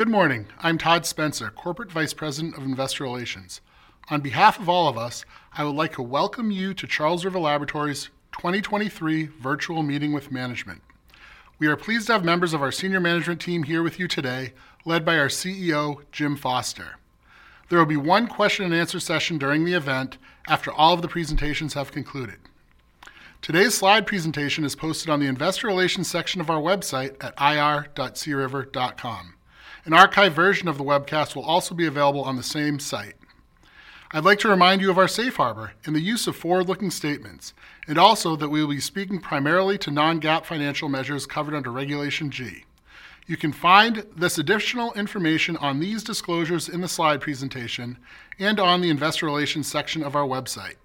Good morning. I'm Todd Spencer, Corporate Vice President of Investor Relations. On behalf of all of us, I would like to welcome you to Charles River Laboratories' 2023 virtual meeting with management. We are pleased to have members of our senior management team here with you today, led by our CEO, Jim Foster. There will be one question and answer session during the event, after all of the presentations have concluded. Today's slide presentation is posted on the Investor Relations section of our website at ir.criver.com. An archived version of the webcast will also be available on the same site. I'd like to remind you of our safe harbor and the use of forward-looking statements, and also that we will be speaking primarily to non-GAAP financial measures covered under Regulation G. You can find this additional information on these disclosures in the slide presentation and on the Investor Relations section of our website.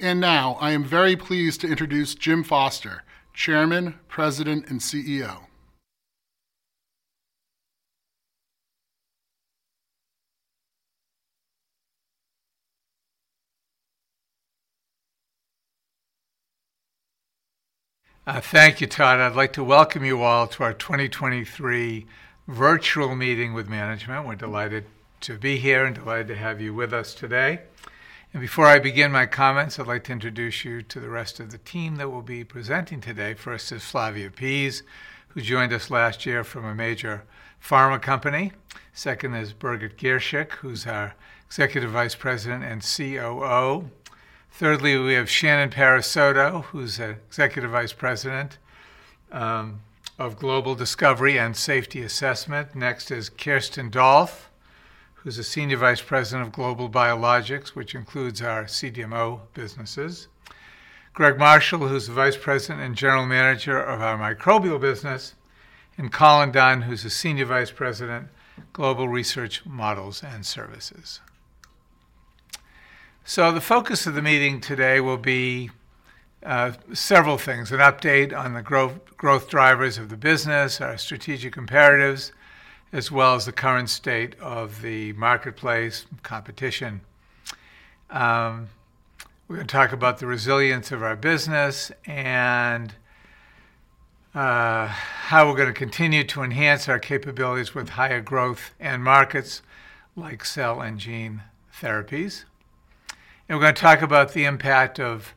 Now, I am very pleased to introduce Jim Foster, Chairman, President, and CEO. Thank you, Todd. I'd like to welcome you all to our 2023 virtual meeting with management. We're delighted to be here and delighted to have you with us today. Before I begin my comments, I'd like to introduce you to the rest of the team that will be presenting today. First is Flavia Pease, who joined us last year from a major pharma company. Second is Birgit Girshick, who's our Executive Vice President and COO. Thirdly, we have Shannon Parisotto, who's Executive Vice President of Global Discovery and Safety Assessment. Next is Kerstin Dolph, who's the Senior Vice President of Global Biologics, which includes our CDMO businesses. Greg Marshall, who's the Vice President and General Manager of our Microbial business, and Colin Dunn, who's the Senior Vice President, Global Research Models and Services. So the focus of the meeting today will be several things: an update on the growth, growth drivers of the business, our strategic imperatives, as well as the current state of the marketplace competition. We're gonna talk about the resilience of our business and how we're gonna continue to enhance our capabilities with higher growth and markets like cell and gene therapies. And we're gonna talk about the impact of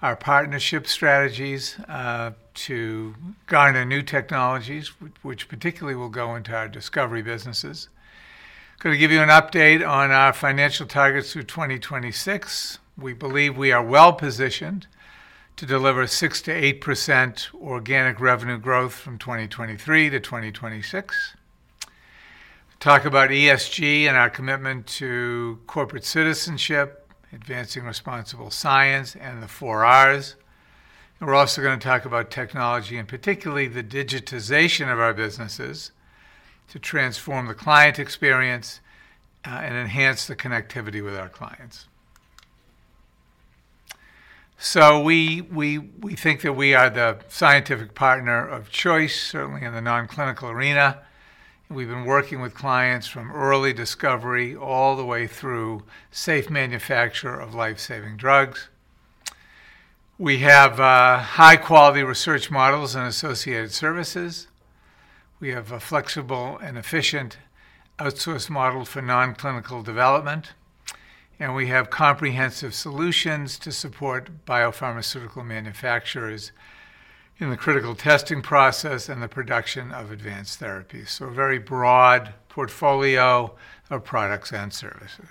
our partnership strategies to garner new technologies, which particularly will go into our discovery businesses. Gonna give you an update on our financial targets through 2026. We believe we are well positioned to deliver 6%-8% organic revenue growth from 2023 to 2026. Talk about ESG and our commitment to corporate citizenship, advancing responsible science, and the 4Rs. We're also gonna talk about technology, and particularly the digitization of our businesses, to transform the client experience, and enhance the connectivity with our clients. So we think that we are the scientific partner of choice, certainly in the non-clinical arena. We've been working with clients from early discovery all the way through safe manufacture of life-saving drugs. We have high-quality research models and associated services. We have a flexible and efficient outsource model for non-clinical development, and we have comprehensive solutions to support biopharmaceutical manufacturers in the critical testing process and the production of advanced therapies, so a very broad portfolio of products and services.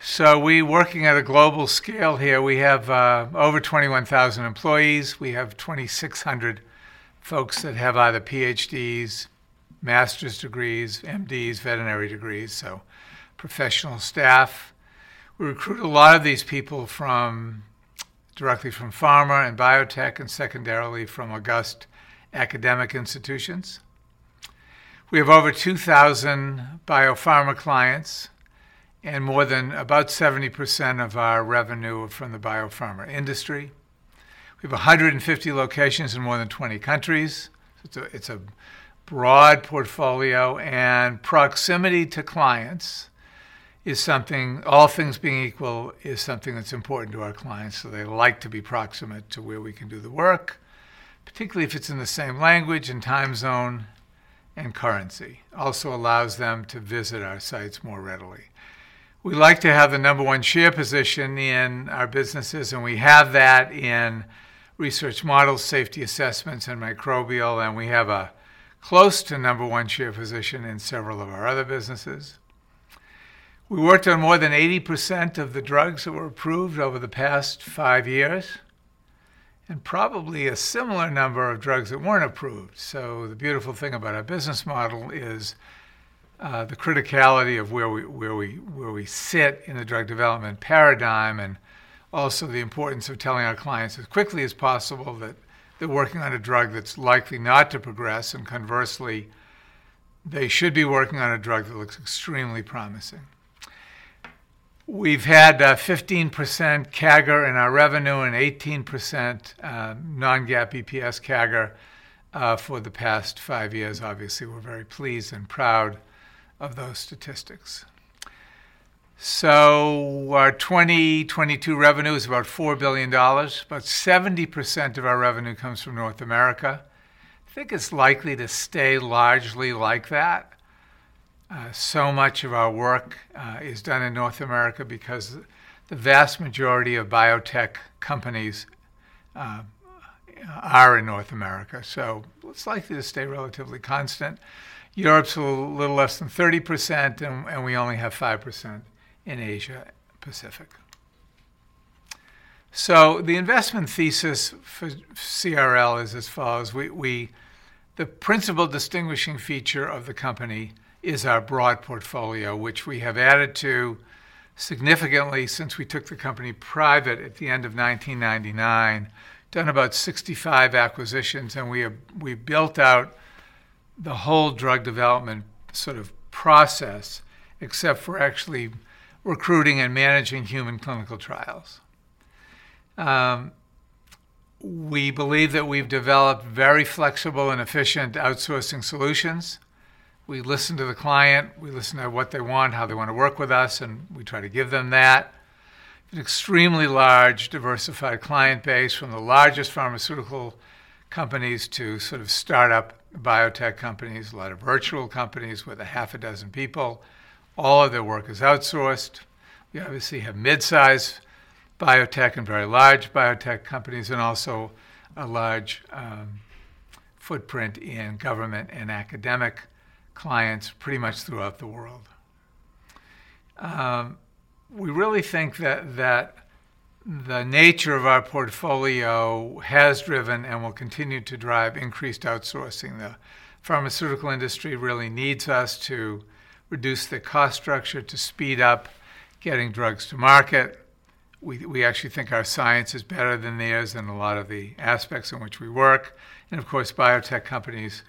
So we're working at a global scale here. We have over 21,000 employees. We have 2,600 folks that have either PhDs, master's degrees, MDs, veterinary degrees, so professional staff. We recruit a lot of these people directly from pharma and biotech, and secondarily from august academic institutions. We have over 2,000 biopharma clients and more than about 70% of our revenue from the biopharma industry. We have 150 locations in more than 20 countries. It's a broad portfolio, and proximity to clients is something, all things being equal, that's important to our clients. They like to be proximate to where we can do the work, particularly if it's in the same language and time zone, and currency. It also allows them to visit our sites more readily. We like to have the number one share position in our businesses, and we have that in research models, safety assessments, and microbial, and we have a close to number one share position in several of our other businesses. We worked on more than 80% of the drugs that were approved over the past five years, and probably a similar number of drugs that weren't approved. So the beautiful thing about our business model is the criticality of where we sit in the drug development paradigm, and also the importance of telling our clients as quickly as possible that they're working on a drug that's likely not to progress, and conversely, they should be working on a drug that looks extremely promising. We've had 15% CAGR in our revenue and 18% non-GAAP EPS CAGR for the past five years. Obviously, we're very pleased and proud of those statistics. So our 2022 revenue is about $4 billion. About 70% of our revenue comes from North America. I think it's likely to stay largely like that. So much of our work is done in North America because the vast majority of biotech companies are in North America, so it's likely to stay relatively constant. Europe's a little less than 30%, and we only have 5% in Asia Pacific. The investment thesis for CRL is as follows: we, we—the principal distinguishing feature of the company is our broad portfolio, which we have added to significantly since we took the company private at the end of 1999. Done about 65 acquisitions, and we have, we built out the whole drug development sort of process, except for actually recruiting and managing human clinical trials. We believe that we've developed very flexible and efficient outsourcing solutions. We listen to the client, we listen to what they want, how they wanna work with us, and we try to give them that. An extremely large, diversified client base from the largest pharmaceutical companies to sort of start-up biotech companies, a lot of virtual companies with a half a dozen people. All of their work is outsourced. We obviously have mid-size biotech and very large biotech companies, and also a large footprint in government and academic clients pretty much throughout the world. We really think that the nature of our portfolio has driven and will continue to drive increased outsourcing. The pharmaceutical industry really needs us to reduce the cost structure to speed up getting drugs to market. We actually think our science is better than theirs in a lot of the aspects in which we work. Of course, biotech companies,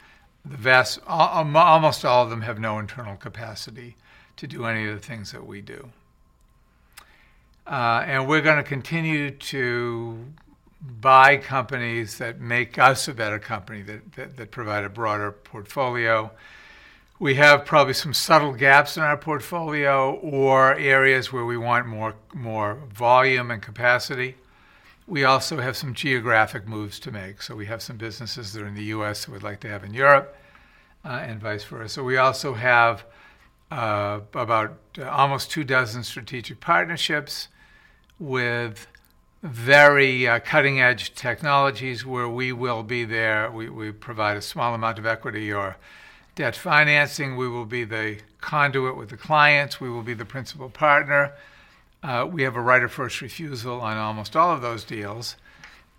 the vast... almost all of them have no internal capacity to do any of the things that we do. We're gonna continue to buy companies that make us a better company, that provide a broader portfolio. We have probably some subtle gaps in our portfolio or areas where we want more volume and capacity. We also have some geographic moves to make. We have some businesses that are in the U.S. we'd like to have in Europe, and vice versa. We also have about almost two dozen strategic partnerships with very cutting-edge technologies where we will be there. We provide a small amount of equity or debt financing. We will be the conduit with the clients. We will be the principal partner. We have a right of first refusal on almost all of those deals,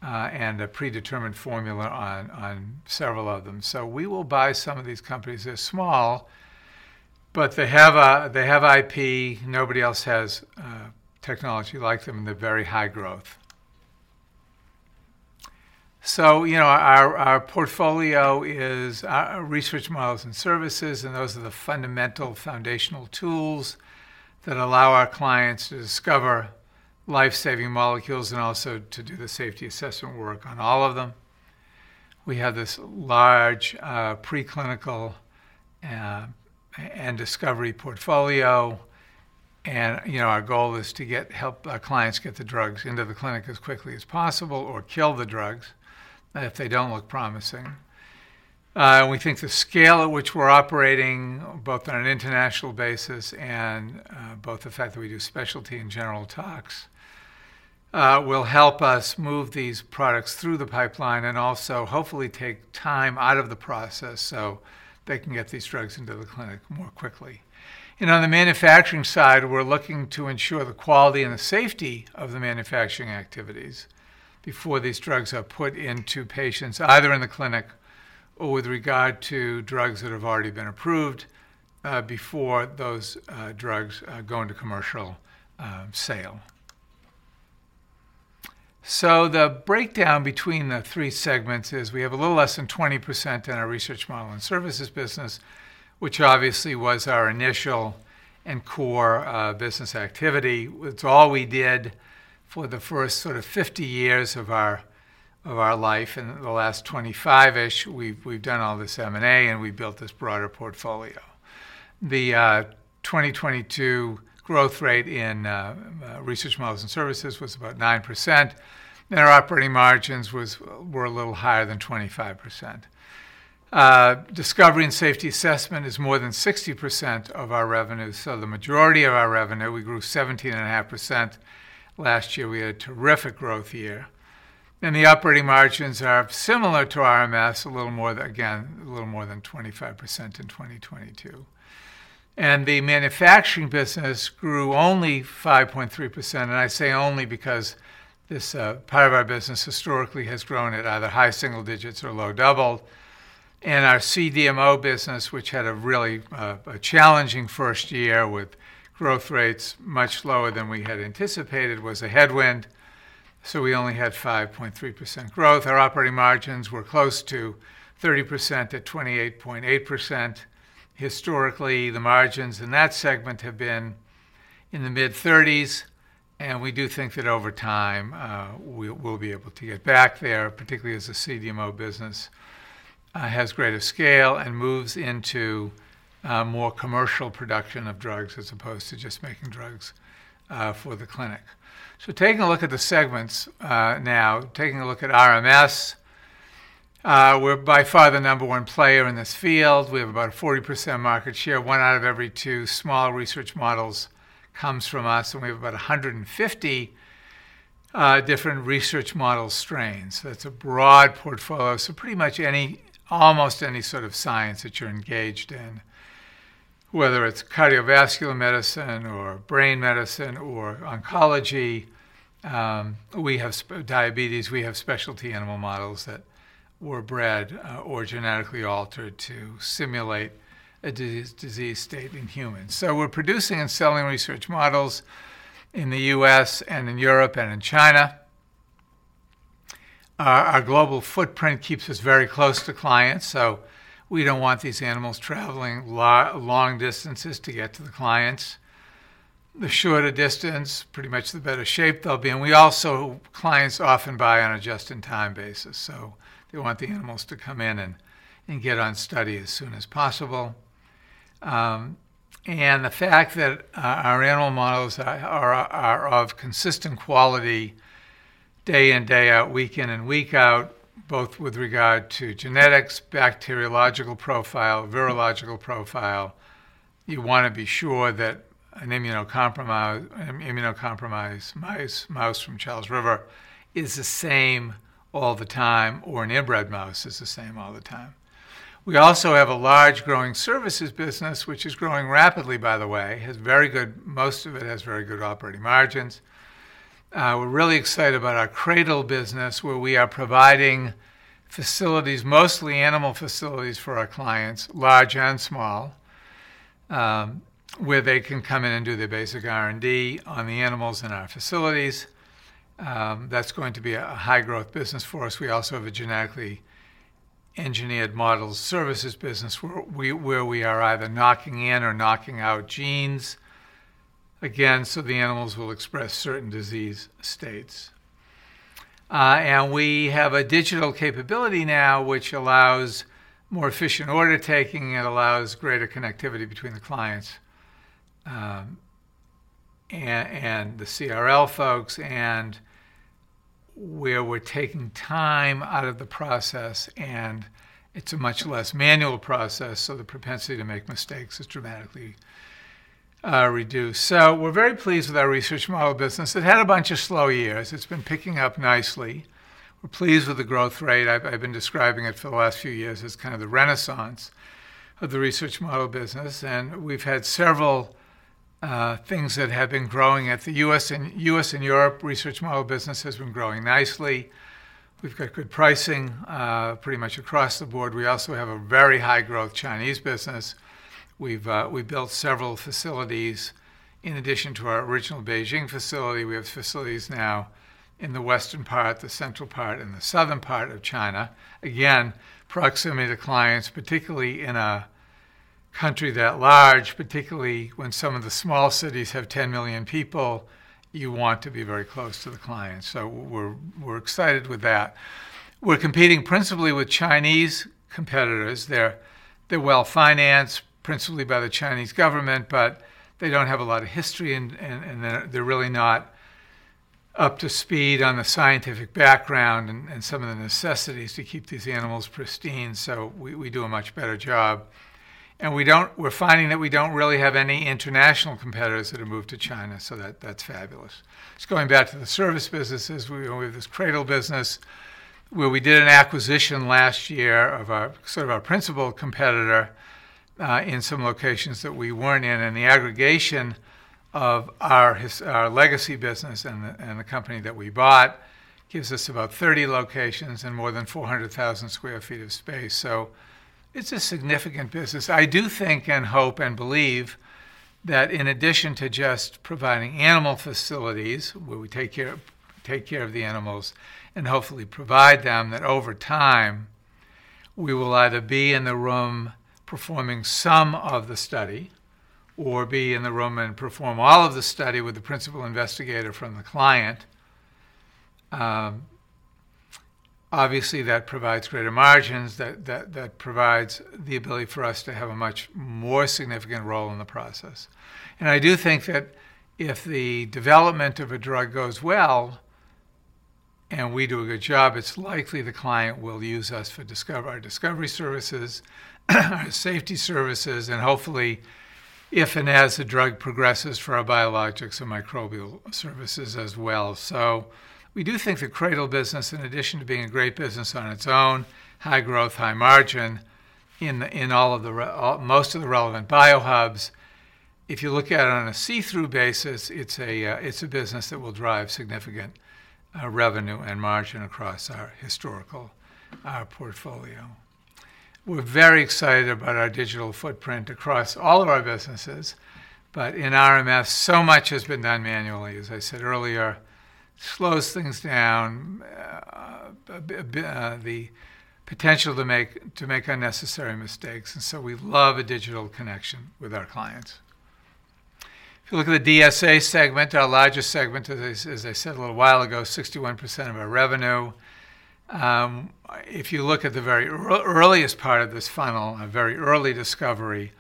and a predetermined formula on several of them. We will buy some of these companies. They're small, but they have IP. Nobody else has technology like them, and they're very high growth. You know, our portfolio is Research Models and Services, and those are the fundamental foundational tools that allow our clients to discover life-saving molecules and also to do the safety assessment work on all of them. We have this large preclinical and discovery portfolio, and, you know, our goal is to get... help our clients get the drugs into the clinic as quickly as possible or kill the drugs if they don't look promising. We think the scale at which we're operating, both on an international basis and both the fact that we do specialty and general tox, will help us move these products through the bipseline and also hopefully take time out of the process so they can get these drugs into the clinic more quickly. On the manufacturing side, we're looking to ensure the quality and the safety of the manufacturing activities before these drugs are put into patients, either in the clinic or with regard to drugs that have already been approved, before those drugs go into commercial sale. The breakdown between the three segments is we have a little less than 20% in our research model and services business, which obviously was our initial and core business activity. It's all we did for the first sort of 50 years of our life, and the last 25-ish, we've done all this M&A, and we built this broader portfolio. The 2022 growth rate in Research Models and Services was about 9%, net operating margins were a little higher than 25%. Discovery and Safety Assessment is more than 60% of our revenue, so the majority of our revenue, we grew 17.5%. Last year, we had a terrific growth year, and the operating margins are similar to RMS, a little more than, again, a little more than 25% in 2022. And the manufacturing business grew only 5.3%, and I say only because this part of our business historically has grown at either high single digits or low double. Our CDMO business, which had a really, a challenging first year with growth rates much lower than we had anticipated, was a headwind, so we only had 5.3% growth. Our operating margins were close to 30% at 28.8%. Historically, the margins in that segment have been in the mid-30s. We do think that over time, we will, we'll be able to get back there, particularly as the CDMO business has greater scale and moves into more commercial production of drugs, as opposed to just making drugs for the clinic. Taking a look at the segments now, taking a look at RMS, we're by far the number one player in this field. We have about a 40% market share. One out of every two small research models comes from us, and we have about 150 different research model strains. That's a broad portfolio. Pretty much any—almost any sort of science that you're engaged in, whether it's cardiovascular medicine or brain medicine or oncology, diabetes, we have specialty animal models that were bred or genetically altered to simulate a disease state in humans. We're producing and selling research models in the U.S. and in Europe and in China. Our global footprint keeps us very close to clients, so we don't want these animals traveling long distances to get to the clients. The shorter distance, pretty much the better shape they'll be in. We also... Clients often buy on a just-in-time basis, so they want the animals to come in and get on study as soon as possible. The fact that our animal models are of consistent quality, day in, day out, week in and week out, both with regard to genetics, bacteriological profile, virological profile, you want to be sure that an immunocompromised mouse from Charles River is the same all the time, or an inbred mouse is the same all the time. We also have a large growing services business, which is growing rapidly, by the way. It has very good—most of it has very good operating margins. We're really excited about our CRADL business, where we are providing facilities, mostly animal facilities, for our clients, large and small, where they can come in and do their basic R&D on the animals in our facilities. That's going to be a high-growth business for us. We also have a genetically engineered models services business, where we are either knocking in or knocking out genes, again, so the animals will express certain disease states. And we have a digital capability now, which allows more efficient order taking. It allows greater connectivity between the clients and the CRL folks, and where we're taking time out of the process, and it's a much less manual process, so the propensity to make mistakes is dramatically reduced. So we're very pleased with our research model business. It had a bunch of slow years. It's been picking up nicely. We're pleased with the growth rate. I've been describing it for the last few years as kind of the renaissance of the research model business, and we've had several things that have been growing at the U.S. and Europe. Research model business has been growing nicely. We've got good pricing, pretty much across the board. We also have a very high-growth Chinese business. We've built several facilities. In addition to our original Beijing facility, we have facilities now in the western part, the central part, and the southern part of China. Again, proximity to clients, particularly in a country that large, particularly when some of the small cities have 10 million people, you want to be very close to the clients. We're excited with that. We're competing principally with Chinese competitors. They're well-financed, principally by the Chinese government, but they don't have a lot of history, and they're really not up to speed on the scientific background and some of the necessities to keep these animals pristine. We do a much better job. We're finding that we don't really have any international competitors that have moved to China, so that's fabulous. Just going back to the service businesses, with this CRADL business, where we did an acquisition last year of our, sort of our principal competitor in some locations that we weren't in, and the aggregation of our legacy business and the company that we bought gives us about 30 locations and more than 400,000 sq ft of space. It's a significant business. I do think, and hope, and believe that in addition to just providing animal facilities, where we take care, take care of the animals and hopefully provide them, that over time, we will either be in the room performing some of the study or be in the room and perform all of the study with the principal investigator from the client. Obviously, that provides greater margins. That provides the ability for us to have a much more significant role in the process. I do think that if the development of a drug goes well and we do a good job, it's likely the client will use us for our discovery services, safety services, and hopefully, if and as the drug progresses, for our biologics and microbial services as well. So we do think the CRADL business, in addition to being a great business on its own, high growth, high margin in all of the relevant Biohubs, if you look at it on a see-through basis, it's a business that will drive significant revenue and margin across our historical portfolio. We're very excited about our digital footprint across all of our businesses. But in RMS, so much has been done manually, as I said earlier, slows things down, the potential to make unnecessary mistakes. And so we love a digital connection with our clients. If you look at the DSA segment, our largest segment, as I said a little while ago, 61% of our revenue. If you look at the very earliest part of this funnel, a very early discovery,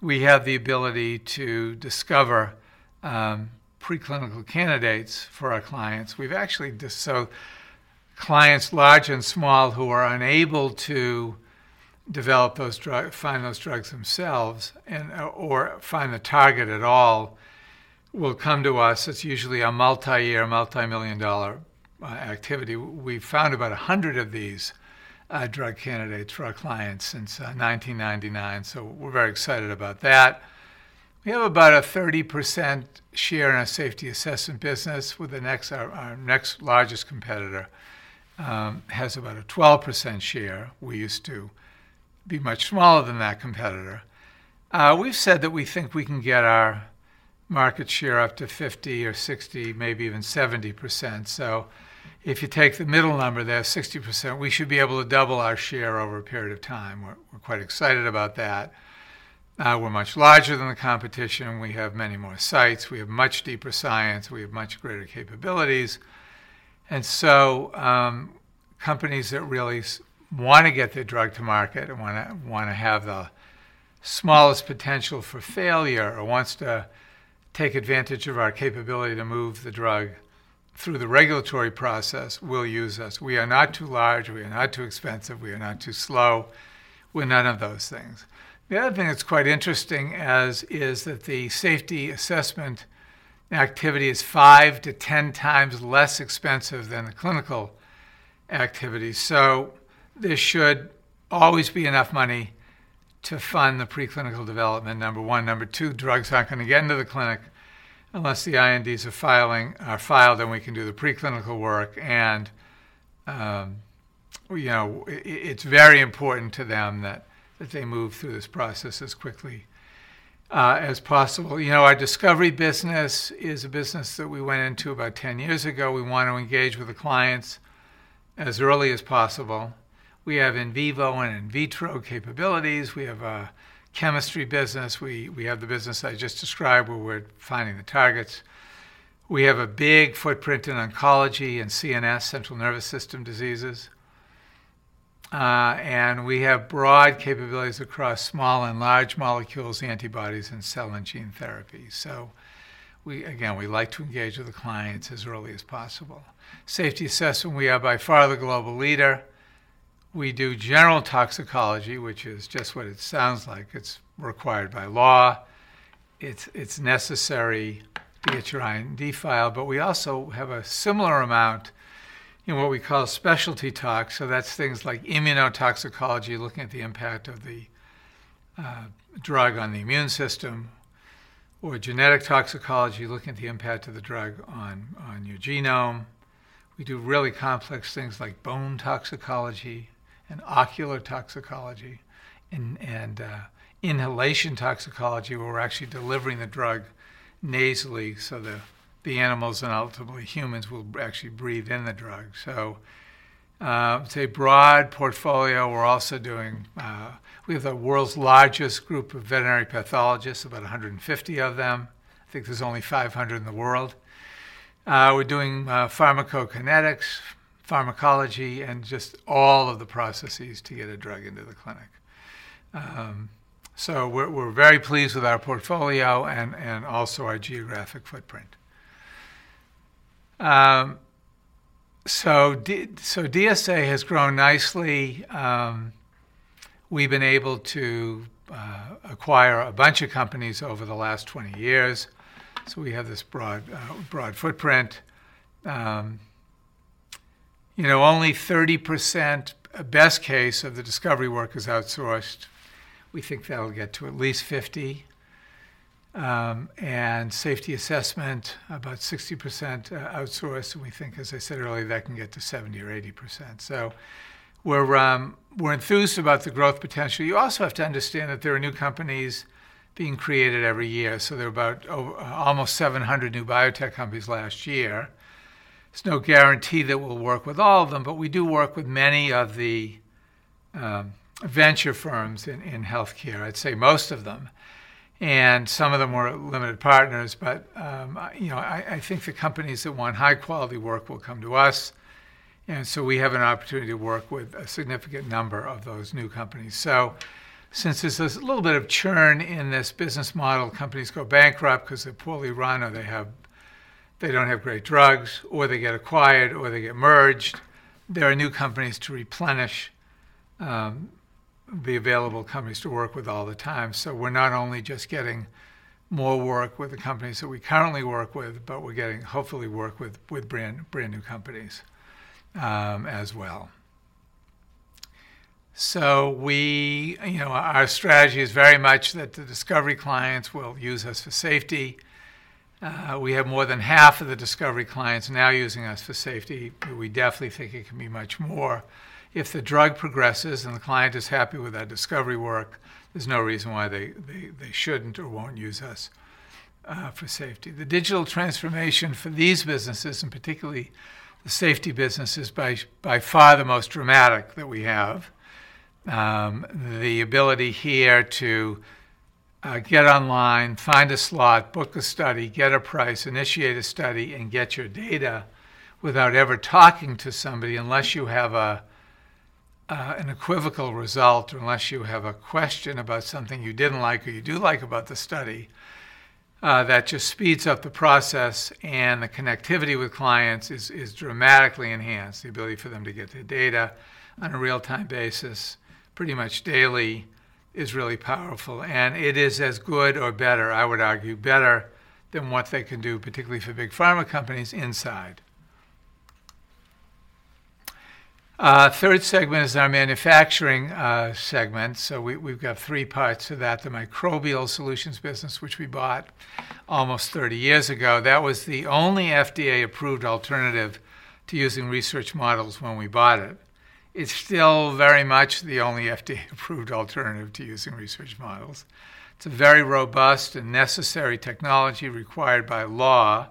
we have the ability to discover preclinical candidates for our clients. So clients large and small, who are unable to develop those drugs, find those drugs themselves, and or find the target at all, will come to us. It's usually a multi-year, multimillion-dollar activity. We've found about 100 of these drug candidates for our clients since 1999, so we're very excited about that. We have about a 30% share in our safety assessment business, with the next, our next largest competitor, has about a 12% share. We used to be much smaller than that competitor. We've said that we think we can get our market share up to 50 or 60, maybe even 70%. So if you take the middle number there, 60%, we should be able to double our share over a period of time. We're quite excited about that. We're much larger than the competition. We have many more sites. We have much deeper science. We have much greater capabilities. And so, companies that really wanna get their drug to market and wanna have the smallest potential for failure, or wants to take advantage of our capability to move the drug through the regulatory process, will use us. We are not too large, we are not too expensive, we are not too slow. We're none of those things. The other thing that's quite interesting is that the safety assessment activity is 5-10 times less expensive than the clinical activity. So there should always be enough money to fund the preclinical development, number one. Number 2, drugs are not gonna get into the clinic unless the INDs are filing, are filed, then we can do the preclinical work. And, you know, it's very important to them that, that they move through this process as quickly as possible. You know, our discovery business is a business that we went into about 10 years ago. We want to engage with the clients as early as possible. We have in vivo and in vitro capabilities. We have a chemistry business. We, we have the business I just described, where we're finding the targets. We have a big footprint in oncology and CNS, central nervous system, diseases. And we have broad capabilities across small and large molecules, antibodies, and cell and gene therapy. So we, again, we like to engage with the clients as early as possible. Safety assessment, we are by far the global leader. We do general toxicology, which is just what it sounds like. It's required by law. It's necessary to get your IND file. We also have a similar amount in what we call specialty tox. That's things like immunotoxicology, looking at the impact of the drug on the immune system, or genetic toxicology, looking at the impact of the drug on your genome. We do really complex things like bone toxicology and ocular toxicology and inhalation toxicology, where we're actually delivering the drug nasally so the animals and ultimately humans will actually breathe in the drug. It's a broad portfolio. We're also doing... We have the world's largest group of veterinary pathologists, about 150 of them. I think there's only 500 in the world. We're doing pharmacokinetics, pharmacology, and just all of the processes to get a drug into the clinic. We're very pleased with our portfolio and also our geographic footprint. DSA has grown nicely. We've been able to acquire a bunch of companies over the last 20 years, so we have this broad, broad footprint. You know, only 30%, best case, of the discovery work is outsourced. We think that'll get to at least 50%. In safety assessment, about 60% is outsourced, and we think, as I said earlier, that can get to 70% or 80%. We're enthused about the growth potential. You also have to understand that there are new companies being created every year. There are about almost 700 new biotech companies last year. There's no guarantee that we'll work with all of them, but we do work with many of the venture firms in healthcare, I'd say most of them, and some of them were limited partners. You know, I think the companies that want high-quality work will come to us, and we have an opportunity to work with a significant number of those new companies. Since there's a little bit of churn in this business model, companies go bankrupt 'cause they're poorly run, or they don't have great drugs, or they get acquired, or they get merged. There are new companies to replenish the available companies to work with all the time. We're not only just getting more work with the companies that we currently work with, but we're getting, hopefully, work with brand, brand new companies as well. So we, you know, our strategy is very much that the discovery clients will use us for safety. We have more than half of the discovery clients now using us for safety, but we definitely think it can be much more. If the drug progresses and the client is happy with our discovery work, there's no reason why they shouldn't or won't use us for safety. The digital transformation for these businesses, and particularly the safety business, is by far the most dramatic that we have. The ability here to get online, find a slot, book a study, get a price, initiate a study, and get your data without ever talking to somebody, unless you have an equivocal result, unless you have a question about something you didn't like or you do like about the study, that just speeds up the process, and the connectivity with clients is dramatically enhanced. The ability for them to get their data on a real-time basis, pretty much daily, is really powerful, and it is as good or better, I would argue, better than what they can do, particularly for big pharma companies inside. Third segment is our manufacturing segment. We've got three parts to that. The Microbial Solutions business, which we bought almost 30 years ago. That was the only FDA-approved alternative to using research models when we bought it. It's still very much the only FDA-approved alternative to using research models. It's a very robust and necessary technology required by law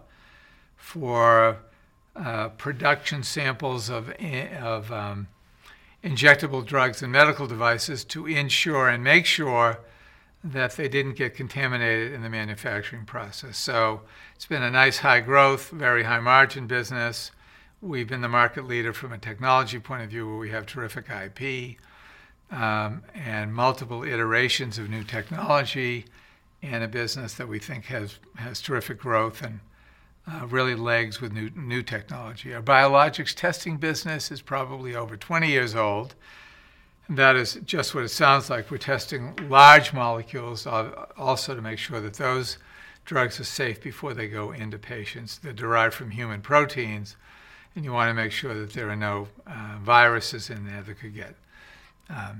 for production samples of injectable drugs and medical devices to ensure and make sure that they didn't get contaminated in the manufacturing process. So it's been a nice, high growth, very high margin business. We've been the market leader from a technology point of view, where we have terrific IP and multiple iterations of new technology and a business that we think has terrific growth and really legs with new technology. Our biologics testing business is probably over 20 years old, and that is just what it sounds like. We're testing large molecules, also to make sure that those drugs are safe before they go into patients. They're derived from human proteins, and you wanna make sure that there are no viruses in there that could get, you know,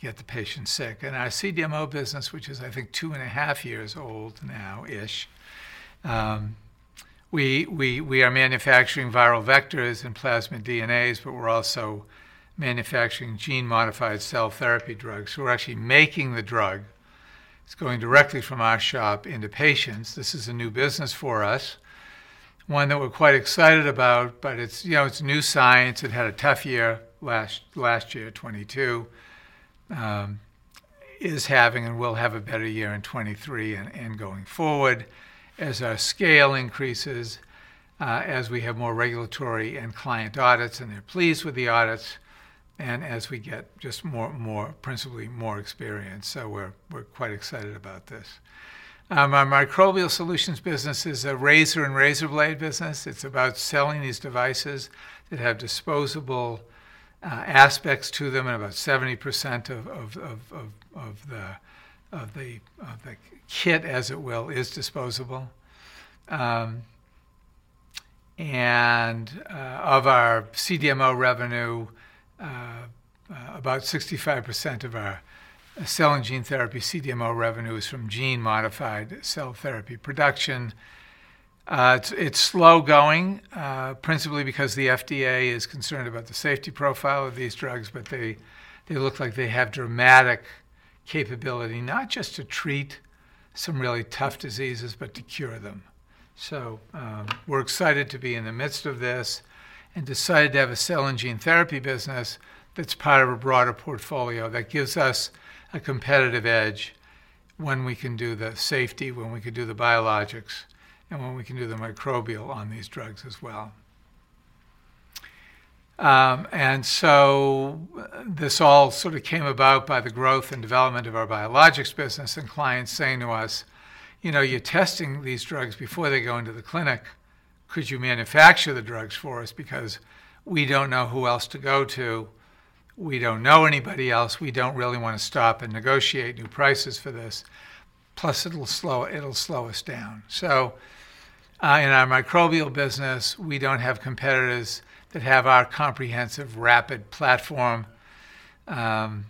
get the patient sick. Our CDMO business, which is, I think, two and a half years old now-ish. We are manufacturing viral vectors and plasmid DNAs, but we're also manufacturing gene-modified cell therapy drugs. We're actually making the drug. It's going directly from our shop into patients. This is a new business for us, one that we're quite excited about, but it's, you know, it's new science. It had a tough year, last year, 2022. Is having and will have a better year in 2023 and going forward as our scale increases, as we have more regulatory and client audits, and they're pleased with the audits and as we get just more, more, principally more experience. We're quite excited about this. Our Microbial Solutions business is a razor and razor blade business. It's about selling these devices that have disposable aspects to them, and about 70% of the kit, as it will, is disposable. Of our CDMO revenue, about 65% of our cell and gene therapy CDMO revenue is from gene-modified cell therapy production. It's slow-going, principally because the FDA is concerned about the safety profile of these drugs, but they look like they have dramatic capability, not just to treat some really tough diseases, but to cure them. So, we're excited to be in the midst of this and decided to have a cell and gene therapy business that's part of a broader portfolio that gives us a competitive edge when we can do the safety, when we can do the biologics, and when we can do the microbial on these drugs as well. And so this all sort of came about by the growth and development of our biologics business and clients saying to us, "You know, you're testing these drugs before they go into the clinic. Could you manufacture the drugs for us? Because we don't know who else to go to. We don't know anybody else. We don't really wanna stop and negotiate new prices for this. Plus, it'll slow, it'll slow us down." So, in our microbial business, we don't have competitors that have our comprehensive, rapid platform. And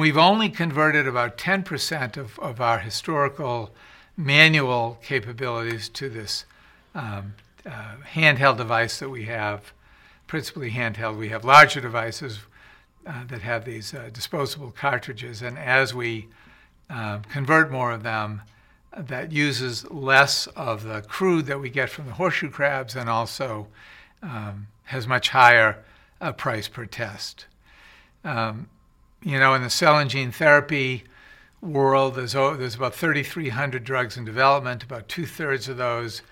we've only converted about 10% of our historical manual capabilities to this handheld device that we have, principally handheld. We have larger devices that have these disposable cartridges, and as we convert more of them, that uses less of the crude that we get from the horseshoe crabs and also has much higher price per test. You know, in the cell and gene therapy world, there's about 3,300 drugs in development. About two-thirds of those,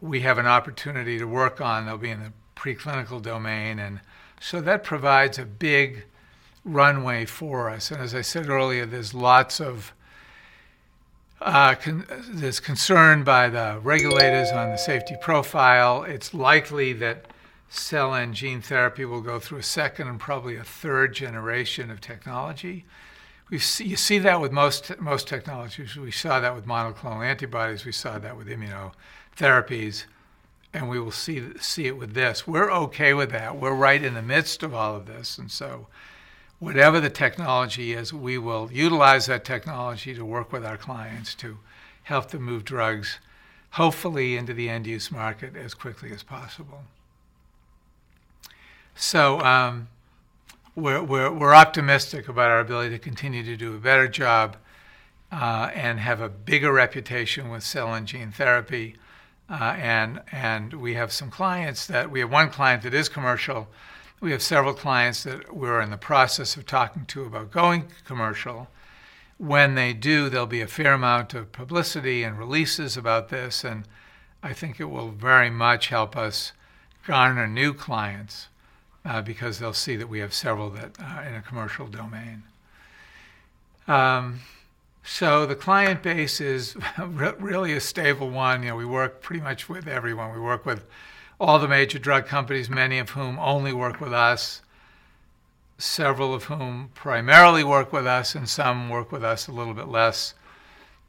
we have an opportunity to work on. They'll be in the preclinical domain, and so that provides a big runway for us. And as I said earlier, there's lots of concern by the regulators on the safety profile. It's likely that cell and gene therapy will go through a second and probably a third generation of technology. We've seen you see that with most technologies. We saw that with monoclonal antibodies. We saw that with immunotherapies... and we will see it with this. We're okay with that. We're right in the midst of all of this, and so whatever the technology is, we will utilize that technology to work with our clients to help them move drugs, hopefully into the end-use market as quickly as possible. So, we're optimistic about our ability to continue to do a better job and have a bigger reputation with cell and gene therapy. And we have some clients that we have one client that is commercial. We have several clients that we're in the process of talking to about going commercial. When they do, there'll be a fair amount of publicity and releases about this, and I think it will very much help us garner new clients because they'll see that we have several that are in a commercial domain. So the client base is really a stable one. You know, we work pretty much with everyone. We work with all the major drug companies, many of whom only work with us, several of whom primarily work with us, and some work with us a little bit less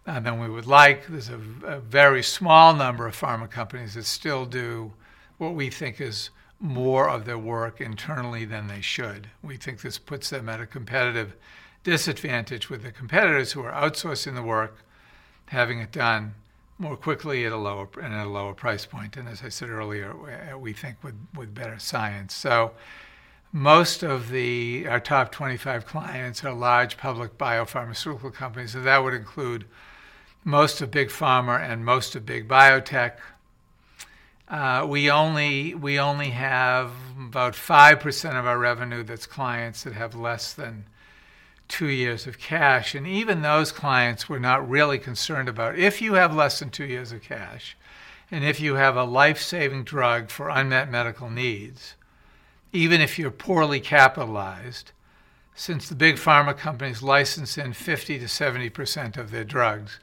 than we would like. There's a very small number of pharma companies that still do what we think is more of their work internally than they should. We think this puts them at a competitive disadvantage with their competitors who are outsourcing the work, having it done more quickly at a lower price point, and as I said earlier, we think with better science. Most of our top 25 clients are large public biopharmaceutical companies, so that would include most of big pharma and most of big biotech. We only, we only have about 5% of our revenue that's clients that have less than two years of cash, and even those clients, we're not really concerned about. If you have less than two years of cash, and if you have a life-saving drug for unmet medical needs, even if you're poorly capitalized, since the big pharma companies license in 50%-70% of their drugs,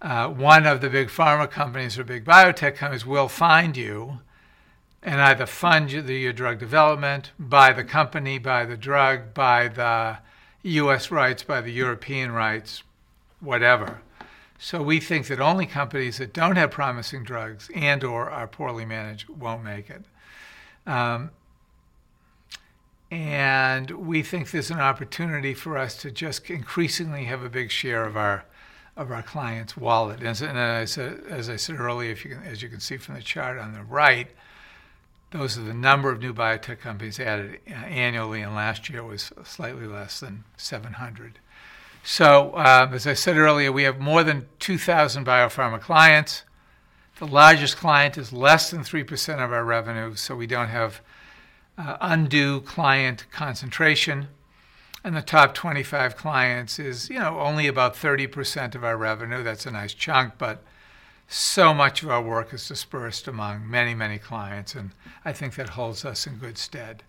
one of the big pharma companies or big biotech companies will find you and either fund you the, your drug development, buy the company, buy the drug, buy the U.S. rights, buy the European rights, whatever. So we think that only companies that don't have promising drugs and/or are poorly managed won't make it. And we think there's an opportunity for us to just increasingly have a big share of our, of our clients' wallet. As I said earlier, if you can—as you can see from the chart on the right, those are the number of new biotech companies added annually, and last year was slightly less than 700. As I said earlier, we have more than 2,000 biopharma clients. The largest client is less than 3% of our revenue, so we don't have undue client concentration, and the top 25 clients is, you know, only about 30% of our revenue. That's a nice chunk, but so much of our work is dispersed among many, many clients, and I think that holds us in good stead.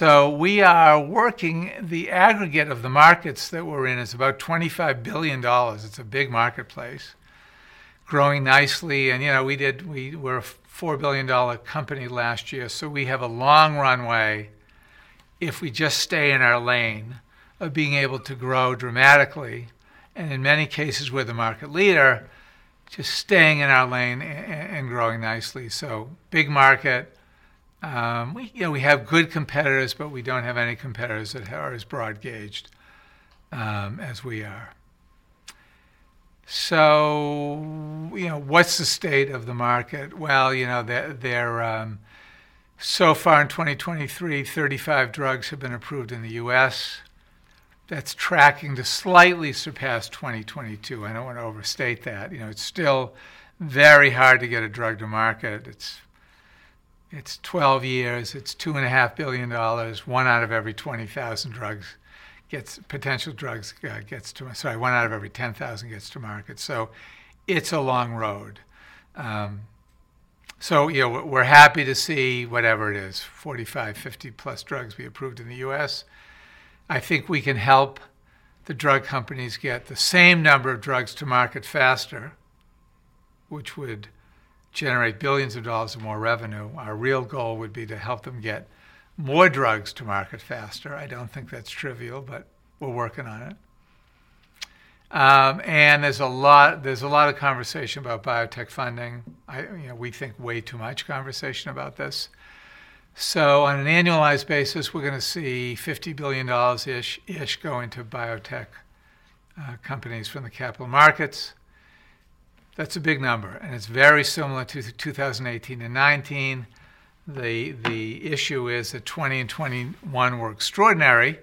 We are working. The aggregate of the markets that we're in is about $25 billion. It's a big marketplace, growing nicely, and, you know, we were a $4 billion company last year, so we have a long runway if we just stay in our lane of being able to grow dramatically, and in many cases, we're the market leader, just staying in our lane and growing nicely. So big market. We, you know, we have good competitors, but we don't have any competitors that are as broad-gauged, as we are. So, you know, what's the state of the market? Well, you know, the, there, so far in 2023, 35 drugs have been approved in the U.S. That's tracking to slightly surpass 2022. I don't want to overstate that. You know, it's still very hard to get a drug to market. It's, it's 12 years. It's $2.5 billion. One out of every 20,000 potential drugs gets to us. Sorry, one out of every 10,000 gets to market, so it's a long road. So, you know, we're happy to see whatever it is, 45, 50+ drugs be approved in the U.S. I think we can help the drug companies get the same number of drugs to market faster, which would generate billions of dollars of more revenue. Our real goal would be to help them get more drugs to market faster. I don't think that's trivial, but we're working on it. And there's a lot of conversation about biotech funding. You know, we think way too much conversation about this. So on an annualized basis, we're gonna see $50 billion-ish go into biotech companies from the capital markets. That's a big number, and it's very similar to the 2018 and 2019. The issue is that 2020 and 2021 were extraordinary,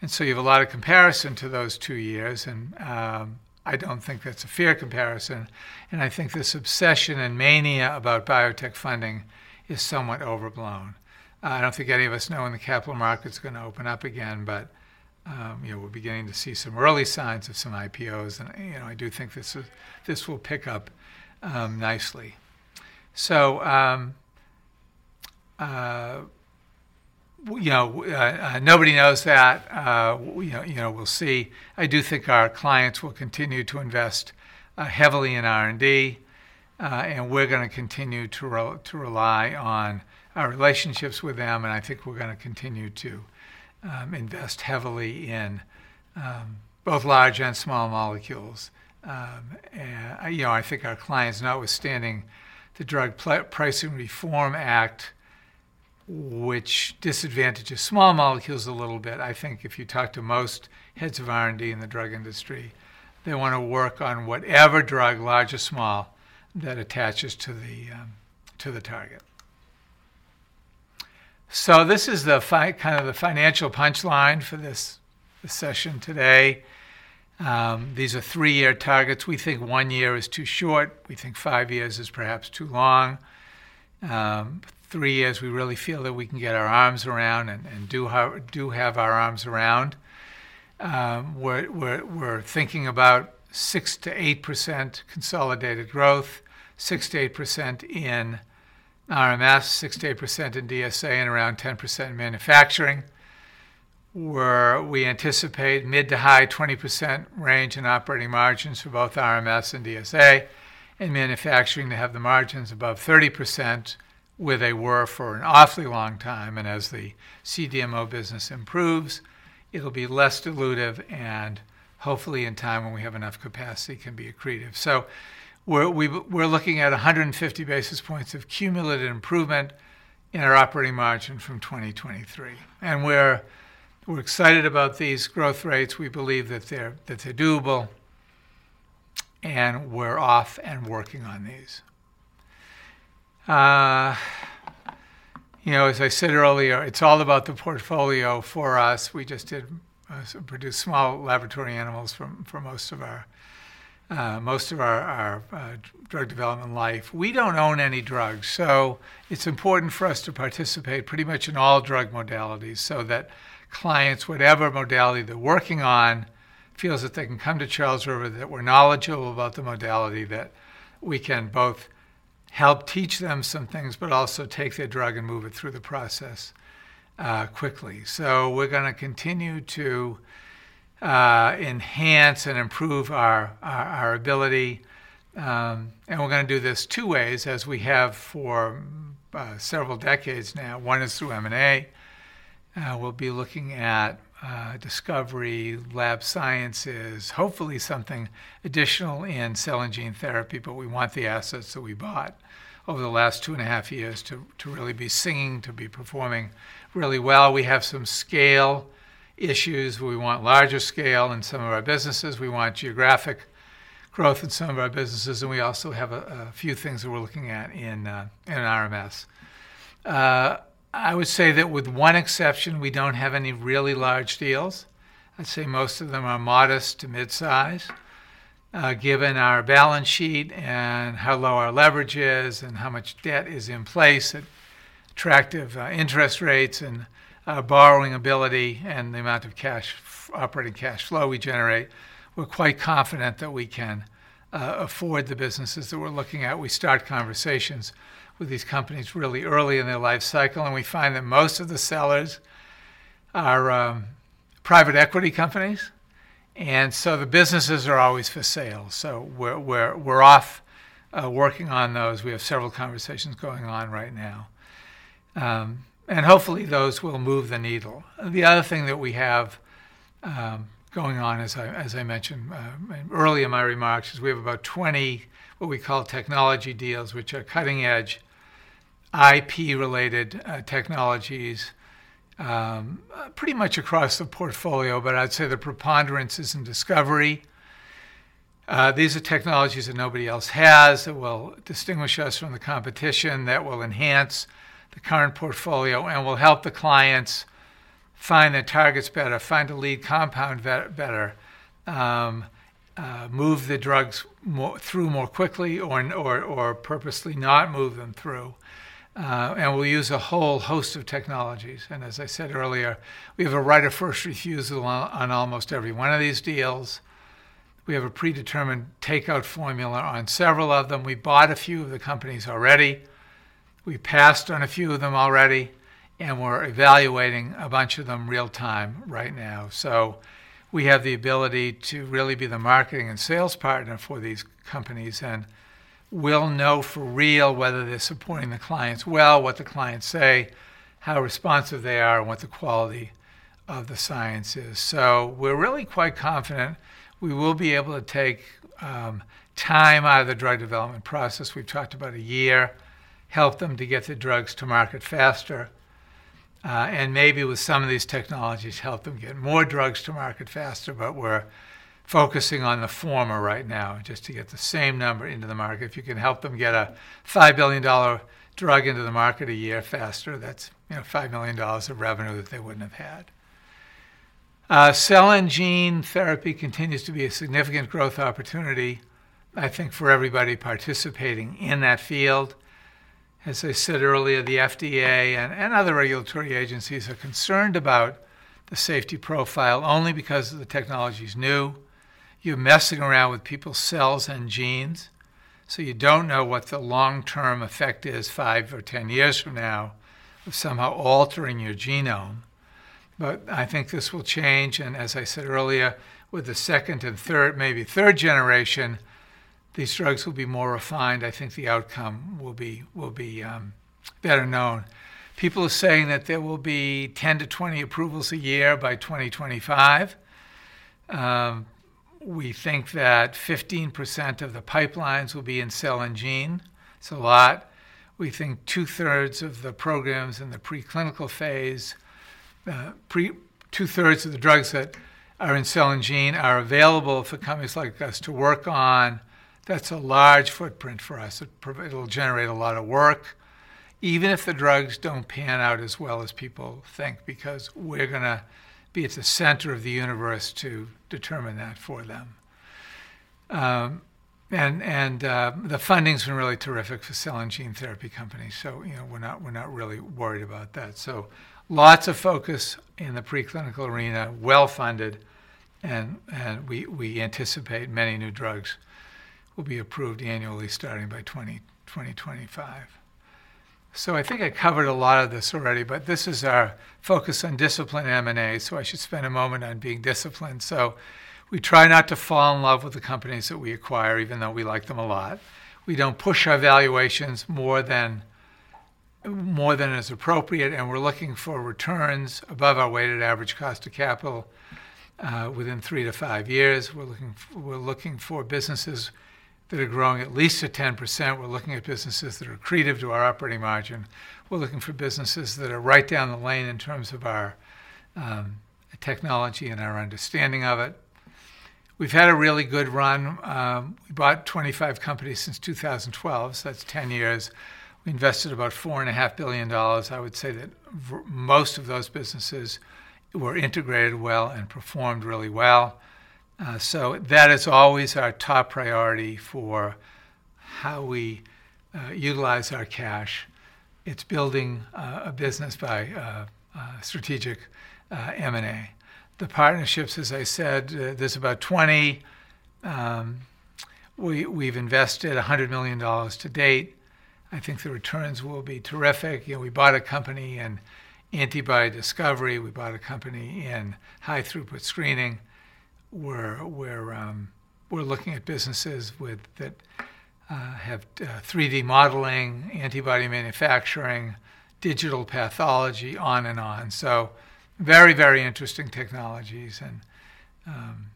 and so you have a lot of comparison to those two years, and I don't think that's a fair comparison, and I think this obsession and mania about biotech funding is somewhat overblown. I don't think any of us know when the capital market's gonna open up again, but you know, we're beginning to see some early signs of some IPOs, and you know, I do think this will pick up nicely. So, you know, nobody knows that. We, you know, we'll see. I do think our clients will continue to invest heavily in R&D, and we're gonna continue to rely on our relationships with them, and I think we're gonna continue to invest heavily in both large and small molecules. And, you know, I think our clients, notwithstanding the Drug Pricing Reform Act which disadvantages small molecules a little bit. I think if you talk to most heads of R&D in the drug industry, they want to work on whatever drug, large or small, that attaches to the target. So this is kind of the financial punchline for this session today. These are three-year targets. We think one year is too short. We think five years is perhaps too long. Three years, we really feel that we can get our arms around and do have, do have our arms around. We're thinking about 6%-8% consolidated growth, 6%-8% in RMS, 6%-8% in DSA, and around 10% in manufacturing, where we anticipate mid to high 20% range in operating margins for both RMS and DSA. In manufacturing, they have the margins above 30%, where they were for an awfully long time, and as the CDMO business improves, it'll be less dilutive and hopefully, in time, when we have enough capacity, can be accretive. We're looking at 150 basis points of cumulative improvement in our operating margin from 2023. We're excited about these growth rates. We believe that they're doable, and we're off and working on these. You know, as I said earlier, it's all about the portfolio for us. We just did produce small laboratory animals for most of our drug development life. We don't own any drugs, so it's important for us to participate pretty much in all drug modalities, so that clients, whatever modality they're working on, feels that they can come to Charles River, that we're knowledgeable about the modality, that we can both help teach them some things, but also take their drug and move it through the process quickly. So we're gonna continue to enhance and improve our ability, and we're gonna do this two ways, as we have for several decades now. One is through M&A. We'll be looking at discovery, lab sciences, hopefully something additional in cell and gene therapy, but we want the assets that we bought over the last 2.5 years to really be singing, to be performing really well. We have some scale issues, where we want larger scale in some of our businesses. We want geographic growth in some of our businesses, and we also have a few things that we're looking at in RMS. I would say that with one exception, we don't have any really large deals. I'd say most of them are modest to mid-size. Given our balance sheet and how low our leverage is and how much debt is in place, and attractive interest rates and borrowing ability and the amount of cash-- operating cash flow we generate, we're quite confident that we can afford the businesses that we're looking at. We start conversations with these companies really early in their lifecycle, and we find that most of the sellers are private equity companies, and so the businesses are always for sale. We're off working on those. We have several conversations going on right now, and hopefully, those will move the needle. The other thing that we have going on, as I mentioned early in my remarks, is we have about 20, what we call technology deals, which are cutting-edge IP-related technologies, pretty much across the portfolio, but I'd say the preponderance is in discovery. These are technologies that nobody else has, that will distinguish us from the competition, that will enhance the current portfolio, and will help the clients find the targets better, find a lead compound better, move the drugs more through more quickly or purposely not move them through. We'll use a whole host of technologies. As I said earlier, we have a right of first refusal on almost every one of these deals. We have a predetermined takeout formula on several of them. We bought a few of the companies already. We passed on a few of them already, and we're evaluating a bunch of them real-time right now. So we have the ability to really be the marketing and sales partner for these companies, and we'll know for real whether they're supporting the clients well, what the clients say, how responsive they are, and what the quality of the science is. So we're really quite confident we will be able to take time out of the drug development process. We've talked about a year, help them to get the drugs to market faster, and maybe with some of these technologies, help them get more drugs to market faster. But we're focusing on the former right now, just to get the same number into the market. If you can help them get a $5 billion drug into the market a year faster, that's, you know, $5 million of revenue that they wouldn't have had. Cell and gene therapy continues to be a significant growth opportunity, I think, for everybody participating in that field. As I said earlier, the FDA and, and other regulatory agencies are concerned about the safety profile only because the technology is new. You're messing around with people's cells and genes, so you don't know what the long-term effect is 5 or 10 years from now of somehow altering your genome. But I think this will change, and as I said earlier, with the second and third, maybe third generation, these drugs will be more refined. I think the outcome will be, will be, better known. People are saying that there will be 10-20 approvals a year by 2025. We think that 15% of the bipselines will be in cell and gene. It's a lot. We think two-thirds of the programs in the preclinical phase, two-thirds of the drugs that are in cell and gene are available for companies like us to work on. That's a large footprint for us. It'll generate a lot of work, even if the drugs don't pan out as well as people think, because we're gonna be at the center of the universe to determine that for them. The funding's been really terrific for cell and gene therapy companies, so, you know, we're not, we're not really worried about that. Lots of focus in the preclinical arena, well-funded, and we anticipate many new drugs will be approved annually, starting by 2025. I think I covered a lot of this already, but this is our focus on discipline, M&A, so I should spend a moment on being disciplined. We try not to fall in love with the companies that we acquire, even though we like them a lot. We don't push our valuations more than is appropriate, and we're looking for returns above our weighted average cost of capital within three to five years. We're looking for businesses that are growing at least at 10%. We're looking at businesses that are accretive to our operating margin. We're looking for businesses that are right down the lane in terms of our technology and our understanding of it. We've had a really good run, we bought 25 companies since 2012, so that's 10 years. We invested about $4.5 billion. I would say that most of those businesses were integrated well and performed really well, so that is always our top priority for how we utilize our cash. It's building a business by strategic M&A. The partnerships, as I said, there's about 20. We, we've invested $100 million to date. I think the returns will be terrific. You know, we bought a company in antibody discovery. We bought a company in high-throughput screening. We're looking at businesses with that have 3D modeling, antibody manufacturing, digital pathology, on and on. Very, very interesting technologies and,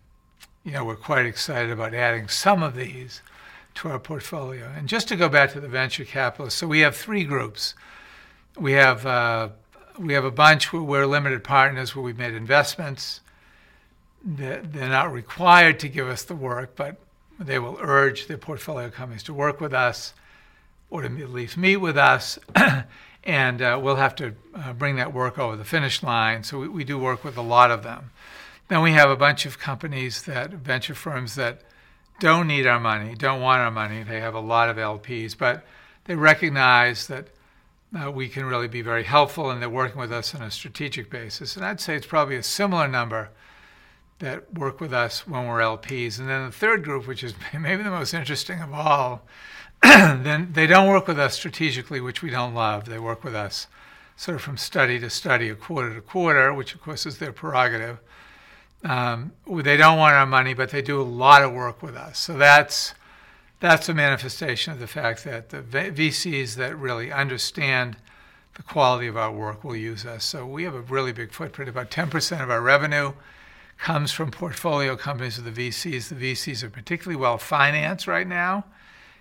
you know, we're quite excited about adding some of these to our portfolio. Just to go back to the venture capitalists, we have three groups. We have a bunch who we're limited partners, where we've made investments. They're not required to give us the work, but they will urge their portfolio companies to work with us or at least meet with us, and we'll have to bring that work over the finish line. We do work with a lot of them. Then we have a bunch of companies, venture firms that don't need our money, don't want our money. They have a lot of LPs, but they recognize that we can really be very helpful, and they're working with us on a strategic basis. I'd say it's probably a similar number that work with us when we're LPs. And then the third group, which is maybe the most interesting of all, then they don't work with us strategically, which we don't love. They work with us sort of from study to study, quarter to quarter, which of course, is their prerogative. They don't want our money, but they do a lot of work with us. So that's, that's a manifestation of the fact that the VCs that really understand the quality of our work will use us. So we have a really big footprint. About 10% of our revenue comes from portfolio companies of the VCs. The VCs are particularly well-financed right now,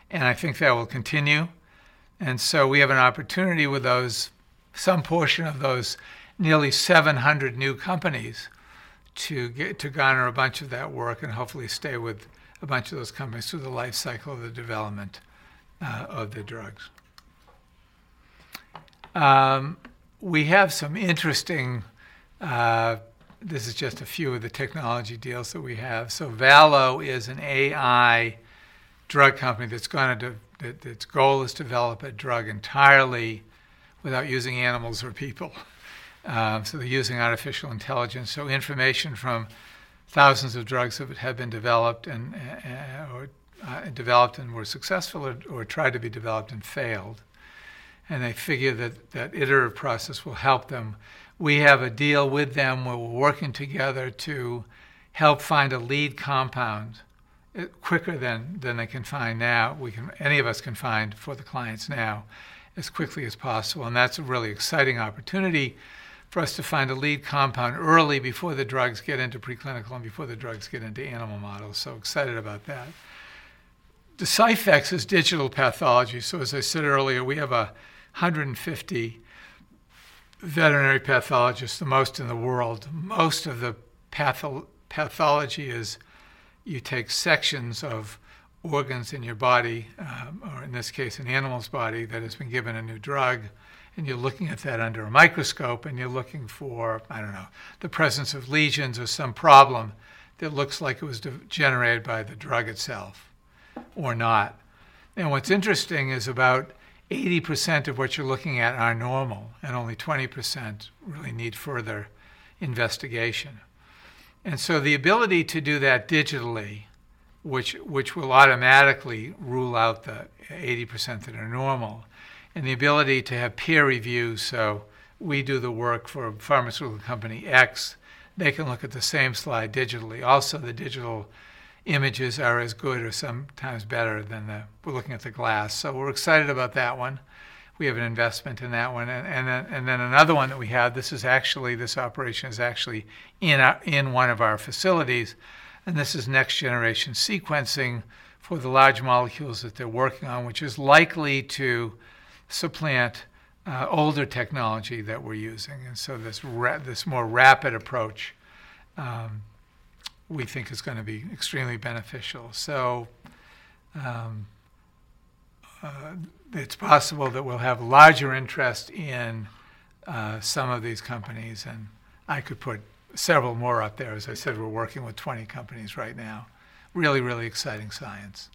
and I think that will continue. And so we have an opportunity with those, some portion of those, nearly 700 new companies, to get, to garner a bunch of that work and hopefully stay with a bunch of those companies through the life cycle of the development of the drugs. We have some interesting... This is just a few of the technology deals that we have. So Valo is an AI drug company that's goal is to develop a drug entirely without using animals or people. So they're using artificial intelligence. So information from thousands of drugs that have been developed and were successful or tried to be developed and failed. And they figure that that iterative process will help them. We have a deal with them, where we're working together to help find a lead compound, quicker than they can find now. Any of us can find for the clients now, as quickly as possible, and that's a really exciting opportunity for us to find a lead compound early before the drugs get into preclinical and before the drugs get into animal models. So excited about that. Deciphex is digital pathology. So as I said earlier, we have 150 veterinary pathologists, the most in the world. Most of the pathology is, you take sections of organs in your body, or in this case, an animal's body that has been given a new drug, and you're looking at that under a microscope, and you're looking for, I don't know, the presence of lesions or some problem that looks like it was generated by the drug itself or not. And what's interesting is about 80% of what you're looking at are normal, and only 20% really need further investigation. And so the ability to do that digitally, which will automatically rule out the 80% that are normal, and the ability to have peer review, so we do the work for pharmaceutical company X, they can look at the same slide digitally. Also, the digital images are as good or sometimes better than the... We're looking at the glass. So we're excited about that one. We have an investment in that one. Then another one that we have, this operation is actually in one of our facilities, and this is next-generation sequencing for the large molecules that they're working on, which is likely to supplant older technology that we're using. And so this more rapid approach, we think is gonna be extremely beneficial. So, it's possible that we'll have larger interest in some of these companies, and I could put several more out there. As I said, we're working with 20 companies right now. Really, really exciting science.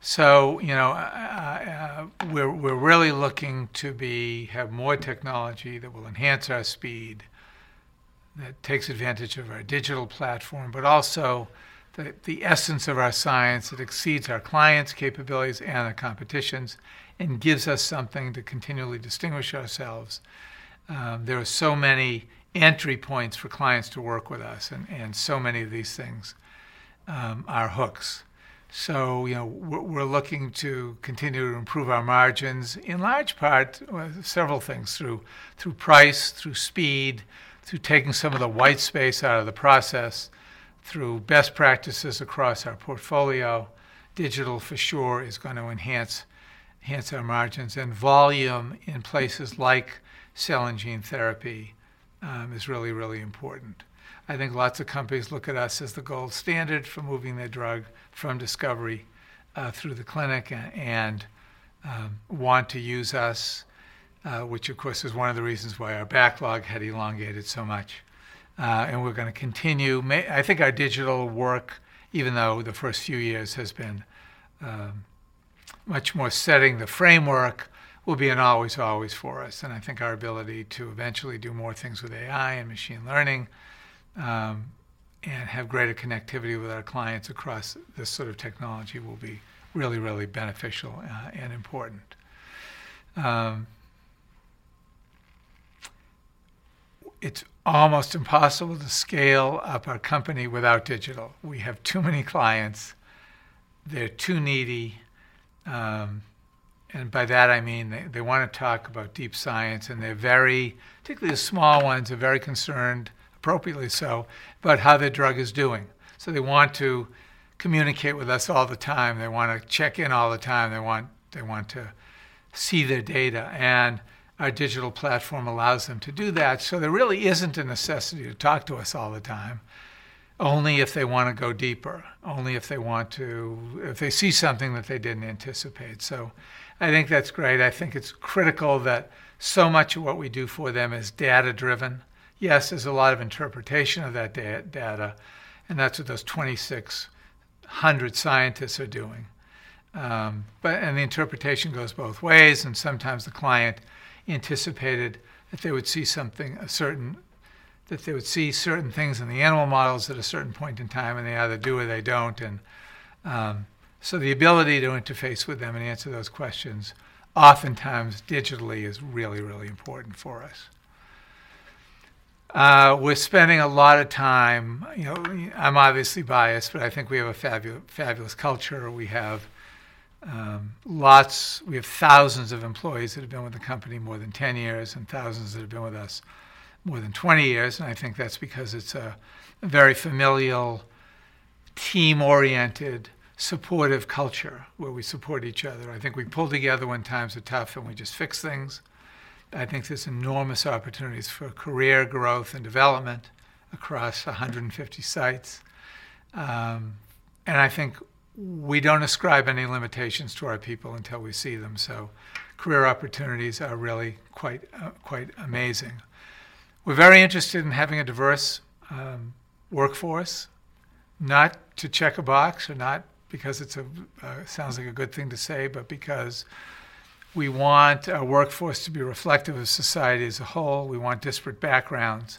So, you know, we're really looking to have more technology that will enhance our speed, that takes advantage of our digital platform, but also the essence of our science that exceeds our clients' capabilities and our competitions, and gives us something to continually distinguish ourselves. There are so many entry points for clients to work with us, and so many of these things are hooks. So, you know, we're looking to continue to improve our margins, in large part, several things, through price, through speed, through taking some of the white space out of the process, through best practices across our portfolio. Digital, for sure, is gonna enhance our margins, and volume in places like cell and gene therapy is really, really important. I think lots of companies look at us as the gold standard for moving their drug from discovery through the clinic and want to use us, which, of course, is one of the reasons why our backlog had elongated so much. We're gonna continue. I think our digital work, even though the first few years has been much more setting the framework, will be an always, always for us, and I think our ability to eventually do more things with AI and machine learning and have greater connectivity with our clients across this sort of technology will be really, really beneficial and important. It's almost impossible to scale up our company without digital. We have too many clients. They're too needy. I mean, they want to talk about deep science, and they're very... particularly the small ones, are very concerned, appropriately so, about how their drug is doing. So they want to communicate with us all the time. They wanna check in all the time. They want, they want to see their data, and our digital platform allows them to do that. So there really isn't a necessity to talk to us all the time, only if they wanna go deeper, only if they want to—if they see something that they didn't anticipate. So I think that's great. I think it's critical that so much of what we do for them is data-driven. Yes, there's a lot of interpretation of that data, and that's what those 2,600 scientists are doing. But the interpretation goes both ways, and sometimes the client anticipated that they would see something, a certain—that they would see certain things in the animal models at a certain point in time, and they either do or they don't. The ability to interface with them and answer those questions, oftentimes digitally, is really, really important for us. We're spending a lot of time... You know, I'm obviously biased, but I think we have a fabulous culture. We have lots—we have thousands of employees that have been with the company more than 10 years, and thousands that have been with us more than 20 years, and I think that's because it's a very familial, team-oriented, supportive culture, where we support each other. I think we pull together when times are tough, and we just fix things. I think there's enormous opportunities for career growth and development across 150 sites. And I think we don't ascribe any limitations to our people until we see them, so career opportunities are really quite, quite amazing. We're very interested in having a diverse, workforce. Not to check a box or not because it's a, sounds like a good thing to say, but because we want our workforce to be reflective of society as a whole. We want disparate backgrounds.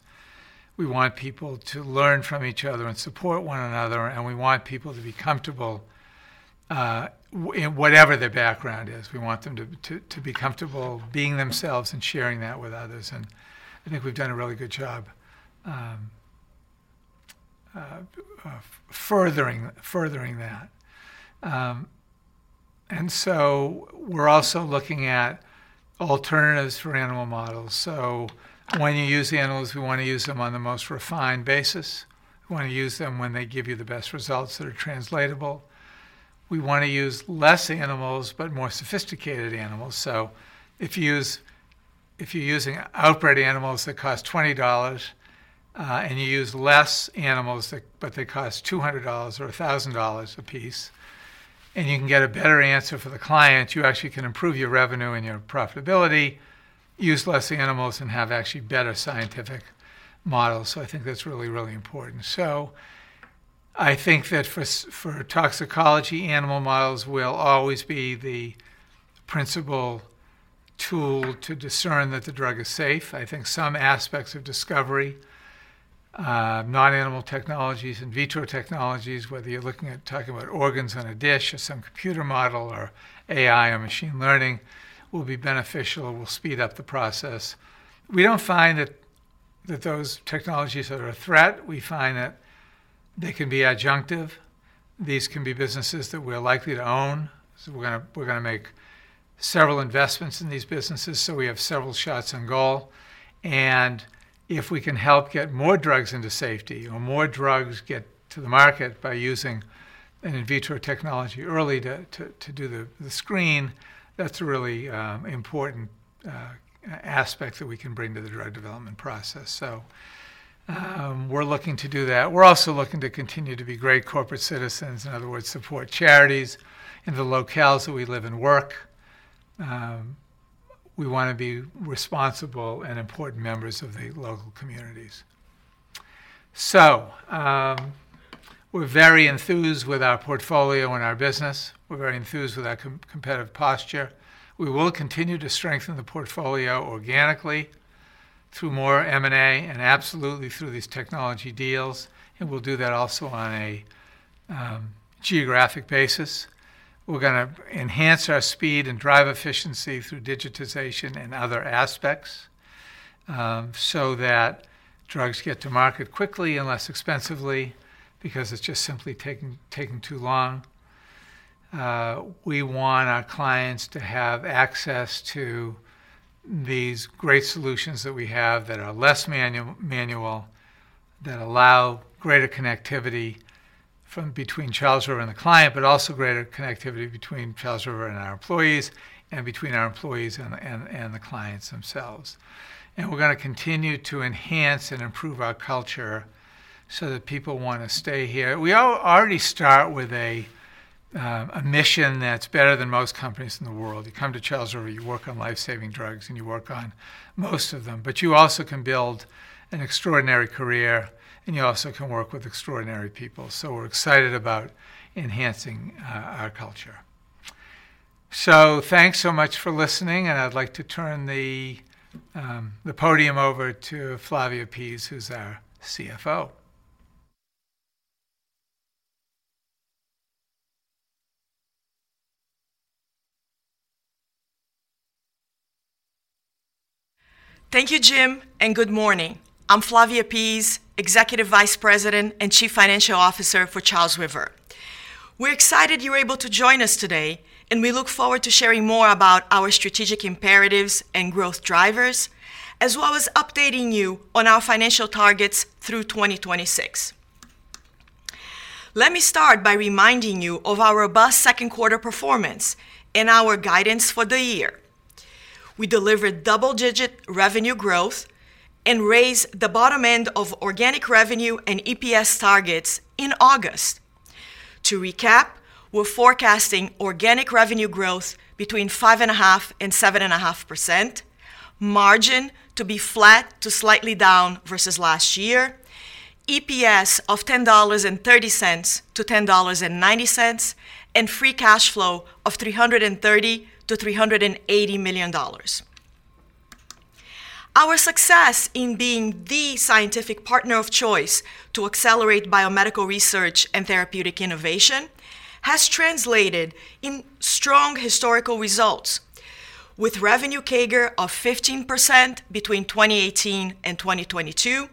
We want people to learn from each other and support one another, and we want people to be comfortable, in whatever their background is. We want them to, to be comfortable being themselves and sharing that with others, and I think we've done a really good job, furthering that. We're also looking at alternatives for animal models. When you use the animals, we wanna use them on the most refined basis. We wanna use them when they give you the best results that are translatable. We wanna use fewer animals, but more sophisticated animals. If you're using outbred animals that cost $20, and you use fewer animals, but they cost $200 or $1,000 a piece, and you can get a better answer for the client, you actually can improve your revenue and your profitability, use fewer animals, and have actually better scientific models. I think that's really, really important. I think that for toxicology, animal models will always be the principal tool to discern that the drug is safe. I think some aspects of discovery, non-animal technologies, in vitro technologies, whether you're looking at talking about organs on a dish or some computer model or AI or machine learning, will be beneficial, will speed up the process. We don't find that those technologies are a threat. We find that they can be adjunctive. These can be businesses that we're likely to own. So we're gonna make several investments in these businesses, so we have several shots on goal. And if we can help get more drugs into safety or more drugs get to the market by using an in vitro technology early to do the screen, that's a really important aspect that we can bring to the drug development process. So, we're looking to do that. We're also looking to continue to be great corporate citizens. In other words, support charities in the locales that we live and work. We wanna be responsible and important members of the local communities. So, we're very enthused with our portfolio and our business. We're very enthused with our competitive posture. We will continue to strengthen the portfolio organically through more M&A, and absolutely through these technology deals, and we'll do that also on a geographic basis. We're gonna enhance our speed and drive efficiency through digitization and other aspects, so that drugs get to market quickly and less expensively, because it's just simply taking too long. We want our clients to have access to these great solutions that we have that are less manual, that allow greater connectivity from between Charles River and the client, but also greater connectivity between Charles River and our employees, and between our employees and the clients themselves. And we're gonna continue to enhance and improve our culture so that people wanna stay here. We already start with a mission that's better than most companies in the world. You come to Charles River, you work on life-saving drugs, and you work on most of them, but you also can build an extraordinary career, and you also can work with extraordinary people. So we're excited about enhancing our culture. So thanks so much for listening, and I'd like to turn the podium over to Flavia Pease, who's our CFO. Thank you, Jim, and good morning. I'm Flavia Pease, Executive Vice President and Chief Financial Officer for Charles River. We're excited you're able to join us today, and we look forward to sharing more about our strategic imperatives and growth drivers, as well as updating you on our financial targets through 2026. Let me start by reminding you of our robust second quarter performance and our guidance for the year. We delivered double-digit revenue growth and raised the bottom end of organic revenue and EPS targets in August. To recap, we're forecasting organic revenue growth between 5.5%-7.5%, margin to be flat to slightly down versus last year, EPS of $10.30-$10.90, and free cash flow of $330 million-$380 million. Our success in being the scientific partner of choice to accelerate biomedical research and therapeutic innovation has translated in strong historical results, with revenue CAGR of 15% between 2018 and 2022,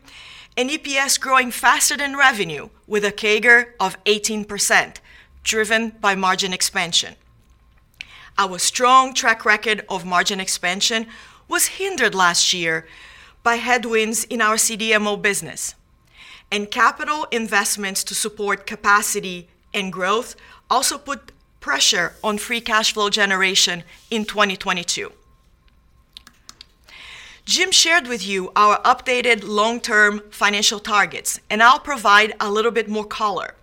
and EPS growing faster than revenue with a CAGR of 18%, driven by margin expansion. Our strong track record of margin expansion was hindered last year by headwinds in our CDMO business. Capital investments to support capacity and growth also put pressure on free cash flow generation in 2022. Jim shared with you our updated long-term financial targets, and I'll provide a little bit more color.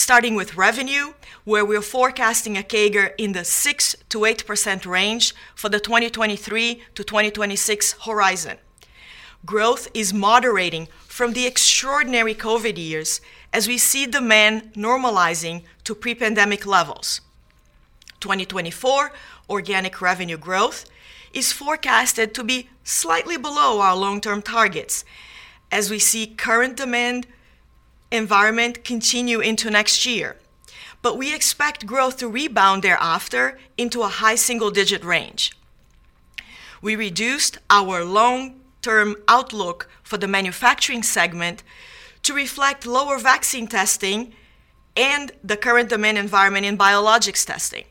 Starting with revenue, where we're forecasting a CAGR in the 6%-8% range for the 2023 to 2026 horizon. Growth is moderating from the extraordinary COVID years as we see demand normalizing to pre-pandemic levels. 2024 organic revenue growth is forecasted to be slightly below our long-term targets as we see current demand environment continue into next year. We expect growth to rebound thereafter into a high single-digit range. We reduced our long-term outlook for the manufacturing segment to reflect lower vaccine testing and the current demand environment in biologics testing,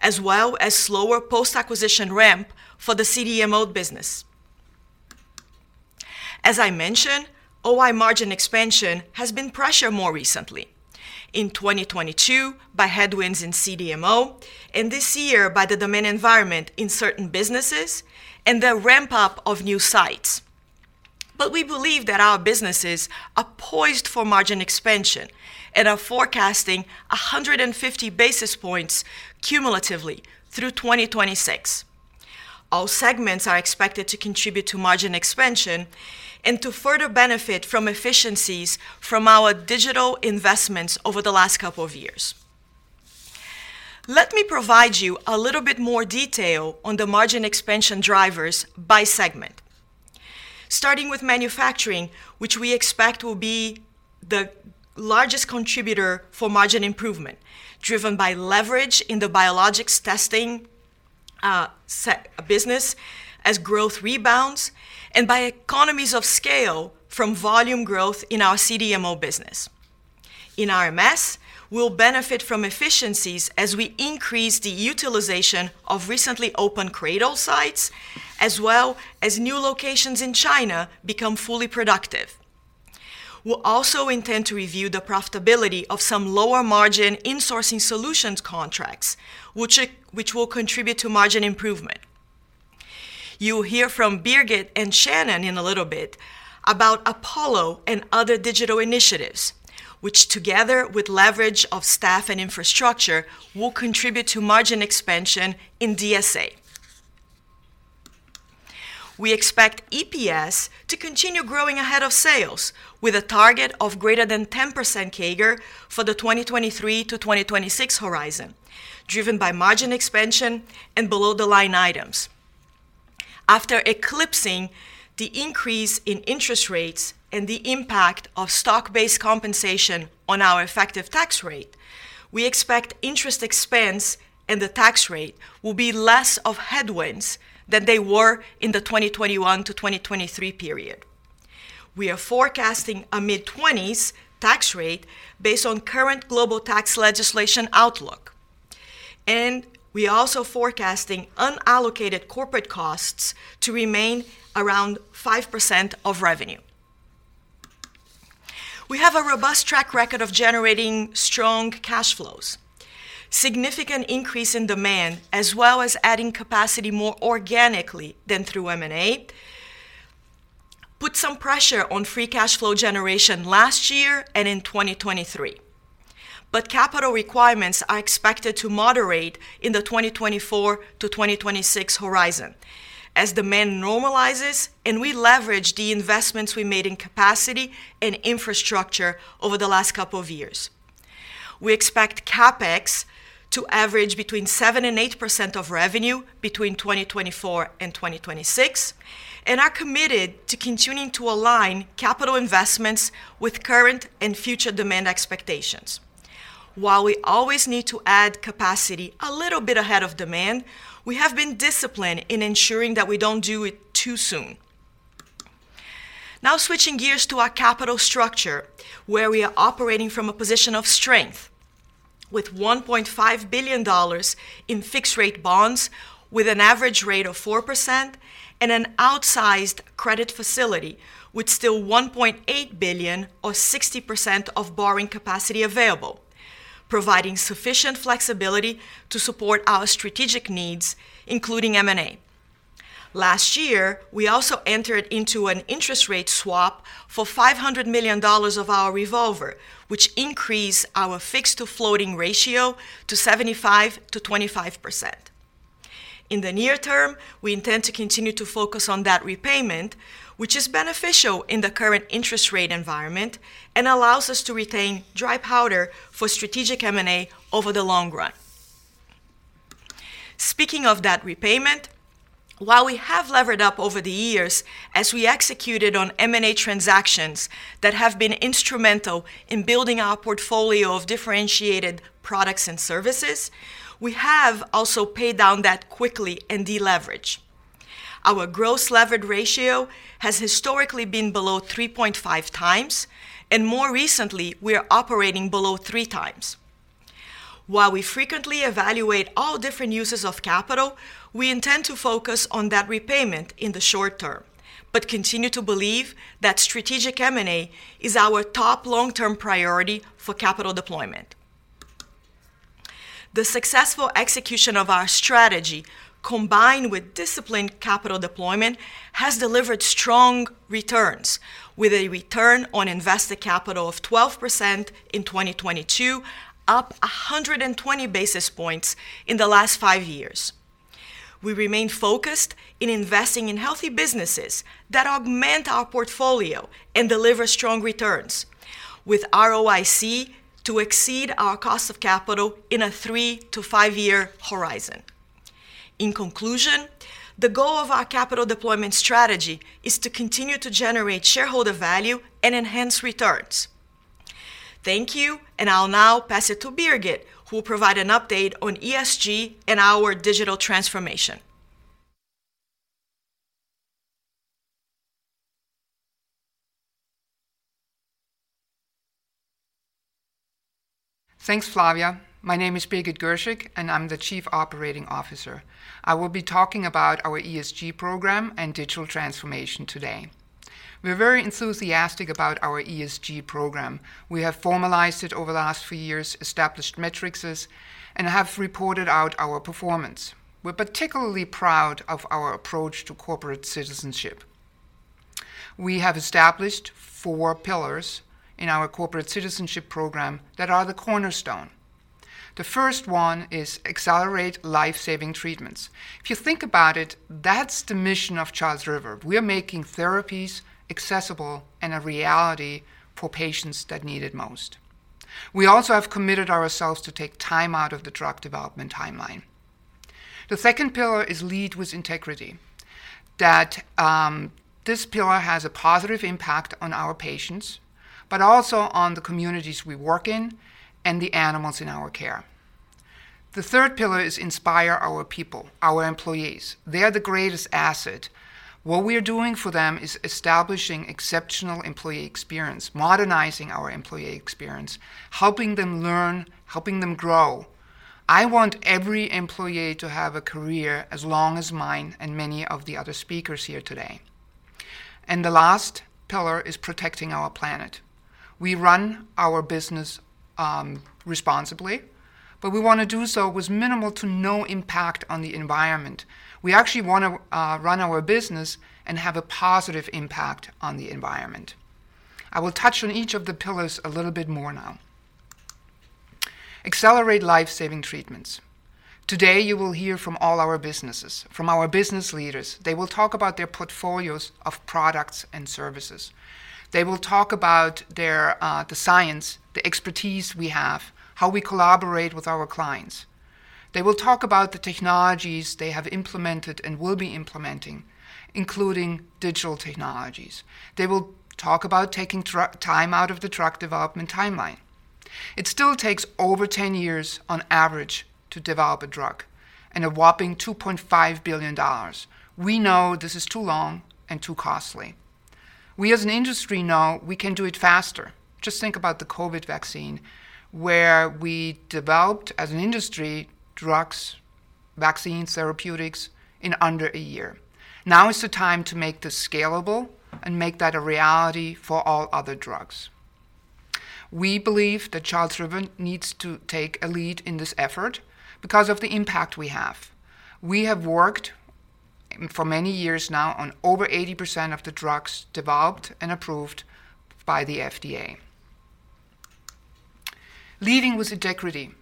as well as slower post-acquisition ramp for the CDMO business. As I mentioned, OI margin expansion has been pressured more recently, in 2022 by headwinds in CDMO, and this year by the demand environment in certain businesses and the ramp-up of new sites. We believe that our businesses are poised for margin expansion and are forecasting 150 basis points cumulatively through 2026. All segments are expected to contribute to margin expansion and to further benefit from efficiencies from our digital investments over the last couple of years. Let me provide you a little bit more detail on the margin expansion drivers by segment. Starting with manufacturing, which we expect will be the largest contributor for margin improvement, driven by leverage in the biologics testing business as growth rebounds, and by economies of scale from volume growth in our CDMO business. In RMS, we'll benefit from efficiencies as we increase the utilization of recently opened CRADL sites, as well as new locations in China become fully productive. We'll also intend to review the profitability of some lower margin Insourcing Solutions contracts, which will contribute to margin improvement. You will hear from Birgit and Shannon in a little bit about Apollo and other digital initiatives, which, together with leverage of staff and infrastructure, will contribute to margin expansion in DSA. We expect EPS to continue growing ahead of sales, with a target of greater than 10% CAGR for the 2023 to 2026 horizon, driven by margin expansion and below-the-line items. After eclipsing the increase in interest rates and the impact of stock-based compensation on our effective tax rate, we expect interest expense and the tax rate will be less of headwinds than they were in the 2021 to 2023 period. We are forecasting a mid-20s tax rate based on current global tax legislation outlook, and we are also forecasting unallocated corporate costs to remain around 5% of revenue. We have a robust track record of generating strong cash flows. Significant increase in demand, as well as adding capacity more organically than through M&A, put some pressure on free cash flow generation last year and in 2023. Capital requirements are expected to moderate in the 2024-2026 horizon as demand normalizes and we leverage the investments we made in capacity and infrastructure over the last couple of years. We expect CapEx to average between 7% and 8% of revenue between 2024 and 2026, and are committed to continuing to align capital investments with current and future demand expectations. While we always need to add capacity a little bit ahead of demand, we have been disciplined in ensuring that we don't do it too soon. Now, switching gears to our capital structure, where we are operating from a position of strength, with $1.5 billion in fixed-rate bonds, with an average rate of 4% and an outsized credit facility, with still $1.8 billion or 60% of borrowing capacity available, providing sufficient flexibility to support our strategic needs, including M&A. Last year, we also entered into an interest rate swap for $500 million of our revolver, which increased our fixed-to-floating ratio to 75%-25%. In the near term, we intend to continue to focus on debt repayment, which is beneficial in the current interest rate environment and allows us to retain dry powder for strategic M&A over the long run. Speaking of debt repayment, while we have levered up over the years as we executed on M&A transactions that have been instrumental in building our portfolio of differentiated products and services, we have also paid down debt quickly and deleveraged. Our gross levered ratio has historically been below 3.5 times, and more recently, we are operating below 3 times. While we frequently evaluate all different uses of capital, we intend to focus on debt repayment in the short term, but continue to believe that strategic M&A is our top long-term priority for capital deployment. The successful execution of our strategy, combined with disciplined capital deployment, has delivered strong returns, with a return on invested capital of 12% in 2022, up 120 basis points in the last five years. We remain focused in investing in healthy businesses that augment our portfolio and deliver strong returns, with ROIC to exceed our cost of capital in a 3- to 5-year horizon. In conclusion, the goal of our capital deployment strategy is to continue to generate shareholder value and enhance returns. Thank you, and I'll now pass it to Birgit, who will provide an update on ESG and our digital transformation. Thanks, Flavia. My name is Birgit Girshick, and I'm the Chief Operating Officer. I will be talking about our ESG program and digital transformation today. We're very enthusiastic about our ESG program. We have formalized it over the last few years, established metrics, and have reported out our performance. We're particularly proud of our approach to corporate citizenship. We have established four pillars in our corporate citizenship program that are the cornerstone. The first one is accelerate life-saving treatments. If you think about it, that's the mission of Charles River. We are making therapies accessible and a reality for patients that need it most. We also have committed ourselves to take time out of the drug development timeline. The second pillar is lead with integrity, that this pillar has a positive impact on our patients, but also on the communities we work in and the animals in our care.... The third pillar is inspire our people, our employees. They are the greatest asset. What we are doing for them is establishing exceptional employee experience, modernizing our employee experience, helping them learn, helping them grow. I want every employee to have a career as long as mine and many of the other speakers here today. The last pillar is protecting our planet. We run our business responsibly, but we want to do so with minimal to no impact on the environment. We actually want to run our business and have a positive impact on the environment. I will touch on each of the pillars a little bit more now. Accelerate life-saving treatments. Today, you will hear from all our businesses, from our business leaders. They will talk about their portfolios of products and services. They will talk about their, the science, the expertise we have, how we collaborate with our clients. They will talk about the technologies they have implemented and will be implementing, including digital technologies. They will talk about taking time out of the drug development timeline. It still takes over 10 years on average to develop a drug and a whopping $2.5 billion. We know this is too long and too costly. We, as an industry, know we can do it faster. Just think about the COVID vaccine, where we developed, as an industry, drugs, vaccines, therapeutics in under a year. Now is the time to make this scalable and make that a reality for all other drugs. We believe that Charles River needs to take a lead in this effort because of the impact we have. We have worked for many years now on over 80% of the drugs developed and approved by the FDA. Leading with integrity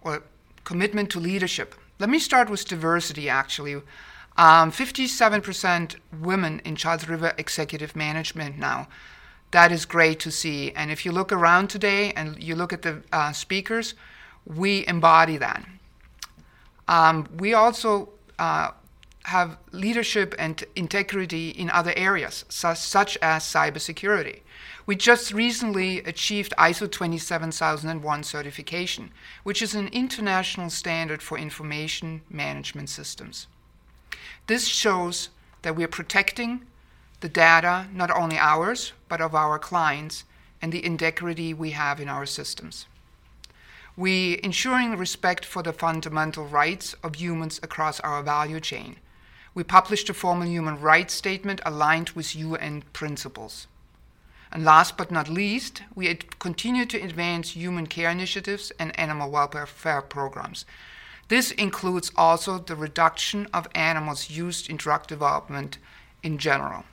or commitment to leadership. Let me start with diversity, actually. 57% women in Charles River executive management now. That is great to see, and if you look around today and you look at the speakers, we embody that. We also have leadership and integrity in other areas, such as cybersecurity. We just recently achieved ISO 27001 certification, which is an international standard for information management systems. This shows that we are protecting the data, not only ours, but of our clients and the integrity we have in our systems. We ensuring respect for the fundamental rights of humans across our value chain. We published a formal human rights statement aligned with UN principles. Last but not least, we had continued to advance Humane Care initiatives and animal welfare programs. This includes also the reduction of animals used in drug development in general.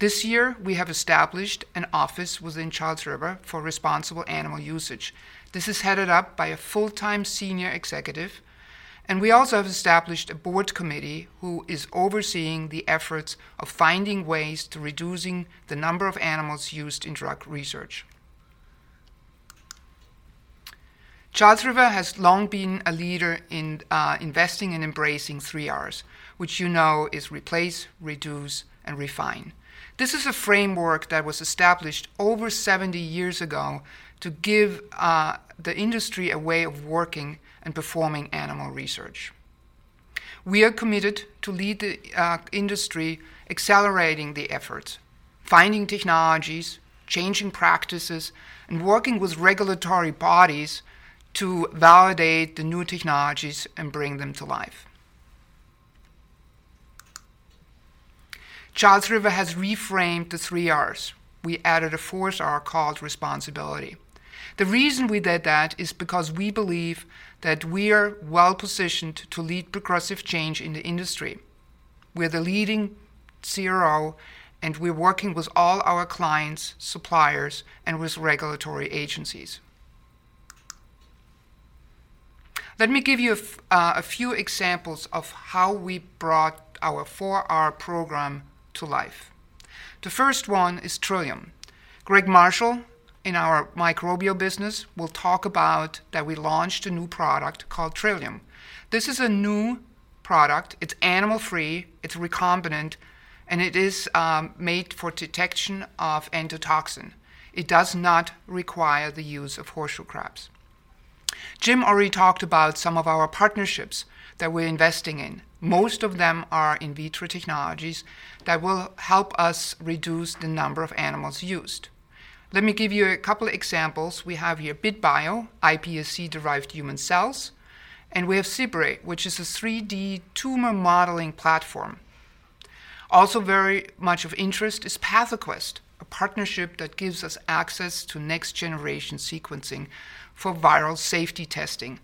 This year, we have established an office within Charles River for responsible animal usage. This is headed up by a full-time senior executive, and we also have established a board committee who is overseeing the efforts of finding ways to reducing the number of animals used in drug research. Charles River has long been a leader in, you know, investing and embracing the Three Rs, which you know, is replace, reduce, and refine. This is a framework that was established over 70 years ago to give, you know, the industry a way of working and performing animal research. We are committed to lead the industry, accelerating the efforts, finding technologies, changing practices, and working with regulatory bodies to validate the new technologies and bring them to life. Charles River has reframed the Three Rs. We added a fourth R called responsibility. The reason we did that is because we believe that we are well positioned to lead progressive change in the industry. We're the leading CRO, and we're working with all our clients, suppliers, and with regulatory agencies. Let me give you a few examples of how we brought our Four R program to life. The first one is Trillium. Greg Marshall, in our microbial business, will talk about that we launched a new product called Trillium. This is a new product. It's animal-free, it's recombinant, and it is made for detection of endotoxin. It does not require the use of horseshoe crabs. Jim already talked about some of our partnerships that we're investing in. Most of them are in vitro technologies that will help us reduce the number of animals used. Let me give you a couple examples. We have here bit.bio, iPSC-derived human cells, and we have Cypre, which is a 3D tumor modeling platform. Also, very much of interest is PathoQuest, a partnership that gives us access to next-generation sequencing for viral safety testing.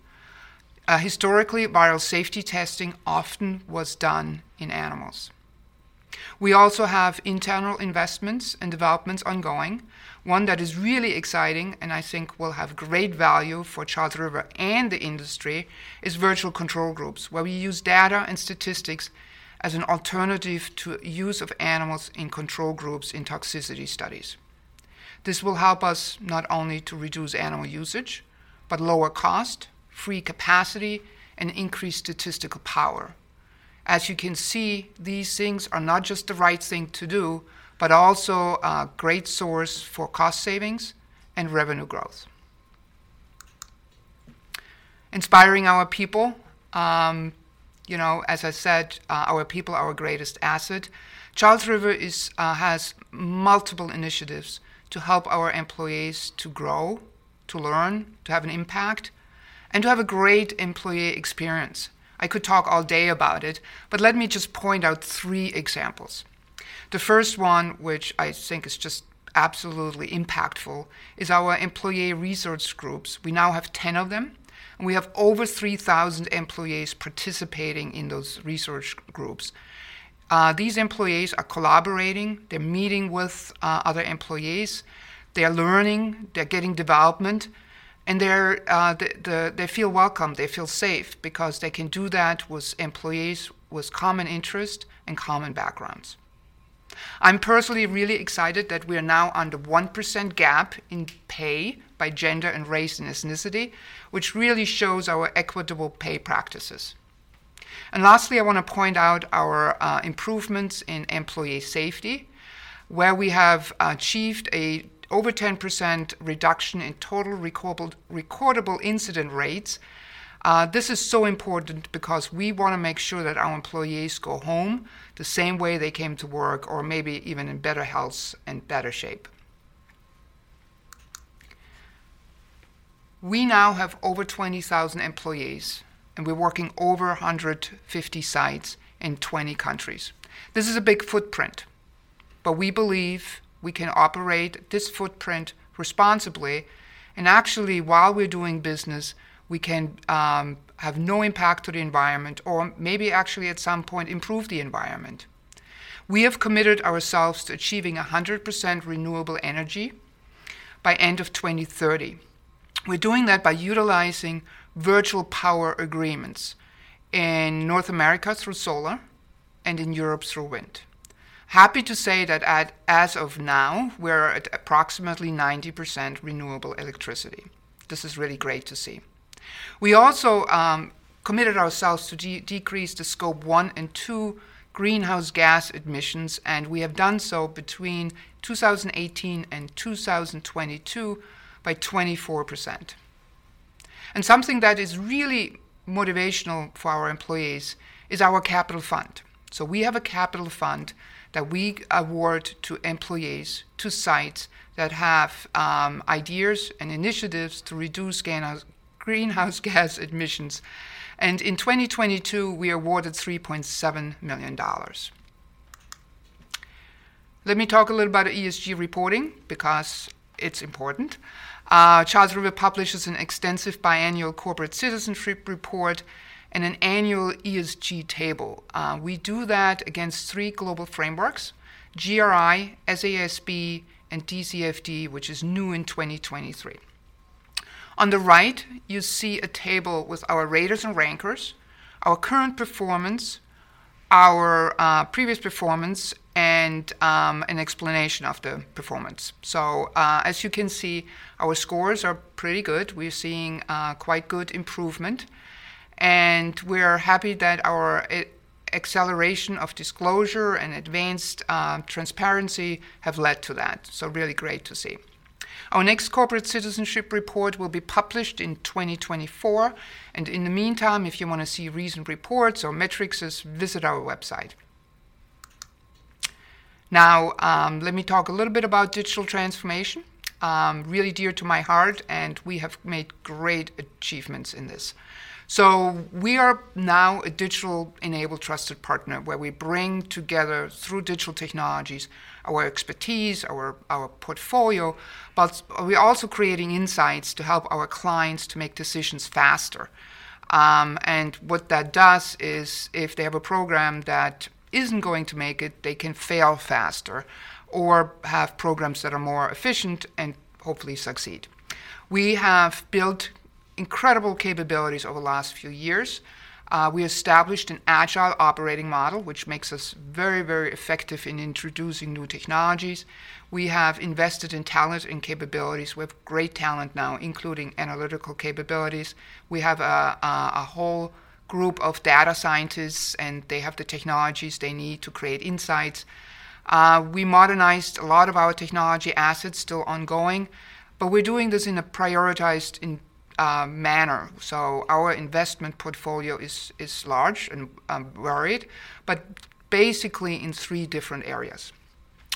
Historically, viral safety testing often was done in animals. We also have internal investments and developments ongoing. One that is really exciting, and I think will have great value for Charles River and the industry, is virtual control groups, where we use data and statistics as an alternative to use of animals in control groups in toxicity studies. This will help us not only to reduce animal usage, but lower cost, free capacity, and increase statistical power. As you can see, these things are not just the right thing to do, but also a great source for cost savings and revenue growth. Inspiring our people. You know, as I said, our people are our greatest asset. Charles River is has multiple initiatives to help our employees to grow, to learn, to have an impact, and to have a great employee experience. I could talk all day about it, but let me just point out three examples. The first one, which I think is just absolutely impactful, is our employee resource groups. We now have 10 of them, and we have over 3,000 employees participating in those research groups. These employees are collaborating, they're meeting with other employees, they're learning, they're getting development, and they're, the-- they feel welcome. They feel safe because they can do that with employees with common interests and common backgrounds. I'm personally really excited that we are now under 1% gap in pay by gender and race and ethnicity, which really shows our equitable pay practices. Lastly, I wanna point out our improvements in employee safety, where we have achieved a over 10% reduction in total recordable, recordable incident rates. This is so important because we wanna make sure that our employees go home the same way they came to work, or maybe even in better health and better shape. We now have over 20,000 employees, and we're working over 150 sites in 20 countries. This is a big footprint, but we believe we can operate this footprint responsibly. Actually, while we're doing business, we can have no impact to the environment or maybe actually, at some point, improve the environment. We have committed ourselves to achieving 100% renewable energy by end of 2030. We're doing that by utilizing virtual power agreements in North America through solar and in Europe through wind. Happy to say that as of now, we're at approximately 90% renewable electricity. This is really great to see. We also committed ourselves to decrease the Scope 1 and 2 greenhouse gas emissions, and we have done so between 2018 and 2022 by 24%. Something that is really motivational for our employees is our capital fund. So we have a capital fund that we award to employees, to sites that have ideas and initiatives to reduce greenhouse, greenhouse gas emissions. In 2022, we awarded $3.7 million. Let me talk a little about ESG reporting because it's important. Charles River publishes an extensive biannual corporate citizenship report and an annual ESG table. We do that against three global frameworks: GRI, SASB, and TCFD, which is new in 2023. On the right, you see a table with our raters and rankers, our current performance, our previous performance, and an explanation of the performance. So, as you can see, our scores are pretty good. We're seeing quite good improvement, and we are happy that our e-acceleration of disclosure and advanced transparency have led to that. So really great to see. Our next corporate citizenship report will be published in 2024, and in the meantime, if you wanna see recent reports or metrics, visit our website. Now, let me talk a little bit about digital transformation. Really dear to my heart, and we have made great achievements in this. So we are now a digital-enabled trusted partner, where we bring together, through digital technologies, our expertise, our, our portfolio, but we're also creating insights to help our clients to make decisions faster. And what that does is, if they have a program that isn't going to make it, they can fail faster or have programs that are more efficient and hopefully succeed. We have built incredible capabilities over the last few years. We established an agile operating model, which makes us very, very effective in introducing new technologies. We have invested in talent and capabilities. We have great talent now, including analytical capabilities. We have a whole group of data scientists, and they have the technologies they need to create insights. We modernized a lot of our technology assets, still ongoing, but we're doing this in a prioritized manner. So our investment portfolio is large and varied, but basically in three different areas.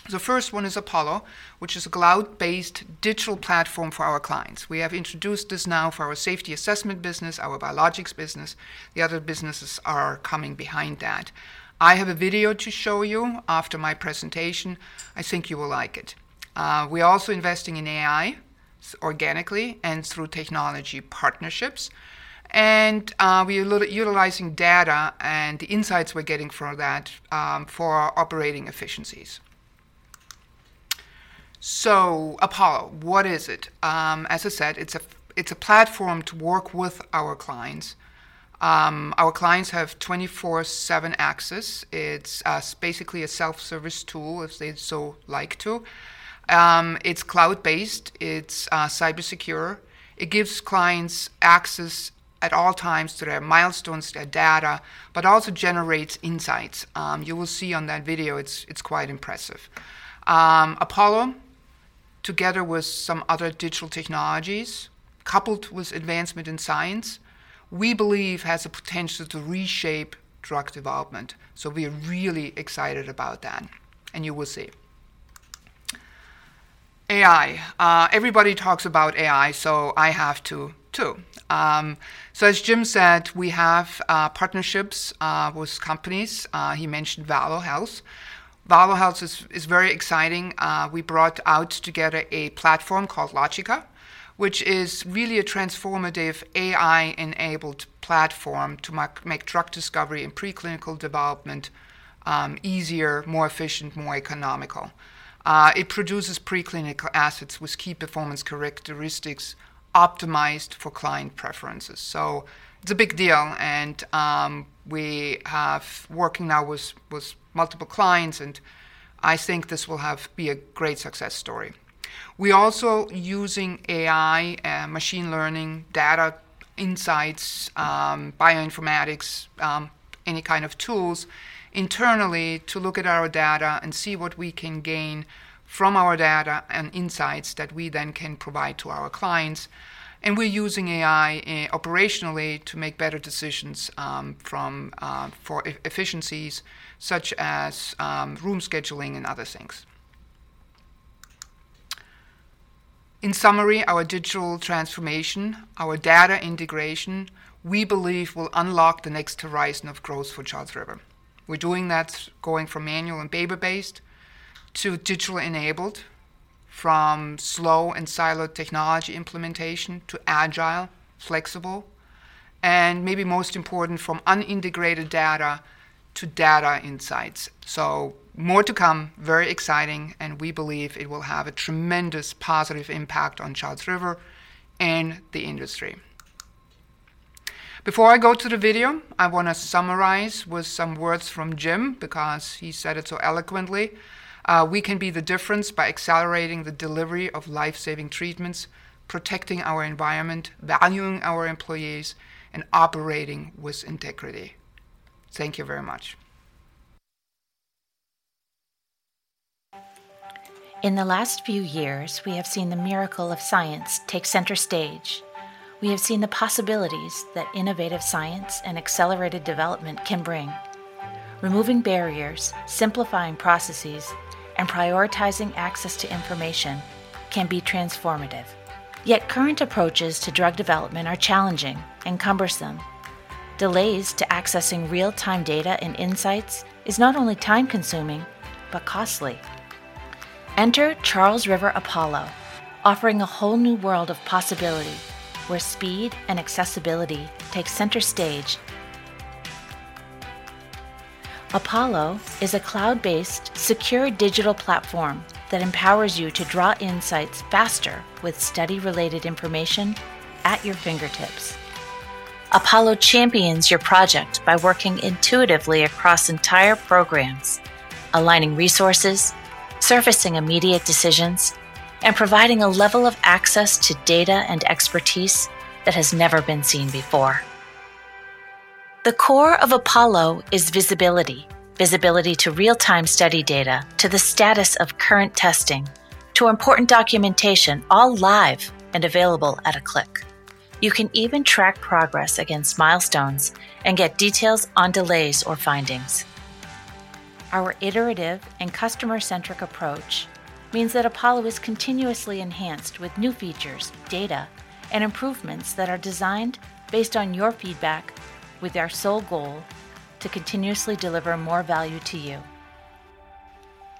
The first one is Apollo, which is a cloud-based digital platform for our clients. We have introduced this now for our safety assessment business, our biologics business. The other businesses are coming behind that. I have a video to show you after my presentation. I think you will like it. We're also investing in AI organically and through technology partnerships. We're utilizing data and the insights we're getting from that for operating efficiencies. So Apollo, what is it? As I said, it's a platform to work with our clients. Our clients have 24/7 access. It's basically a self-service tool if they'd so like to. It's cloud-based, it's cyber secure. It gives clients access at all times to their milestones, their data, but also generates insights. You will see on that video, it's quite impressive. Apollo, together with some other digital technologies, coupled with advancement in science, we believe has the potential to reshape drug development. So we're really excited about that, and you will see. AI. Everybody talks about AI, so I have to, too. So as Jim said, we have partnerships with companies. He mentioned Valo Health. Valo Health is very exciting. We brought out together a platform called Logica, which is really a transformative AI-enabled platform to make drug discovery and preclinical development easier, more efficient, more economical. It produces preclinical assets with key performance characteristics optimized for client preferences. So it's a big deal, and we have working now with multiple clients, and I think this will be a great success story. We also using AI and machine learning, data insights, bioinformatics, any kind of tools, internally to look at our data and see what we can gain from our data and insights that we then can provide to our clients. And we're using AI operationally to make better decisions for efficiencies, such as room scheduling and other things. In summary, our digital transformation, our data integration, we believe will unlock the next horizon of growth for Charles River. We're doing that going from manual and paper-based to digital-enabled, from slow and siloed technology implementation to agile, flexible, and maybe most important, from unintegrated data to data insights. So more to come, very exciting, and we believe it will have a tremendous positive impact on Charles River and the industry. Before I go to the video, I wanna summarize with some words from Jim because he said it so eloquently. "We can be the difference by accelerating the delivery of life-saving treatments, protecting our environment, valuing our employees, and operating with integrity." Thank you very much. In the last few years, we have seen the miracle of science take center stage. We have seen the possibilities that innovative science and accelerated development can bring. Removing barriers, simplifying processes, and prioritizing access to information can be transformative. Yet current approaches to drug development are challenging and cumbersome. Delays to accessing real-time data and insights is not only time-consuming, but costly. Enter Charles River Apollo, offering a whole new world of possibility, where speed and accessibility take center stage. Apollo is a cloud-based, secure digital platform that empowers you to draw insights faster with study-related information at your fingertips. Apollo champions your project by working intuitively across entire programs, aligning resources, surfacing immediate decisions, and providing a level of access to data and expertise that has never been seen before. The core of Apollo is visibility. Visibility to real-time study data, to the status of current testing, to important documentation, all live and available at a click. You can even track progress against milestones and get details on delays or findings. Our iterative and customer-centric approach means that Apollo is continuously enhanced with new features, data, and improvements that are designed based on your feedback, with our sole goal to continuously deliver more value to you.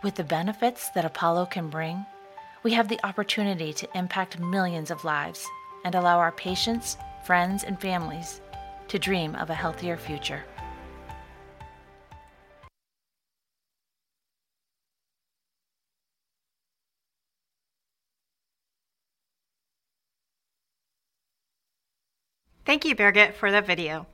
With the benefits that Apollo can bring, we have the opportunity to impact millions of lives and allow our patients, friends, and families to dream of a healthier future. Thank you, Birgit, for the video.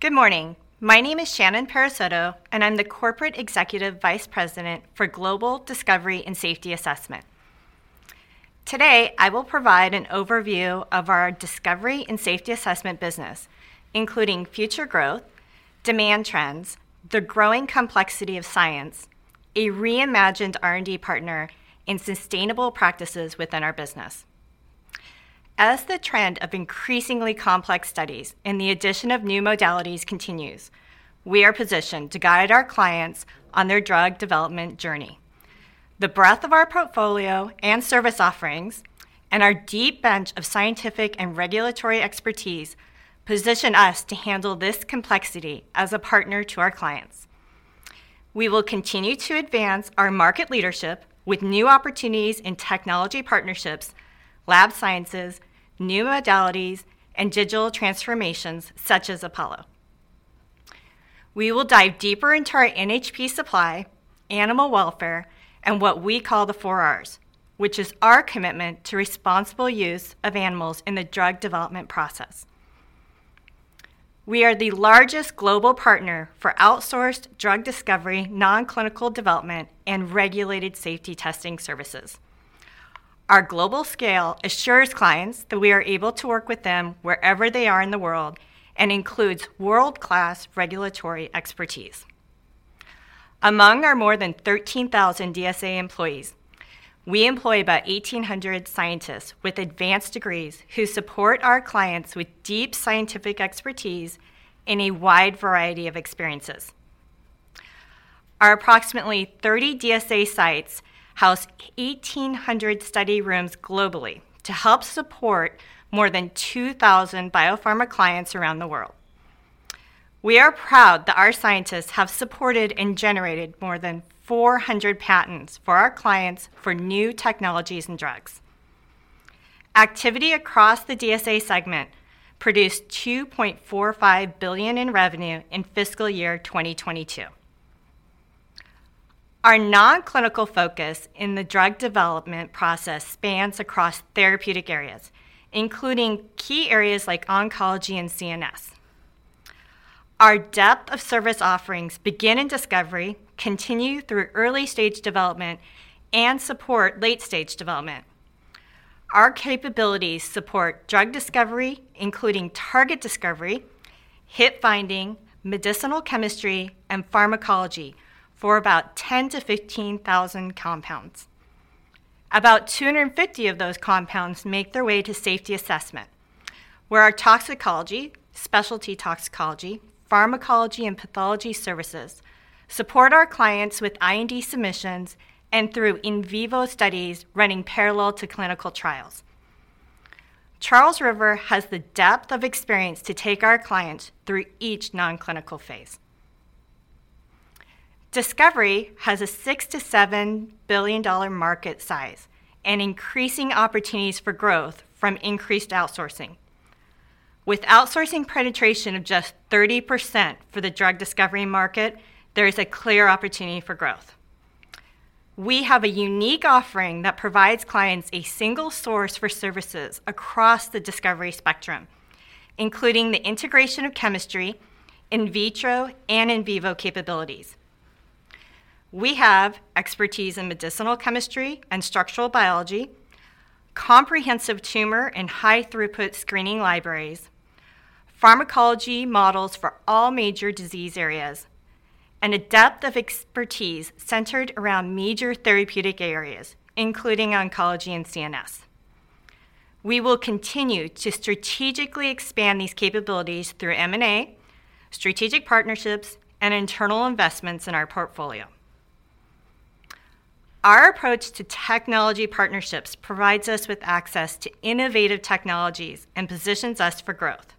Good morning. My name is Shannon Parisotto, and I'm the Corporate Executive Vice President for Global Discovery and Safety Assessment. Today, I will provide an overview of our discovery and safety assessment business, including future growth, demand trends, the growing complexity of science, a reimagined R&D partner, and sustainable practices within our business. As the trend of increasingly complex studies and the addition of new modalities continues, we are positioned to guide our clients on their drug development journey. The breadth of our portfolio and service offerings, and our deep bench of scientific and regulatory expertise, position us to handle this complexity as a partner to our clients. We will continue to advance our market leadership with new opportunities in technology partnerships, lab sciences, new modalities, and digital transformations, such as Apollo.... We will dive deeper into our NHP supply, animal welfare, and what we call the Four R's, which is our commitment to responsible use of animals in the drug development process. We are the largest global partner for outsourced drug discovery, non-clinical development, and regulated safety testing services. Our global scale assures clients that we are able to work with them wherever they are in the world, and includes world-class regulatory expertise. Among our more than 13,000 DSA employees, we employ about 1,800 scientists with advanced degrees who support our clients with deep scientific expertise in a wide variety of experiences. Our approximately 30 DSA sites house 1,800 study rooms globally to help support more than 2,000 biopharma clients around the world. We are proud that our scientists have supported and generated more than 400 patents for our clients for new technologies and drugs. Activity across the DSA segment produced $2.45 billion in revenue in fiscal year 2022. Our non-clinical focus in the drug development process spans across therapeutic areas, including key areas like oncology and CNS. Our depth of service offerings begin in discovery, continue through early-stage development, and support late-stage development. Our capabilities support drug discovery, including target discovery, hit finding, medicinal chemistry, and pharmacology for about 10,000-15,000 compounds. About 250 of those compounds make their way to safety assessment, where our toxicology, specialty toxicology, pharmacology, and pathology services support our clients with IND submissions and through in vivo studies running parallel to clinical trials. Charles River has the depth of experience to take our clients through each non-clinical phase. Discovery has a $6-$7 billion market size and increasing opportunities for growth from increased outsourcing. With outsourcing penetration of just 30% for the drug discovery market, there is a clear opportunity for growth. We have a unique offering that provides clients a single source for services across the discovery spectrum, including the integration of chemistry, in vitro, and in vivo capabilities. We have expertise in medicinal chemistry and structural biology, comprehensive tumor and high-throughput screening libraries, pharmacology models for all major disease areas, and a depth of expertise centered around major therapeutic areas, including oncology and CNS. We will continue to strategically expand these capabilities through M&A, strategic partnerships, and internal investments in our portfolio. Our approach to technology partnerships provides us with access to innovative technologies and positions us for growth.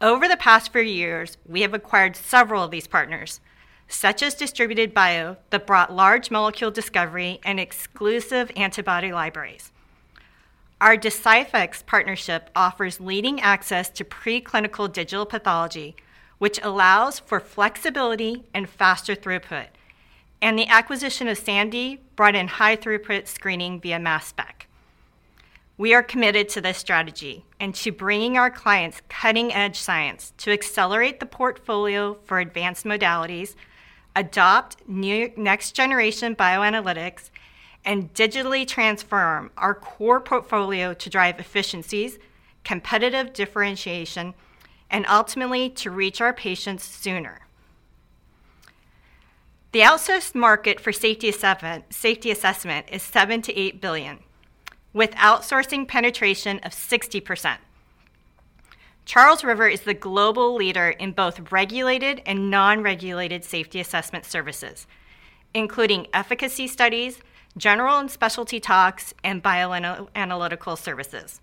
Over the past few years, we have acquired several of these partners, such as Distributed Bio, that brought large molecule discovery and exclusive antibody libraries. Our Deciphex partnership offers leading access to preclinical digital pathology, which allows for flexibility and faster throughput, and the acquisition of SAMDI Tech brought in high-throughput screening via mass spec. We are committed to this strategy and to bringing our clients cutting-edge science to accelerate the portfolio for advanced modalities, adopt new next-generation bioanalytics, and digitally transform our core portfolio to drive efficiencies, competitive differentiation, and ultimately to reach our patients sooner. The outsourced market for safety assessment is $7 billion-$8 billion, with outsourcing penetration of 60%. Charles River is the global leader in both regulated and non-regulated safety assessment services, including efficacy studies, general and specialty tox, and analytical services.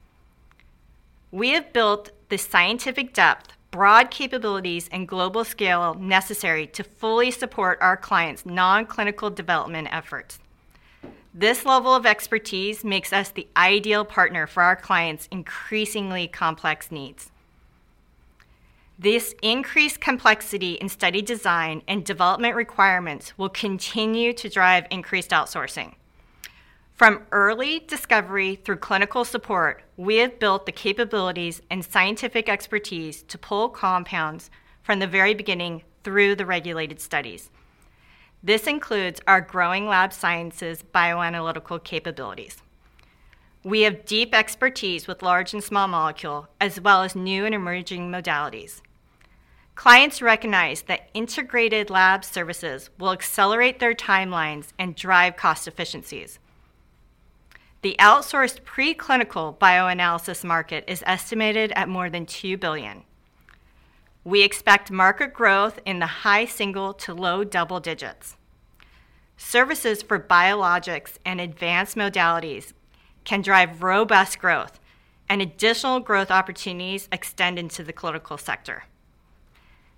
We have built the scientific depth, broad capabilities, and global scale necessary to fully support our clients' non-clinical development efforts. This level of expertise makes us the ideal partner for our clients' increasingly complex needs. This increased complexity in study design and development requirements will continue to drive increased outsourcing. From early discovery through clinical support, we have built the capabilities and scientific expertise to pull compounds from the very beginning through the regulated studies. This includes our growing lab sciences bioanalytical capabilities. We have deep expertise with large and small molecule, as well as new and emerging modalities. Clients recognize that integrated lab services will accelerate their timelines and drive cost efficiencies. The outsourced preclinical bioanalysis market is estimated at more than $2 billion. We expect market growth in the high single to low double digits. Services for biologics and advanced modalities can drive robust growth, and additional growth opportunities extend into the clinical sector.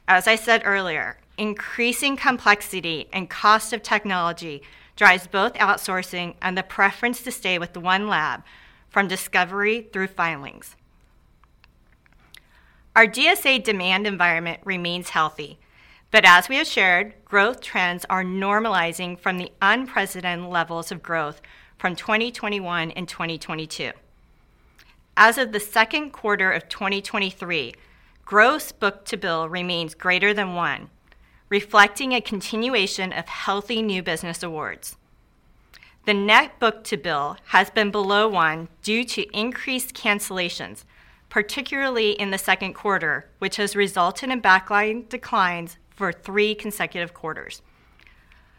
As I said earlier, increasing complexity and cost of technology drives both outsourcing and the preference to stay with the one lab from discovery through filings. Our DSA demand environment remains healthy, but as we have shared, growth trends are normalizing from the unprecedented levels of growth from 2021 and 2022. As of the second quarter of 2023, gross book-to-bill remains greater than 1, reflecting a continuation of healthy new business awards. The net book-to-bill has been below 1 due to increased cancellations, particularly in the second quarter, which has resulted in backlog declines for 3 consecutive quarters.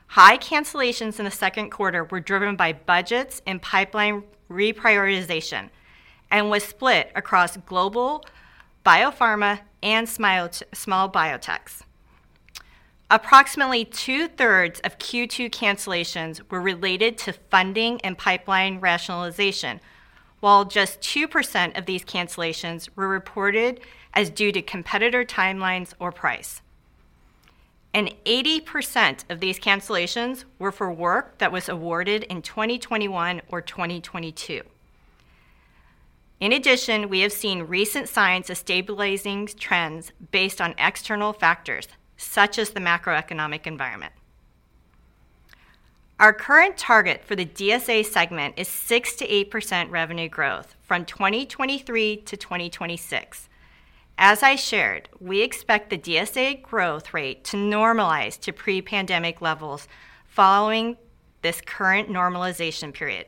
High cancellations in the second quarter were driven by budgets and bipseline reprioritization, and was split across global, biopharma, and small biotechs. Approximately two-thirds of Q2 cancellations were related to funding and bipseline rationalization, while just 2% of these cancellations were reported as due to competitor timelines or price. 80% of these cancellations were for work that was awarded in 2021 or 2022. In addition, we have seen recent signs of stabilizing trends based on external factors, such as the macroeconomic environment. Our current target for the DSA segment is 6%-8% revenue growth from 2023 to 2026. As I shared, we expect the DSA growth rate to normalize to pre-pandemic levels following this current normalization period.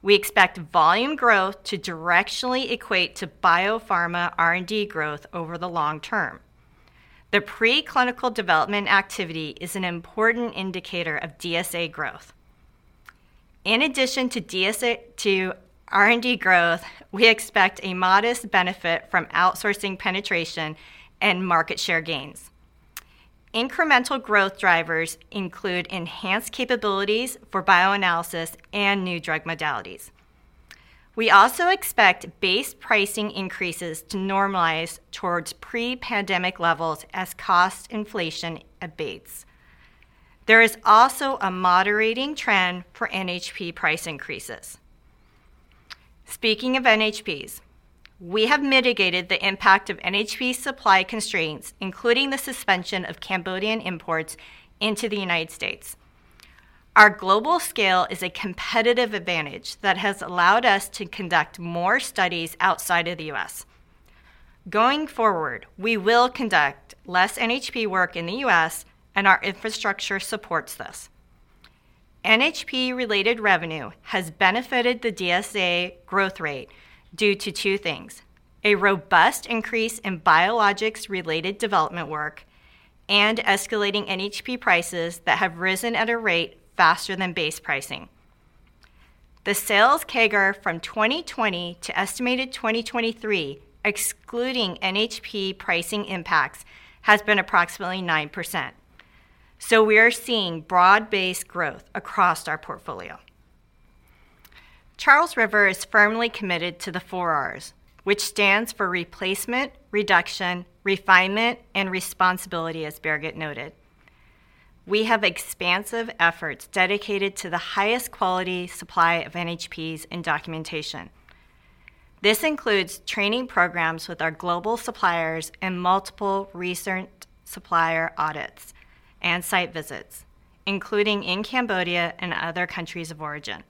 We expect volume growth to directionally equate to biopharma R&D growth over the long term. The preclinical development activity is an important indicator of DSA growth. In addition to DSA to R&D growth, we expect a modest benefit from outsourcing penetration and market share gains. Incremental growth drivers include enhanced capabilities for bioanalysis and new drug modalities. We also expect base pricing increases to normalize towards pre-pandemic levels as cost inflation abates. There is also a moderating trend for NHP price increases. Speaking of NHPs, we have mitigated the impact of NHP supply constraints, including the suspension of Cambodian imports into the United States. Our global scale is a competitive advantage that has allowed us to conduct more studies outside of the U.S. Going forward, we will conduct less NHP work in the U.S., and our infrastructure supports this. NHP-related revenue has benefited the DSA growth rate due to two things: a robust increase in biologics-related development work and escalating NHP prices that have risen at a rate faster than base pricing. The sales CAGR from 2020 to estimated 2023, excluding NHP pricing impacts, has been approximately 9%. So we are seeing broad-based growth across our portfolio. Charles River is firmly committed to the Four Rs, which stands for replacement, reduction, refinement, and responsibility, as Birgit noted. We have expansive efforts dedicated to the highest quality supply of NHPs and documentation. This includes training programs with our global suppliers and multiple recent supplier audits and site visits, including in Cambodia and other countries of origin.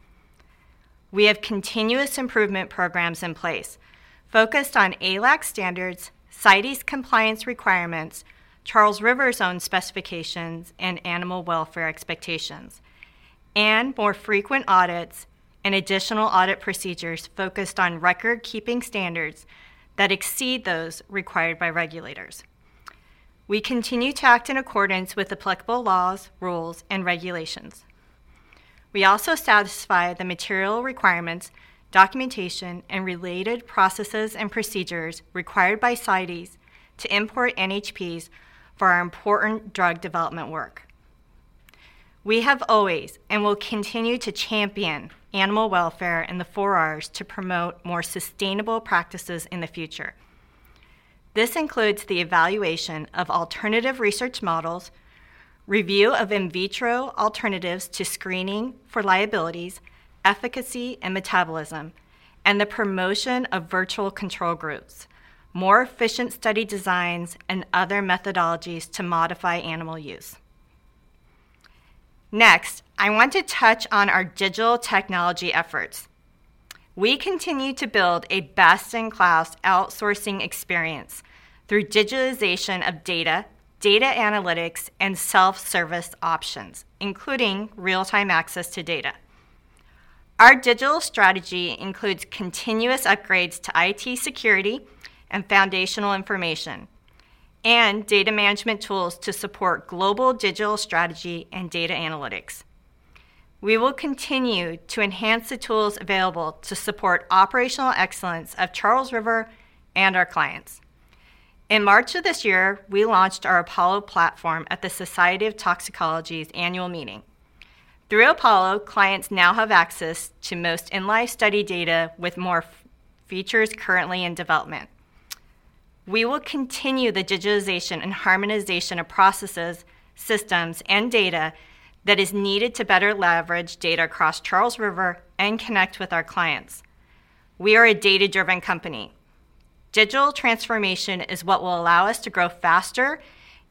We have continuous improvement programs in place focused on AAALAC standards, CITES compliance requirements, Charles River's own specifications, and animal welfare expectations, and more frequent audits and additional audit procedures focused on record-keeping standards that exceed those required by regulators. We continue to act in accordance with applicable laws, rules, and regulations. We also satisfy the material requirements, documentation, and related processes and procedures required by CITES to import NHPs for our important drug development work. We have always, and will continue to champion animal welfare and the 4Rs to promote more sustainable practices in the future. This includes the evaluation of alternative research models, review of in vitro alternatives to screening for liabilities, efficacy, and metabolism, and the promotion of virtual control groups, more efficient study designs, and other methodologies to modify animal use. Next, I want to touch on our digital technology efforts. We continue to build a best-in-class outsourcing experience through digitalization of data, data analytics, and self-service options, including real-time access to data. Our digital strategy includes continuous upgrades to IT security and foundational information, and data management tools to support global digital strategy and data analytics. We will continue to enhance the tools available to support operational excellence of Charles River and our clients. In March of this year, we launched our Apollo platform at the Society of Toxicology's annual meeting. Through Apollo, clients now have access to most in-life study data with more features currently in development. We will continue the digitization and harmonization of processes, systems, and data that is needed to better leverage data across Charles River and connect with our clients. We are a data-driven company. Digital transformation is what will allow us to grow faster,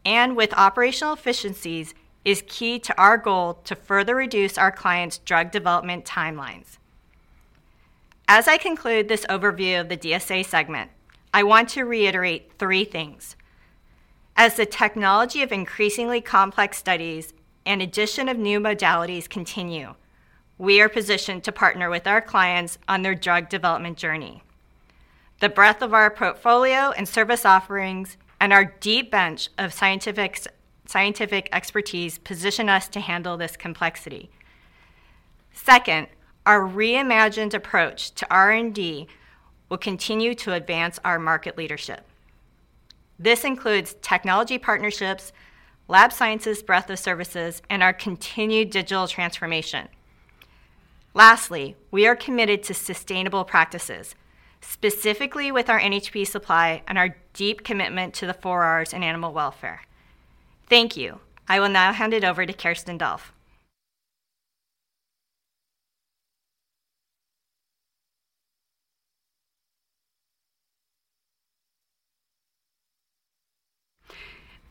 and with operational efficiencies, is key to our goal to further reduce our clients' drug development timelines. As I conclude this overview of the DSA segment, I want to reiterate three things. As the technology of increasingly complex studies and addition of new modalities continue, we are positioned to partner with our clients on their drug development journey. The breadth of our portfolio and service offerings and our deep bench of scientific expertise position us to handle this complexity. Second, our reimagined approach to R&D will continue to advance our market leadership. This includes technology partnerships, lab sciences breadth of services, and our continued digital transformation. Lastly, we are committed to sustainable practices, specifically with our NHP supply and our deep commitment to the 4Rs in animal welfare. Thank you. I will now hand it over to Kerstin Dolph.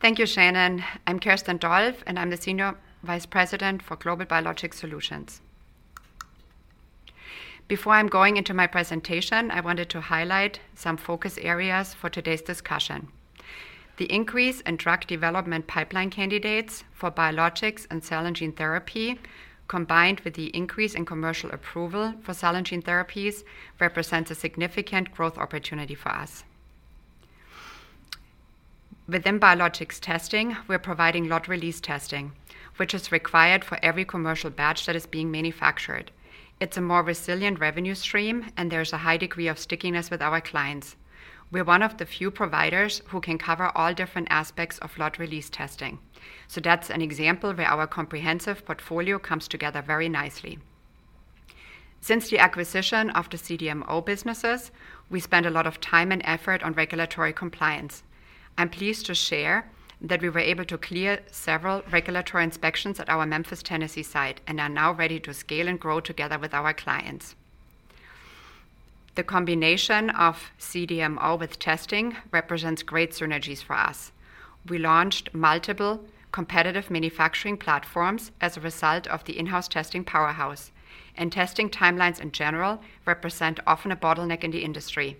Thank you, Shannon. I'm Kerstin Dolph, and I'm the Senior Vice President for Global Biologics. Before I'm going into my presentation, I wanted to highlight some focus areas for today's discussion. The increase in drug development bipseline candidates for biologics and cell and gene therapy, combined with the increase in commercial approval for cell and gene therapies, represents a significant growth opportunity for us. Within biologics testing, we're providing lot release testing, which is required for every commercial batch that is being manufactured. It's a more resilient revenue stream, and there's a high degree of stickiness with our clients. We're one of the few providers who can cover all different aspects of lot release testing, so that's an example where our comprehensive portfolio comes together very nicely. Since the acquisition of the CDMO businesses, we spent a lot of time and effort on regulatory compliance. I'm pleased to share that we were able to clear several regulatory inspections at our Memphis, Tennessee, site and are now ready to scale and grow together with our clients. The combination of CDMO with testing represents great synergies for us. We launched multiple competitive manufacturing platforms as a result of the in-house testing powerhouse, and testing timelines, in general, represent often a bottleneck in the industry.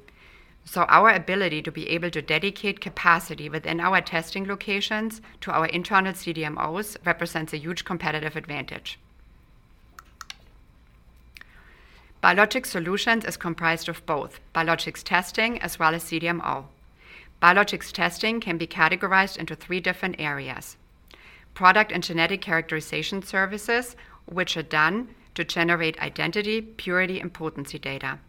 So our ability to be able to dedicate capacity within our testing locations to our internal CDMOs represents a huge competitive advantage. Biologics Solutions is comprised of both biologics testing as well as CDMO. Biologics testing can be categorized into three different areas: product and genetic characterization services, which are done to generate identity, purity, and potency data.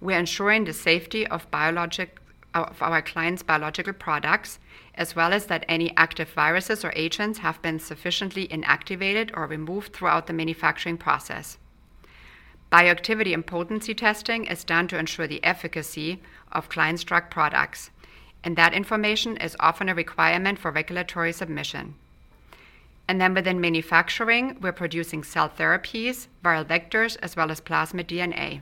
We're ensuring the safety of our clients' biological products, as well as that any active viruses or agents have been sufficiently inactivated or removed throughout the manufacturing process. Bioactivity and potency testing is done to ensure the efficacy of clients' drug products, and that information is often a requirement for regulatory submission. And then within manufacturing, we're producing cell therapies, viral vectors, as well as plasmid DNA.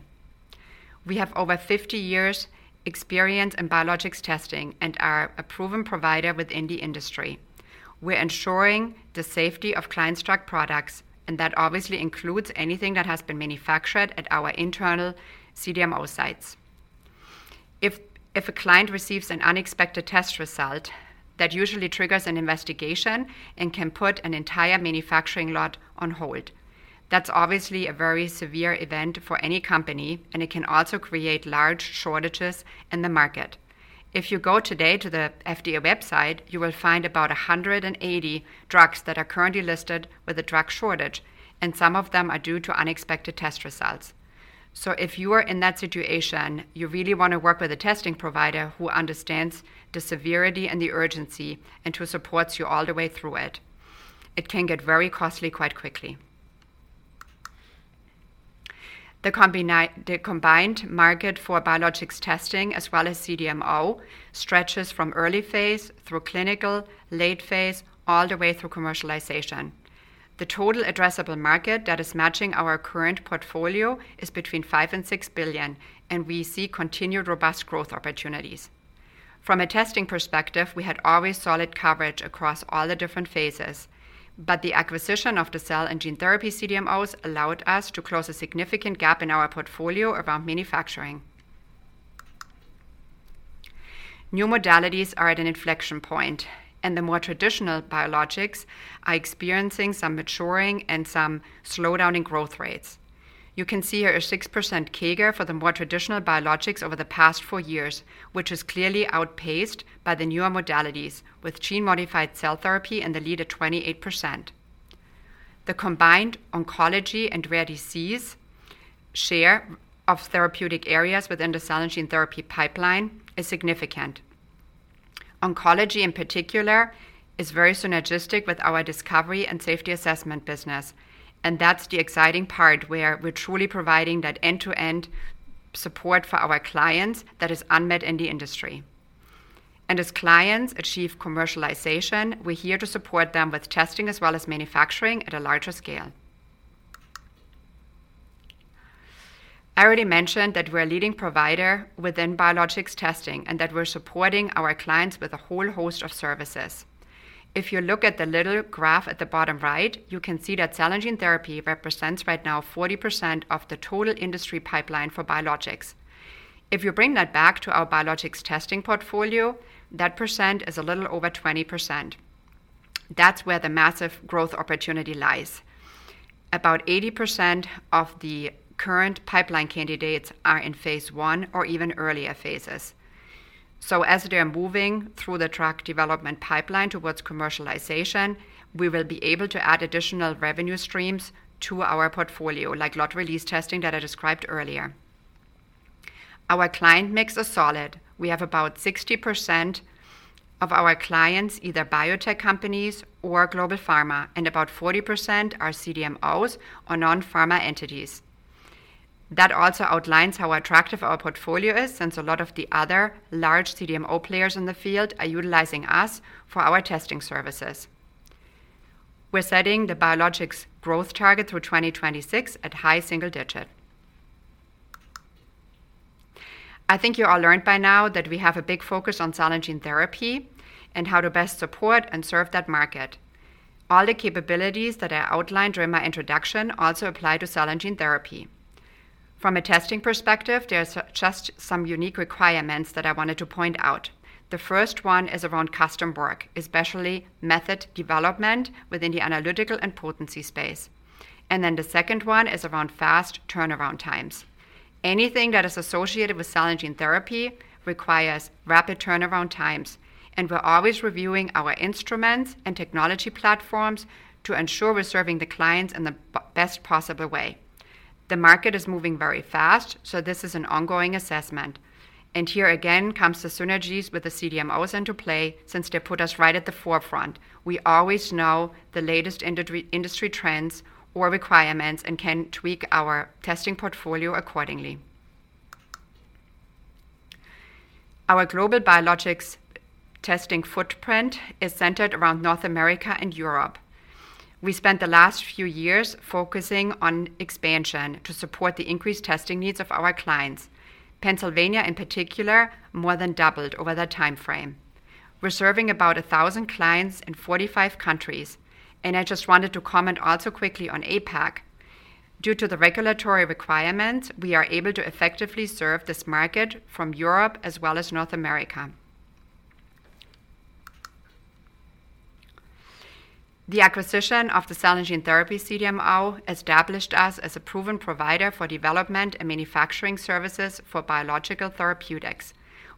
We have over 50 years' experience in biologics testing and are a proven provider within the industry. We're ensuring the safety of clients' drug products, and that obviously includes anything that has been manufactured at our internal CDMO sites. If a client receives an unexpected test result, that usually triggers an investigation and can put an entire manufacturing lot on hold. That's obviously a very severe event for any company, and it can also create large shortages in the market. If you go today to the FDA website, you will find about 180 drugs that are currently listed with a drug shortage, and some of them are due to unexpected test results. So if you are in that situation, you really want to work with a testing provider who understands the severity and the urgency and who supports you all the way through it. It can get very costly quite quickly. The combined market for biologics testing, as well as CDMO, stretches from early phase through clinical, late phase, all the way through commercialization. The total addressable market that is matching our current portfolio is between $5 billion-$6 billion, and we see continued robust growth opportunities. From a testing perspective, we had always solid coverage across all the different phases, but the acquisition of the cell and gene therapy CDMOs allowed us to close a significant gap in our portfolio around manufacturing. New modalities are at an inflection point, and the more traditional biologics are experiencing some maturing and some slowdown in growth rates. You can see here a 6% CAGR for the more traditional biologics over the past four years, which is clearly outpaced by the newer modalities, with gene-modified cell therapy in the lead at 28%. The combined oncology and rare disease share of therapeutic areas within the cell and gene therapy bipseline is significant. Oncology in particular is very synergistic with our discovery and safety assessment business, and that's the exciting part, where we're truly providing that end-to-end support for our clients that is unmet in the industry. As clients achieve commercialization, we're here to support them with testing as well as manufacturing at a larger scale. I already mentioned that we're a leading provider within biologics testing, and that we're supporting our clients with a whole host of services. If you look at the little graph at the bottom right, you can see that cell and gene therapy represents right now 40% of the total industry bipseline for biologics. If you bring that back to our biologics testing portfolio, that percent is a little over 20%. That's where the massive growth opportunity lies. About 80% of the current bipseline candidates are in phase 1 or even earlier phases. So as they are moving through the drug development bipseline towards commercialization, we will be able to add additional revenue streams to our portfolio, like lot release testing that I described earlier. Our client mix is solid. We have about 60% of our clients, either biotech companies or global pharma, and about 40% are CDMOs or non-pharma entities. That also outlines how attractive our portfolio is, since a lot of the other large CDMO players in the field are utilizing us for our testing services. We're setting the biologics growth target through 2026 at high single-digit. I think you all learned by now that we have a big focus on cell and gene therapy and how to best support and serve that market. All the capabilities that I outlined during my introduction also apply to cell and gene therapy. From a testing perspective, there's just some unique requirements that I wanted to point out. The first one is around custom work, especially method development within the analytical and potency space, and then the second one is around fast turnaround times. Anything that is associated with cell and gene therapy requires rapid turnaround times, and we're always reviewing our instruments and technology platforms to ensure we're serving the clients in the best possible way. The market is moving very fast, so this is an ongoing assessment, and here again comes the synergies with the CDMOs into play since they put us right at the forefront. We always know the latest industry trends or requirements and can tweak our testing portfolio accordingly. Our global biologics testing footprint is centered around North America and Europe. We spent the last few years focusing on expansion to support the increased testing needs of our clients. Pennsylvania, in particular, more than doubled over that time frame. We're serving about 1,000 clients in 45 countries, and I just wanted to comment also quickly on APAC. Due to the regulatory requirements, we are able to effectively serve this market from Europe as well as North America. The acquisition of the cell and gene therapy CDMO established us as a proven provider for development and manufacturing services for biological therapeutics.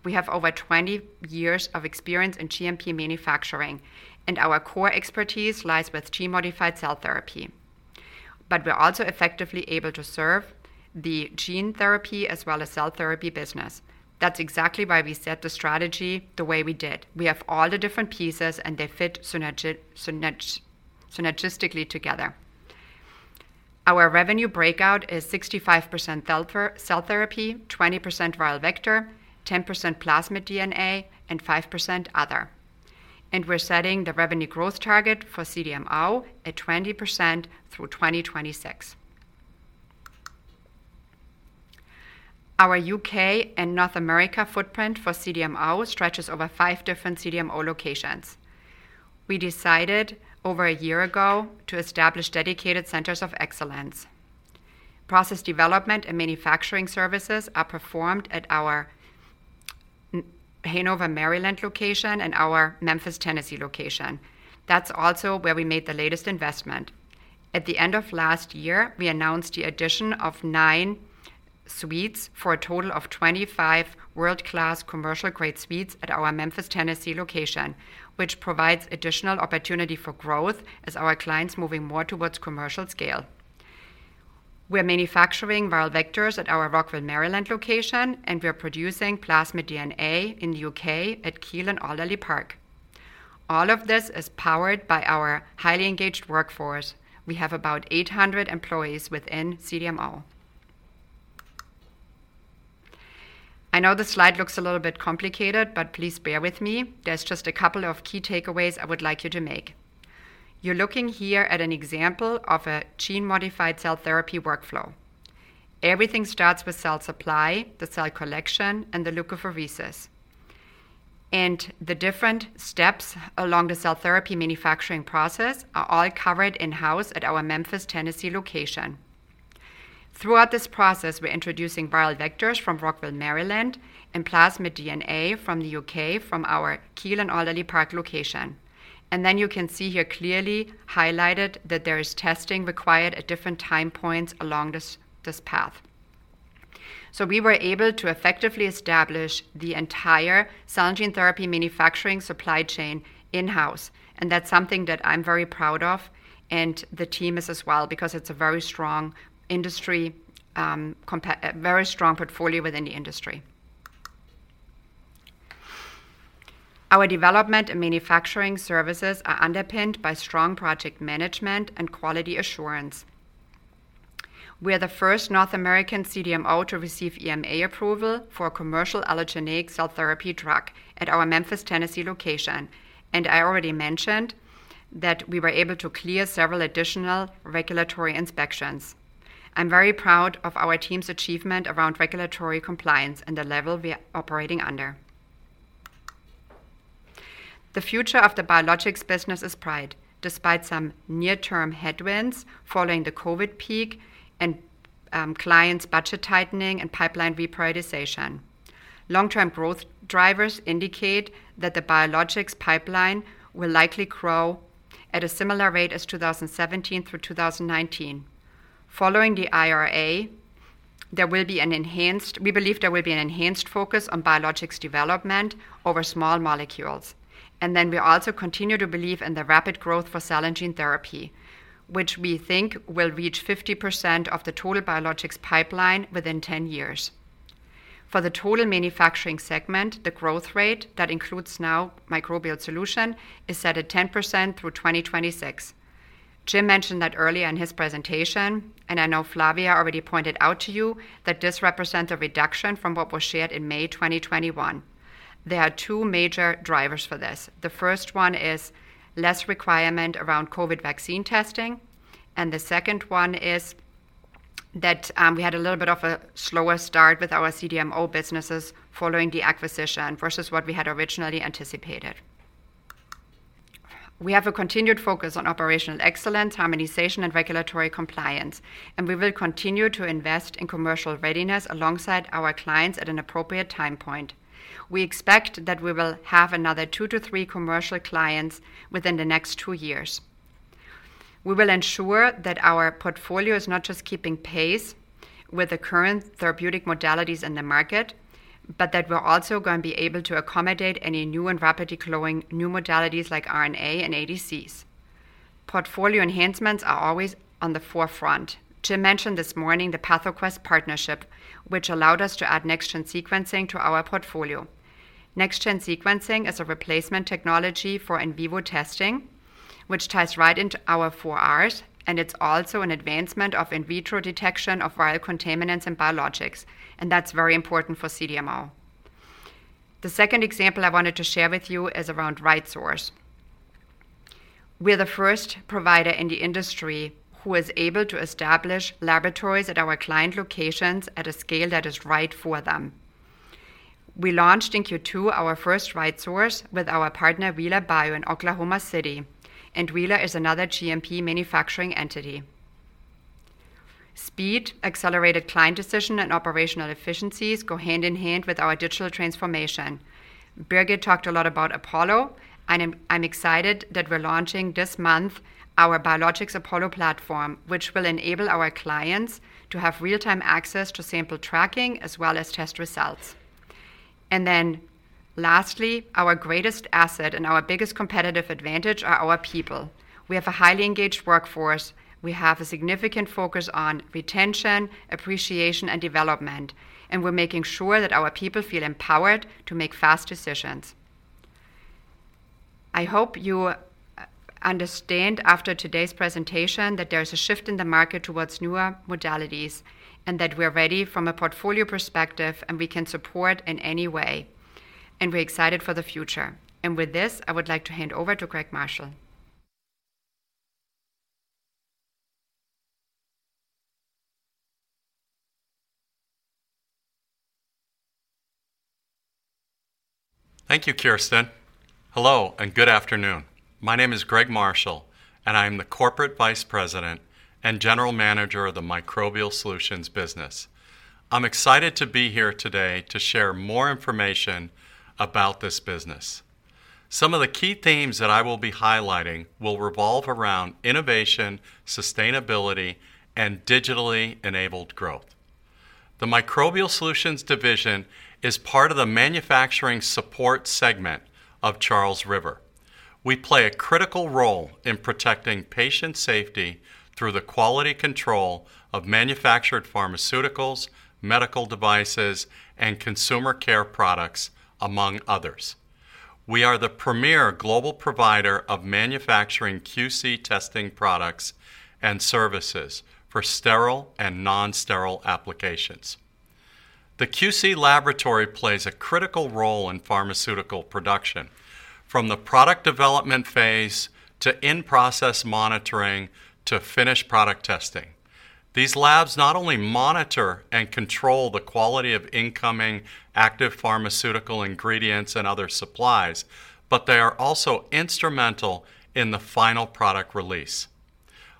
We have over 20 years of experience in GMP manufacturing, and our core expertise lies with gene-modified cell therapy, but we're also effectively able to serve the gene therapy as well as cell therapy business. That's exactly why we set the strategy the way we did. We have all the different pieces, and they fit synergistically together. Our revenue breakout is 65% cell... cell therapy, 20% viral vector, 10% plasmid DNA, and 5% other, and we're setting the revenue growth target for CDMO at 20% through 2026. Our UK and North America footprint for CDMO stretches over 5 different CDMO locations. We decided over a year ago to establish dedicated centers of excellence. Process development and manufacturing services are performed at our Hanover, Maryland, location and our Memphis, Tennessee, location. That's also where we made the latest investment. At the end of last year, we announced the addition of 9 suites for a total of 25 world-class commercial-grade suites at our Memphis, Tennessee, location, which provides additional opportunity for growth as our clients moving more towards commercial scale. We're manufacturing viral vectors at our Rockville, Maryland, location, and we're producing plasmid DNA in the UK at Keele and Alderley Park. All of this is powered by our highly engaged workforce. We have about 800 employees within CDMO. I know this slide looks a little bit complicated, but please bear with me. There's just a couple of key takeaways I would like you to make. You're looking here at an example of a gene-modified cell therapy workflow. Everything starts with cell supply, the cell collection, and the leukapheresis, and the different steps along the cell therapy manufacturing process are all covered in-house at our Memphis, Tennessee, location. Throughout this process, we're introducing viral vectors from Rockville, Maryland, and plasmid DNA from the UK, from our Keele and Alderley Park location. And then you can see here clearly highlighted that there is testing required at different time points along this, this path. So we were able to effectively establish the entire cell and gene therapy manufacturing supply chain in-house, and that's something that I'm very proud of and the team is as well because it's a very strong industry, a very strong portfolio within the industry. Our development and manufacturing services are underpinned by strong project management and quality assurance. We are the first North American CDMO to receive EMA approval for a commercial allogeneic cell therapy drug at our Memphis, Tennessee, location, and I already mentioned that we were able to clear several additional regulatory inspections. I'm very proud of our team's achievement around regulatory compliance and the level we are operating under. The future of the biologics business is bright, despite some near-term headwinds following the COVID peak and, clients' budget tightening and bipseline reprioritization. Long-term growth drivers indicate that the biologics bipseline will likely grow at a similar rate as 2017 through 2019. Following the IRA, there will be an enhanced—we believe there will be an enhanced focus on biologics development over small molecules, and we also continue to believe in the rapid growth for cell and gene therapy, which we think will reach 50% of the total biologics bipseline within 10 years. For the total manufacturing segment, the growth rate that includes now Microbial Solutions, is set at 10% through 2026. Jim mentioned that earlier in his presentation, and I know Flavia already pointed out to you that this represents a reduction from what was shared in May 2021. There are two major drivers for this. The first one is less requirement around COVID vaccine testing, and the second one is that, we had a little bit of a slower start with our CDMO businesses following the acquisition versus what we had originally anticipated. We have a continued focus on operational excellence, harmonization, and regulatory compliance, and we will continue to invest in commercial readiness alongside our clients at an appropriate time point. We expect that we will have another two to three commercial clients within the next two years. We will ensure that our portfolio is not just keeping pace with the current therapeutic modalities in the market, but that we're also going to be able to accommodate any new and rapidly growing new modalities like RNA and ADCs. Portfolio enhancements are always on the forefront. Jim mentioned this morning the PathoQuest partnership, which allowed us to add next-gen sequencing to our portfolio. Next-gen sequencing is a replacement technology for in vivo testing, which ties right into our 4Rs, and it's also an advancement of in vitro detection of viral contaminants and biologics, and that's very important for CDMO. The second example I wanted to share with you is around RightSource. We're the first provider in the industry who is able to establish laboratories at our client locations at a scale that is right for them. We launched in Q2 our first RightSource with our partner, Wheeler Bio, in Oklahoma City, and Wheeler is another GMP manufacturing entity. Speed, accelerated client decision, and operational efficiencies go hand in hand with our digital transformation. Birgit talked a lot about Apollo, and I'm, I'm excited that we're launching this month our Biologics Apollo platform, which will enable our clients to have real-time access to sample tracking as well as test results. And then lastly, our greatest asset and our biggest competitive advantage are our people. We have a highly engaged workforce. We have a significant focus on retention, appreciation, and development, and we're making sure that our people feel empowered to make fast decisions. I hope you understand after today's presentation that there's a shift in the market towards newer modalities, and that we're ready from a portfolio perspective, and we can support in any way, and we're excited for the future. And with this, I would like to hand over to Greg Marshall. Thank you, Kerstin. Hello, and good afternoon. My name is Greg Marshall, and I am the Corporate Vice President and General Manager of the Microbial Solutions business. I'm excited to be here today to share more information about this business. Some of the key themes that I will be highlighting will revolve around innovation, sustainability, and digitally enabled growth. The Microbial Solutions division is part of the Manufacturing Support segment of Charles River. We play a critical role in protecting patient safety through the quality control of manufactured pharmaceuticals, medical devices, and consumer care products, among others. We are the premier global provider of manufacturing QC testing products and services for sterile and non-sterile applications. The QC laboratory plays a critical role in pharmaceutical production, from the product development phase to in-process monitoring to finished product testing. These labs not only monitor and control the quality of incoming active pharmaceutical ingredients and other supplies, but they are also instrumental in the final product release.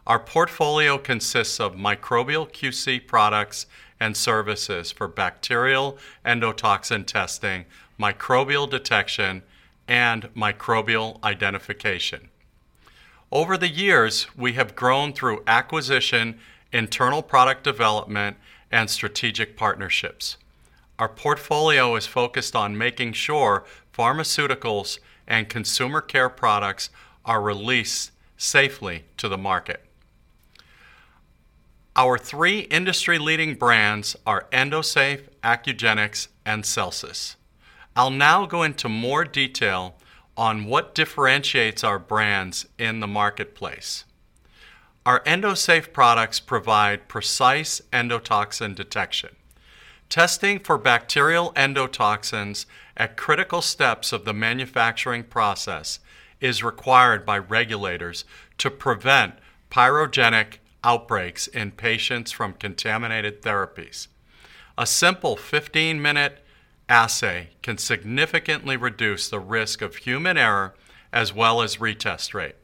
Our portfolio consists of microbial QC products and services for bacterial endotoxin testing, microbial detection, and microbial identification. Over the years, we have grown through acquisition, internal product development, and strategic partnerships. Our portfolio is focused on making sure pharmaceuticals and consumer care products are released safely to the market. Our three industry-leading brands are Endosafe, Accugenix, and Celsis. I'll now go into more detail on what differentiates our brands in the marketplace. Our Endosafe products provide precise endotoxin detection. Testing for bacterial endotoxins at critical steps of the manufacturing process is required by regulators to prevent pyrogenic outbreaks in patients from contaminated therapies. A simple 15-minute assay can significantly reduce the risk of human error, as well as retest rate.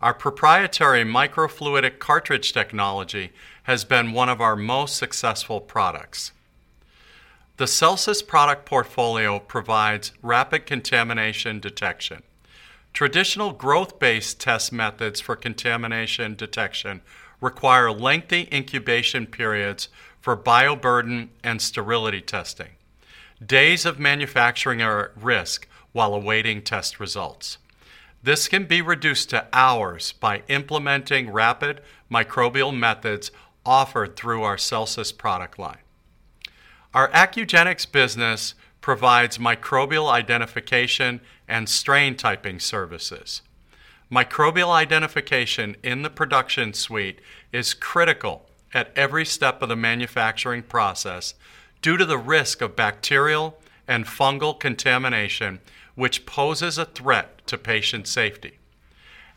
Our proprietary microfluidic cartridge technology has been one of our most successful products. The Celsis product portfolio provides rapid contamination detection. Traditional growth-based test methods for contamination detection require lengthy incubation periods for bioburden and sterility testing. Days of manufacturing are at risk while awaiting test results. This can be reduced to hours by implementing rapid microbial methods offered through our Celsis product line. Our Accugenix business provides microbial identification and strain typing services. Microbial identification in the production suite is critical at every step of the manufacturing process due to the risk of bacterial and fungal contamination, which poses a threat to patient safety.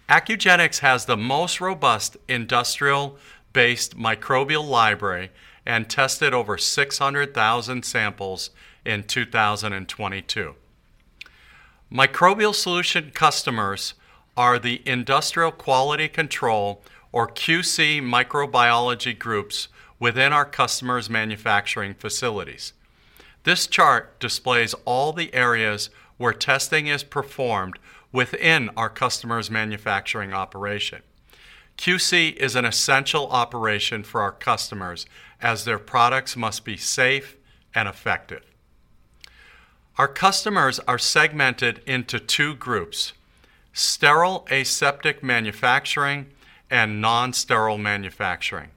Accugenix has the most robust industrial-based microbial library and tested over 600,000 samples in 2022. Microbial Solutions customers are the industrial quality control or QC microbiology groups within our customers' manufacturing facilities. This chart displays all the areas where testing is performed within our customers' manufacturing operation. QC is an essential operation for our customers, as their products must be safe and effective. Our customers are segmented into two groups: sterile aseptic manufacturing and non-sterile manufacturing.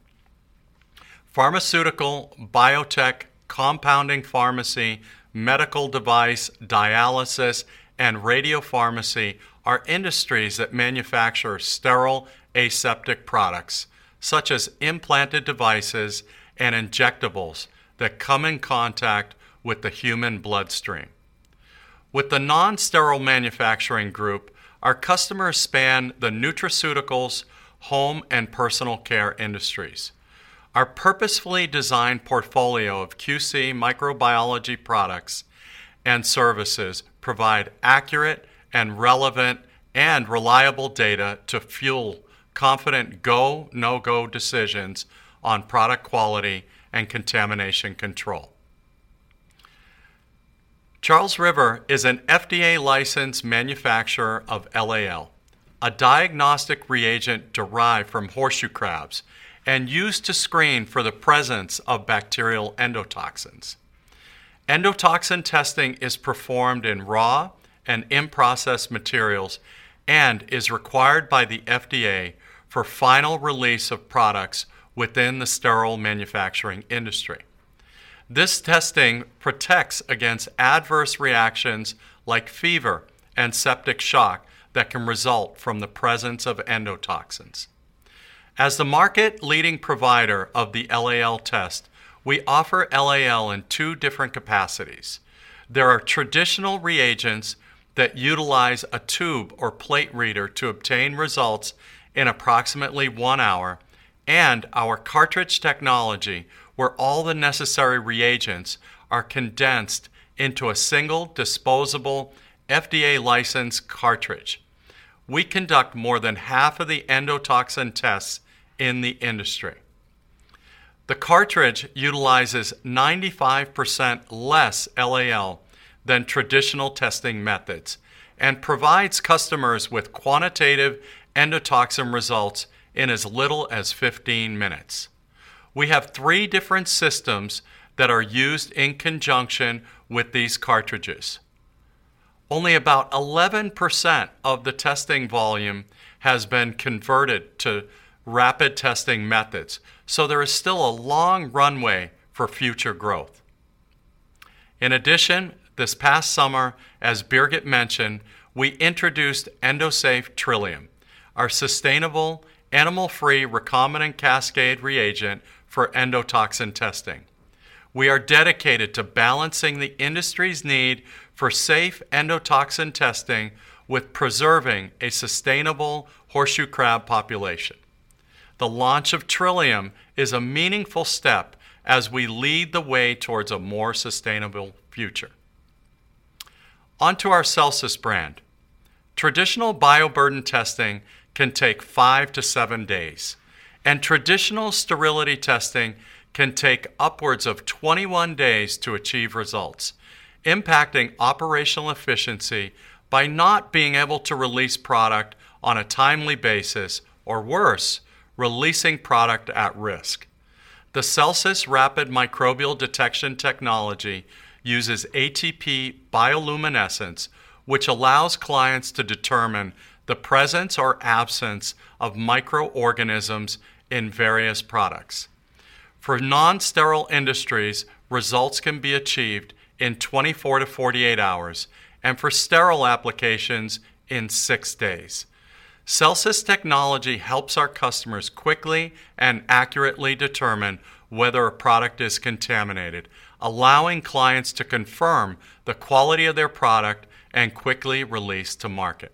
Pharmaceutical, biotech, compounding pharmacy, medical device, dialysis, and radiopharmacy are industries that manufacture sterile aseptic products, such as implanted devices and injectables that come in contact with the human bloodstream. With the non-sterile manufacturing group, our customers span the nutraceuticals, home, and personal care industries. Our purposefully designed portfolio of QC microbiology products and services provide accurate and relevant and reliable data to fuel confident go, no-go decisions on product quality and contamination control. Charles River is an FDA-licensed manufacturer of LAL, a diagnostic reagent derived from horseshoe crabs and used to screen for the presence of bacterial endotoxins. Endotoxin testing is performed in raw and in-process materials and is required by the FDA for final release of products within the sterile manufacturing industry. This testing protects against adverse reactions like fever and septic shock that can result from the presence of endotoxins. As the market-leading provider of the LAL test, we offer LAL in two different capacities. There are traditional reagents that utilize a tube or plate reader to obtain results in approximately 1 hour, and our cartridge technology, where all the necessary reagents are condensed into a single, disposable, FDA-licensed cartridge. We conduct more than half of the endotoxin tests in the industry. The cartridge utilizes 95% less LAL than traditional testing methods and provides customers with quantitative endotoxin results in as little as 15 minutes. We have 3 different systems that are used in conjunction with these cartridges. Only about 11% of the testing volume has been converted to rapid testing methods, so there is still a long runway for future growth. In addition, this past summer, as Birgit mentioned, we introduced Endosafe Trillium, our sustainable animal-free recombinant cascade reagent for endotoxin testing. We are dedicated to balancing the industry's need for safe endotoxin testing with preserving a sustainable horseshoe crab population. The launch of Trillium is a meaningful step as we lead the way towards a more sustainable future. Onto our Celsis brand. Traditional bioburden testing can take 5-7 days, and traditional sterility testing can take upwards of 21 days to achieve results, impacting operational efficiency by not being able to release product on a timely basis, or worse, releasing product at risk. The Celsis rapid microbial detection technology uses ATP bioluminescence, which allows clients to determine the presence or absence of microorganisms in various products. For non-sterile industries, results can be achieved in 24-48 hours, and for sterile applications, in 6 days. Celsis technology helps our customers quickly and accurately determine whether a product is contaminated, allowing clients to confirm the quality of their product and quickly release to market.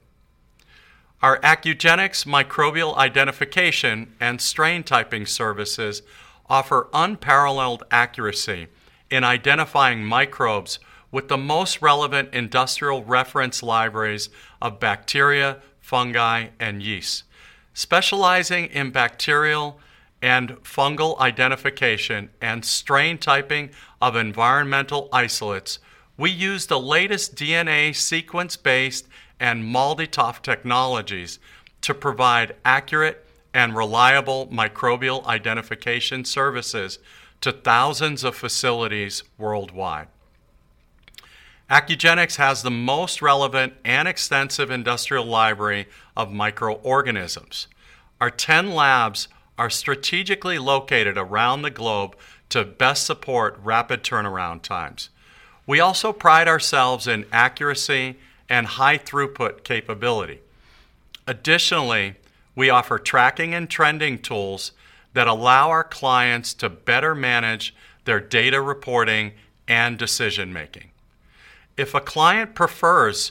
Our Accugenix microbial identification and strain typing services offer unparalleled accuracy in identifying microbes with the most relevant industrial reference libraries of bacteria, fungi, and yeast. Specializing in bacterial and fungal identification and strain typing of environmental isolates, we use the latest DNA sequence-based and MALDI-TOF technologies to provide accurate and reliable microbial identification services to thousands of facilities worldwide. Accugenix has the most relevant and extensive industrial library of microorganisms. Our 10 labs are strategically located around the globe to best support rapid turnaround times. We also pride ourselves in accuracy and high throughput capability. Additionally, we offer tracking and trending tools that allow our clients to better manage their data reporting and decision making. If a client prefers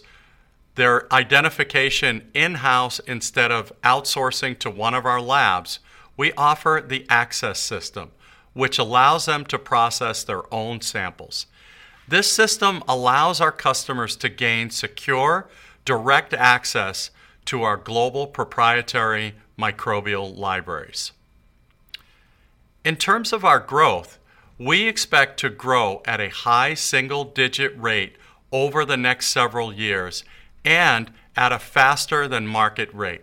their identification in-house instead of outsourcing to one of our labs, we offer the Accugenix system, which allows them to process their own samples. This system allows our customers to gain secure, direct access to our global proprietary microbial libraries. In terms of our growth, we expect to grow at a high single-digit rate over the next several years and at a faster-than-market rate.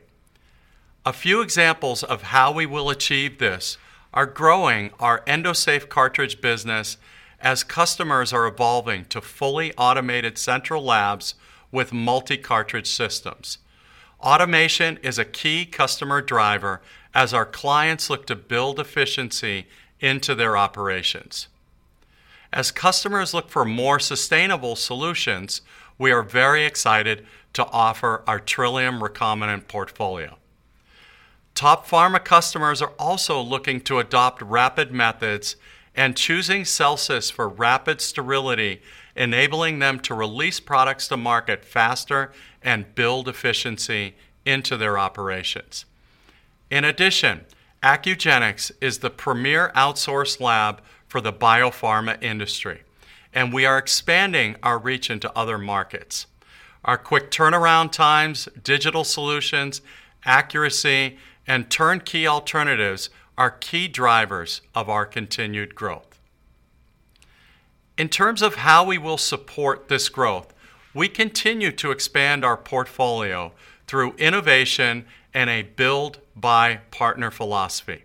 A few examples of how we will achieve this are growing our Endosafe cartridge business as customers are evolving to fully automated central labs with multi-cartridge systems. Automation is a key customer driver as our clients look to build efficiency into their operations. As customers look for more sustainable solutions, we are very excited to offer our Trillium recombinant portfolio. Top pharma customers are also looking to adopt rapid methods and choosing Celsis for rapid sterility, enabling them to release products to market faster and build efficiency into their operations. In addition, Accugenix is the premier outsource lab for the biopharma industry, and we are expanding our reach into other markets. Our quick turnaround times, digital solutions, accuracy, and turnkey alternatives are key drivers of our continued growth. In terms of how we will support this growth, we continue to expand our portfolio through innovation and a build-by-partner philosophy.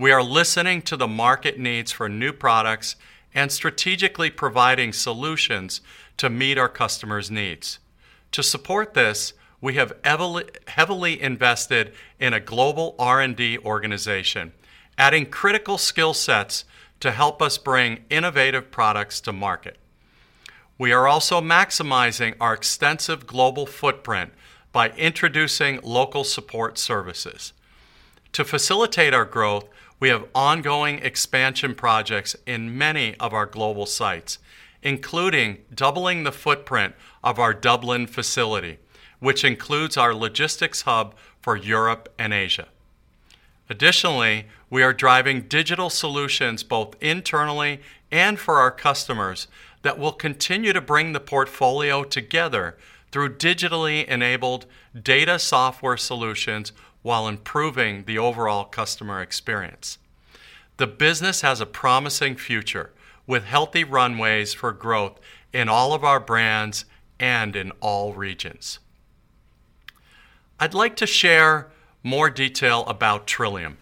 We are listening to the market needs for new products and strategically providing solutions to meet our customers' needs. To support this, we have heavily invested in a global R&D organization, adding critical skill sets to help us bring innovative products to market. We are also maximizing our extensive global footprint by introducing local support services. To facilitate our growth, we have ongoing expansion projects in many of our global sites, including doubling the footprint of our Dublin facility, which includes our logistics hub for Europe and Asia. Additionally, we are driving digital solutions, both internally and for our customers, that will continue to bring the portfolio together through digitally enabled data software solutions while improving the overall customer experience. The business has a promising future, with healthy runways for growth in all of our brands and in all regions. I'd like to share more detail about Trillium.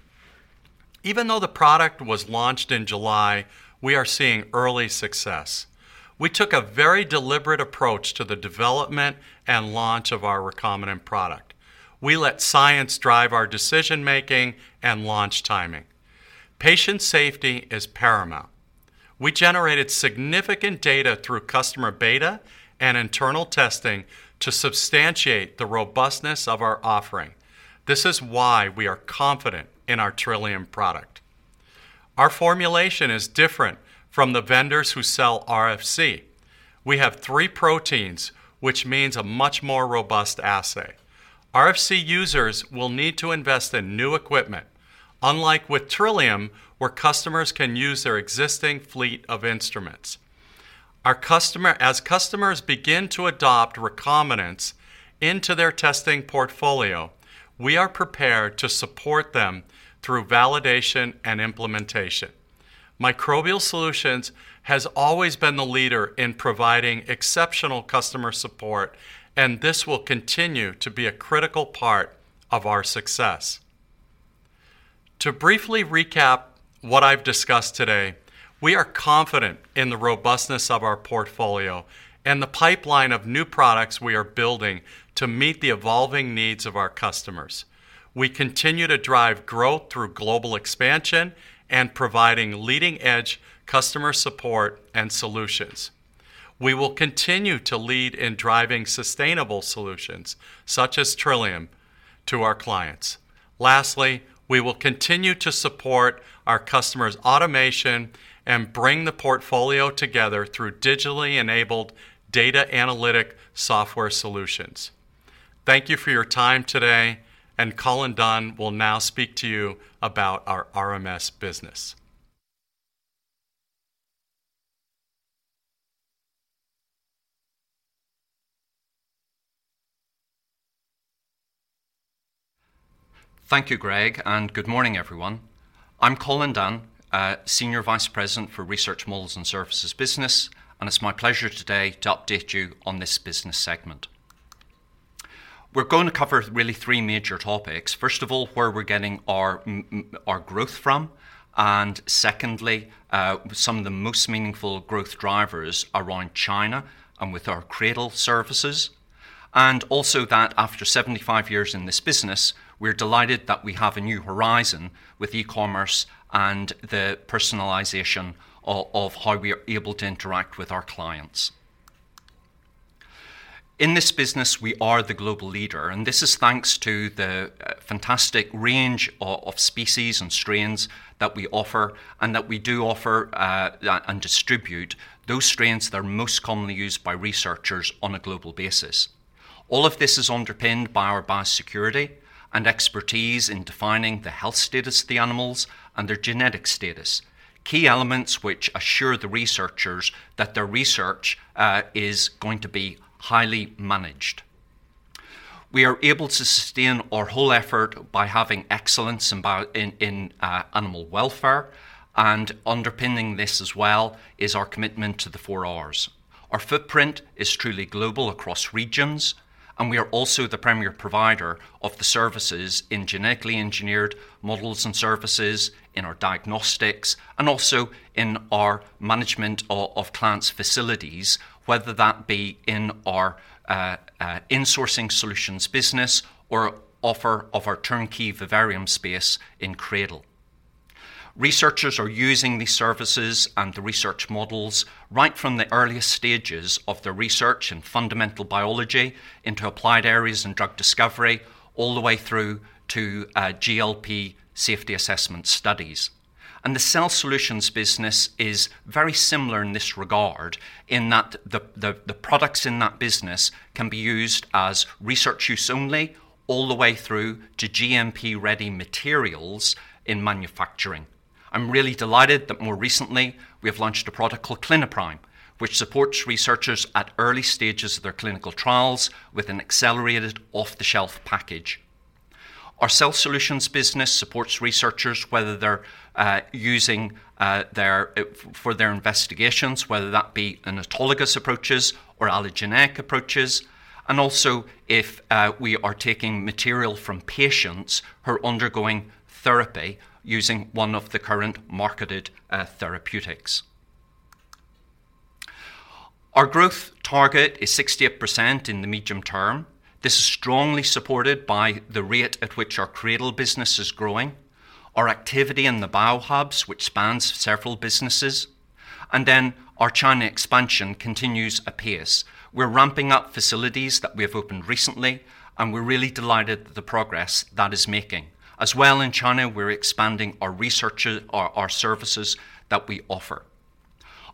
Even though the product was launched in July, we are seeing early success. We took a very deliberate approach to the development and launch of our recombinant product. We let science drive our decision making and launch timing. Patient safety is paramount. We generated significant data through customer beta and internal testing to substantiate the robustness of our offering. This is why we are confident in our Trillium product. Our formulation is different from the vendors who sell RFC. We have three proteins, which means a much more robust assay. RFC users will need to invest in new equipment, unlike with Trillium, where customers can use their existing fleet of instruments. As customers begin to adopt recombinants into their testing portfolio, we are prepared to support them through validation and implementation. Microbial Solutions has always been the leader in providing exceptional customer support, and this will continue to be a critical part of our success. To briefly recap what I've discussed today, we are confident in the robustness of our portfolio and the bipseline of new products we are building to meet the evolving needs of our customers. We continue to drive growth through global expansion and providing leading-edge customer support and solutions. We will continue to lead in driving sustainable solutions, such as Trillium, to our clients. Lastly, we will continue to support our customers' automation and bring the portfolio together through digitally enabled data analytic software solutions. Thank you for your time today, and Colin Dunn will now speak to you about our RMS business. Thank you, Greg, and good morning, everyone. I'm Colin Dunn, Senior Vice President for Research Models and Services Business, and it's my pleasure today to update you on this business segment. We're going to cover really three major topics. First of all, where we're getting our our growth from, and secondly, some of the most meaningful growth drivers around China and with our CRADL services. And also that after 75 years in this business, we're delighted that we have a new horizon with e-commerce and the personalization of how we are able to interact with our clients. In this business, we are the global leader, and this is thanks to the fantastic range of species and strains that we offer, and that we do offer, and distribute those strains that are most commonly used by researchers on a global basis. All of this is underpinned by our bio security and expertise in defining the health status of the animals and their genetic status, key elements which assure the researchers that their research is going to be highly managed. We are able to sustain our whole effort by having excellence in animal welfare, and underpinning this as well is our commitment to the 4Rs. Our footprint is truly global across regions, and we are also the premier provider of the services in genetically engineered models and services, in our diagnostics, and also in our management of clients' facilities, whether that be in our Insourcing Solutions business or offer of our turnkey vivarium space in CRADL. Researchers are using these services and the research models right from the earliest stages of their research in fundamental biology, into applied areas in drug discovery, all the way through to GLP safety assessment studies. The Cell Solutions business is very similar in this regard, in that the products in that business can be used as research use only, all the way through to GMP-ready materials in manufacturing. I'm really delighted that more recently, we have launched a product called CliniPrime, which supports researchers at early stages of their clinical trials with an accelerated off-the-shelf package. Our Cell Solutions business supports researchers, whether they're using their for their investigations, whether that be autologous approaches or allogeneic approaches, and also if we are taking material from patients who are undergoing therapy using one of the current marketed therapeutics. Our growth target is 68% in the medium term. This is strongly supported by the rate at which our CRADL business is growing, our activity in the Biohubs, which spans several businesses, and then our China expansion continues apace. We're ramping up facilities that we have opened recently, and we're really delighted with the progress that is making. As well, in China, we're expanding our research, our services that we offer.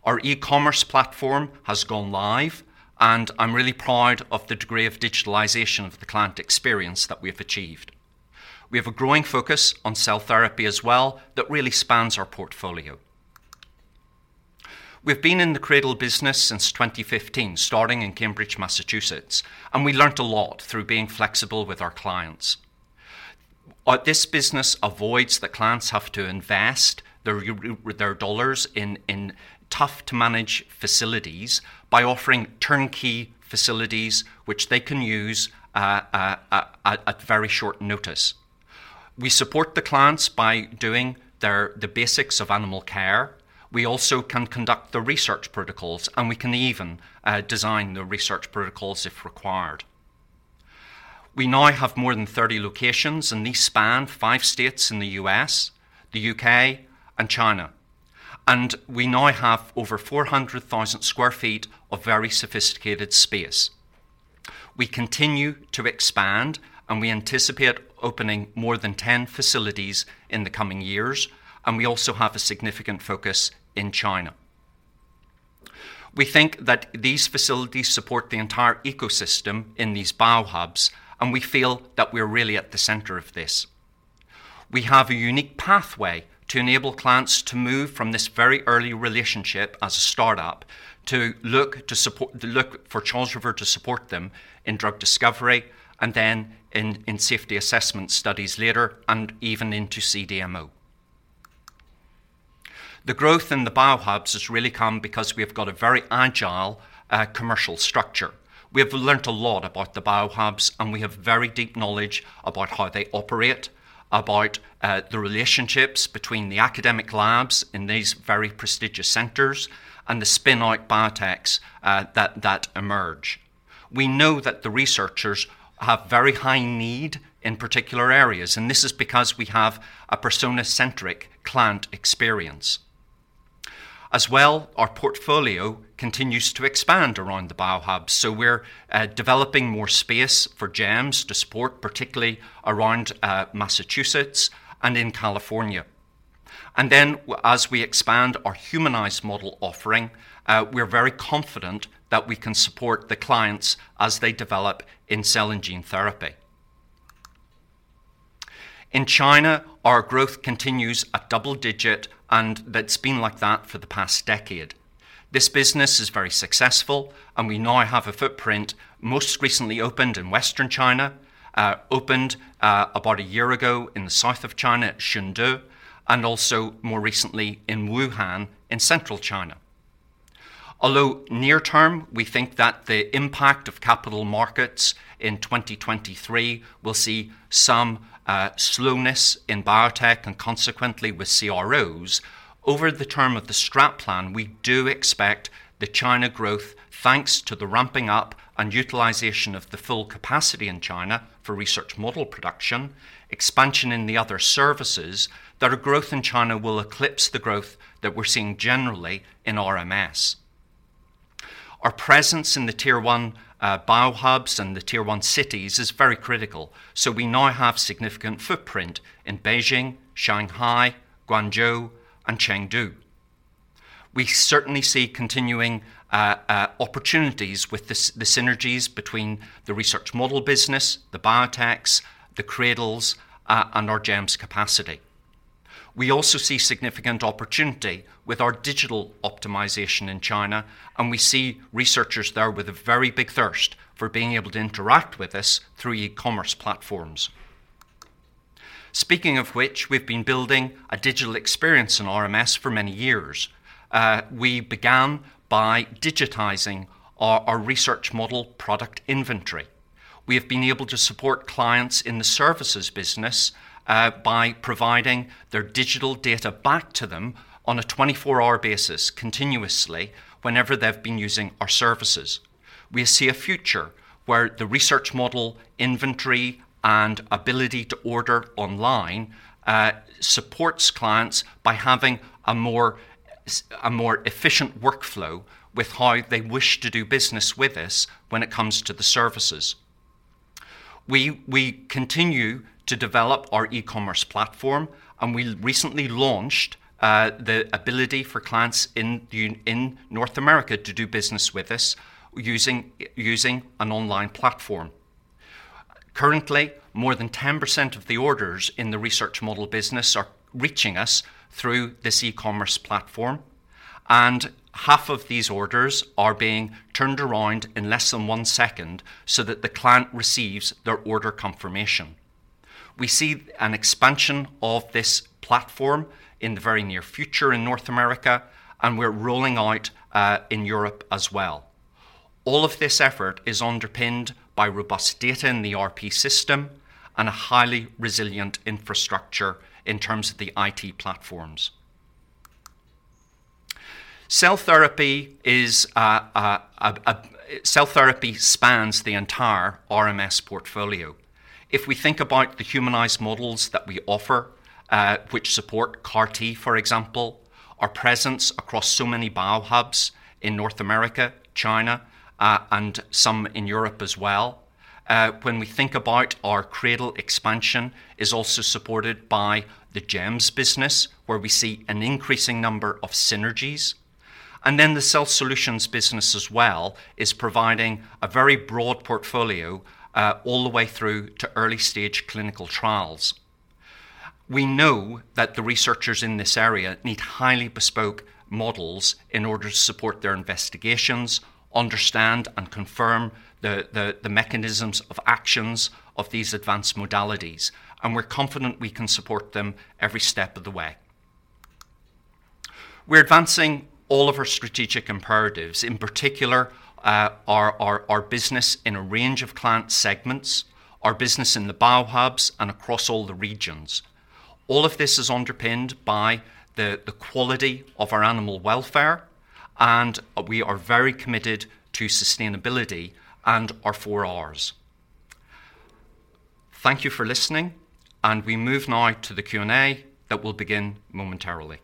Our e-commerce platform has gone live, and I'm really proud of the degree of digitalization of the client experience that we have achieved. We have a growing focus on cell therapy as well that really spans our portfolio. We've been in the CRADL business since 2015, starting in Cambridge, Massachusetts, and we learned a lot through being flexible with our clients. This business avoids the clients have to invest their dollars in tough to manage facilities by offering turnkey facilities which they can use at very short notice. We support the clients by doing their the basics of animal care. We also can conduct the research protocols, and we can even design the research protocols if required. We now have more than 30 locations, and these span 5 states in the U.S., the U.K., and China, and we now have over 400,000 sq ft of very sophisticated space. We continue to expand, and we anticipate opening more than 10 facilities in the coming years, and we also have a significant focus in China. We think that these facilities support the entire ecosystem in these Biohubs, and we feel that we are really at the center of this. We have a unique pathway to enable clients to move from this very early relationship as a start-up, to look for Charles River to support them in drug discovery and then in safety assessment studies later and even into CDMO. The growth in the Biohubs has really come because we have got a very agile commercial structure. We have learned a lot about the Biohubs, and we have very deep knowledge about how they operate, about the relationships between the academic labs in these very prestigious centers and the spin-out biotechs that emerge. We know that the researchers have very high need in particular areas, and this is because we have a persona-centric client experience. As well, our portfolio continues to expand around the Biohubs, so we're developing more space for GEMS to support, particularly around Massachusetts and in California. As we expand our humanized model offering, we're very confident that we can support the clients as they develop in cell and gene therapy. In China, our growth continues at double digit, and that's been like that for the past decade. This business is very successful, and we now have a footprint most recently opened in Western China, opened about a year ago in the south of China at Chengdu, and also more recently in Wuhan, in central China. Although near term, we think that the impact of capital markets in 2023 will see some slowness in biotech and consequently with CROs. Over the term of the strategic plan, we do expect the China growth, thanks to the ramping up and utilization of the full capacity in China for research model production, expansion in the other services, that our growth in China will eclipse the growth that we're seeing generally in RMS. Our presence in the Tier 1 Biohubs and the Tier 1 cities is very critical, so we now have significant footprint in Beijing, Shanghai, Guangzhou, and Chengdu. We certainly see continuing opportunities with the synergies between the research model business, the biotechs, the CRADLs, and our GEMS capacity. We also see significant opportunity with our digital optimization in China, and we see researchers there with a very big thirst for being able to interact with us through e-commerce platforms. Speaking of which, we've been building a digital experience in RMS for many years. We began by digitizing our research model product inventory. We have been able to support clients in the services business by providing their digital data back to them on a 24-hour basis, continuously, whenever they've been using our services. We see a future where the research model inventory and ability to order online supports clients by having a more efficient workflow with how they wish to do business with us when it comes to the services. We continue to develop our e-commerce platform, and we recently launched the ability for clients in North America to do business with us using an online platform. Currently, more than 10% of the orders in the research model business are reaching us through this e-commerce platform, and half of these orders are being turned around in less than one second so that the client receives their order confirmation. We see an expansion of this platform in the very near future in North America, and we're rolling out in Europe as well. All of this effort is underpinned by robust data in the ERP system and a highly resilient infrastructure in terms of the IT platforms. Cell therapy is, cell therapy spans the entire RMS portfolio. If we think about the humanized models that we offer, which support CAR T, for example, our presence across so many Biohubs in North America, China, and some in Europe as well. When we think about our CRADL expansion is also supported by the GEMS business, where we see an increasing number of synergies, and then the Cell Solutions business as well is providing a very broad portfolio, all the way through to early stage clinical trials. We know that the researchers in this area need highly bespoke models in order to support their investigations, understand and confirm the mechanisms of actions of these advanced modalities, and we're confident we can support them every step of the way. We're advancing all of our strategic imperatives, in particular, our business in a range of client segments, our business in the Biohubs and across all the regions. All of this is underpinned by the quality of our animal welfare, and we are very committed to sustainability and our 4Rs. Thank you for listening, and we move now to the Q&A that will begin momentarily. ...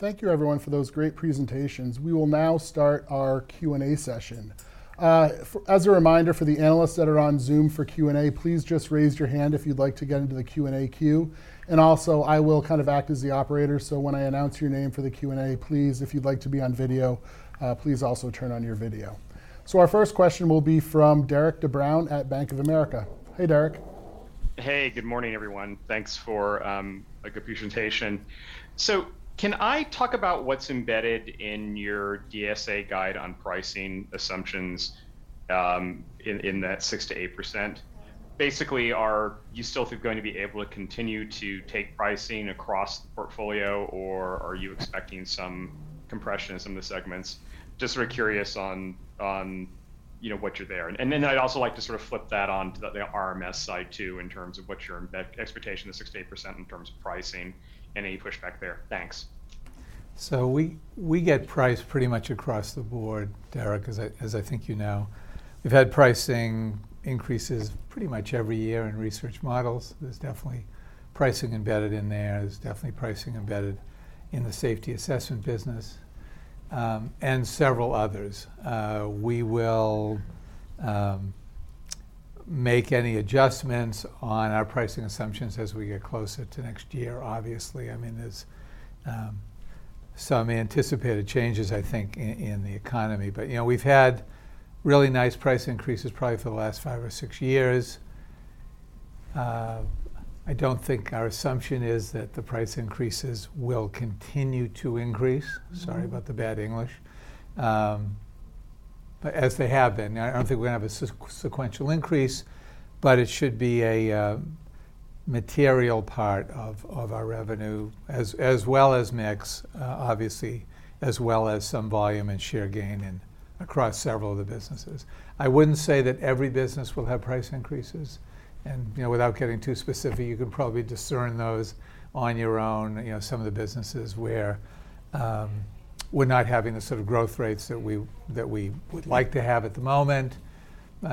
Thank you everyone for those great presentations. We will now start our Q&A session. As a reminder for the analysts that are on Zoom for Q&A, please just raise your hand if you'd like to get into the Q&A queue. I will kind of act as the operator, so when I announce your name for the Q&A, please, if you'd like to be on video, please also turn on your video. So our first question will be from Derik DeBruin at Bank of America. Hey, Derik. Hey, good morning, everyone. Thanks for a good presentation. So can I talk about what's embedded in your DSA guide on pricing assumptions in that 6%-8%? Basically, are you still going to be able to continue to take pricing across the portfolio, or are you expecting some compression in some of the segments? Just sort of curious on what you're there. And then I'd also like to sort of flip that on to the RMS side, too, in terms of what's your expectation of 6%-8% in terms of pricing and any pushback there. Thanks. So we get priced pretty much across the board, Derik, as I think you know. We've had pricing increases pretty much every year in research models. There's definitely pricing embedded in there. There's definitely pricing embedded in the safety assessment business, and several others. We will make any adjustments on our pricing assumptions as we get closer to next year, obviously. I mean, there's some anticipated changes, I think, in the economy. But, you know, we've had really nice price increases probably for the last five or six years. I don't think our assumption is that the price increases will continue to increase, sorry about the bad English, but as they have been. I don't think we're going to have a sequential increase, but it should be a material part of our revenue, as well as mix, obviously, as well as some volume and share gain across several of the businesses. I wouldn't say that every business will have price increases, and, you know, without getting too specific, you can probably discern those on your own. You know, some of the businesses where we're not having the sort of growth rates that we, that we- Mm-hmm... would like to have at the moment,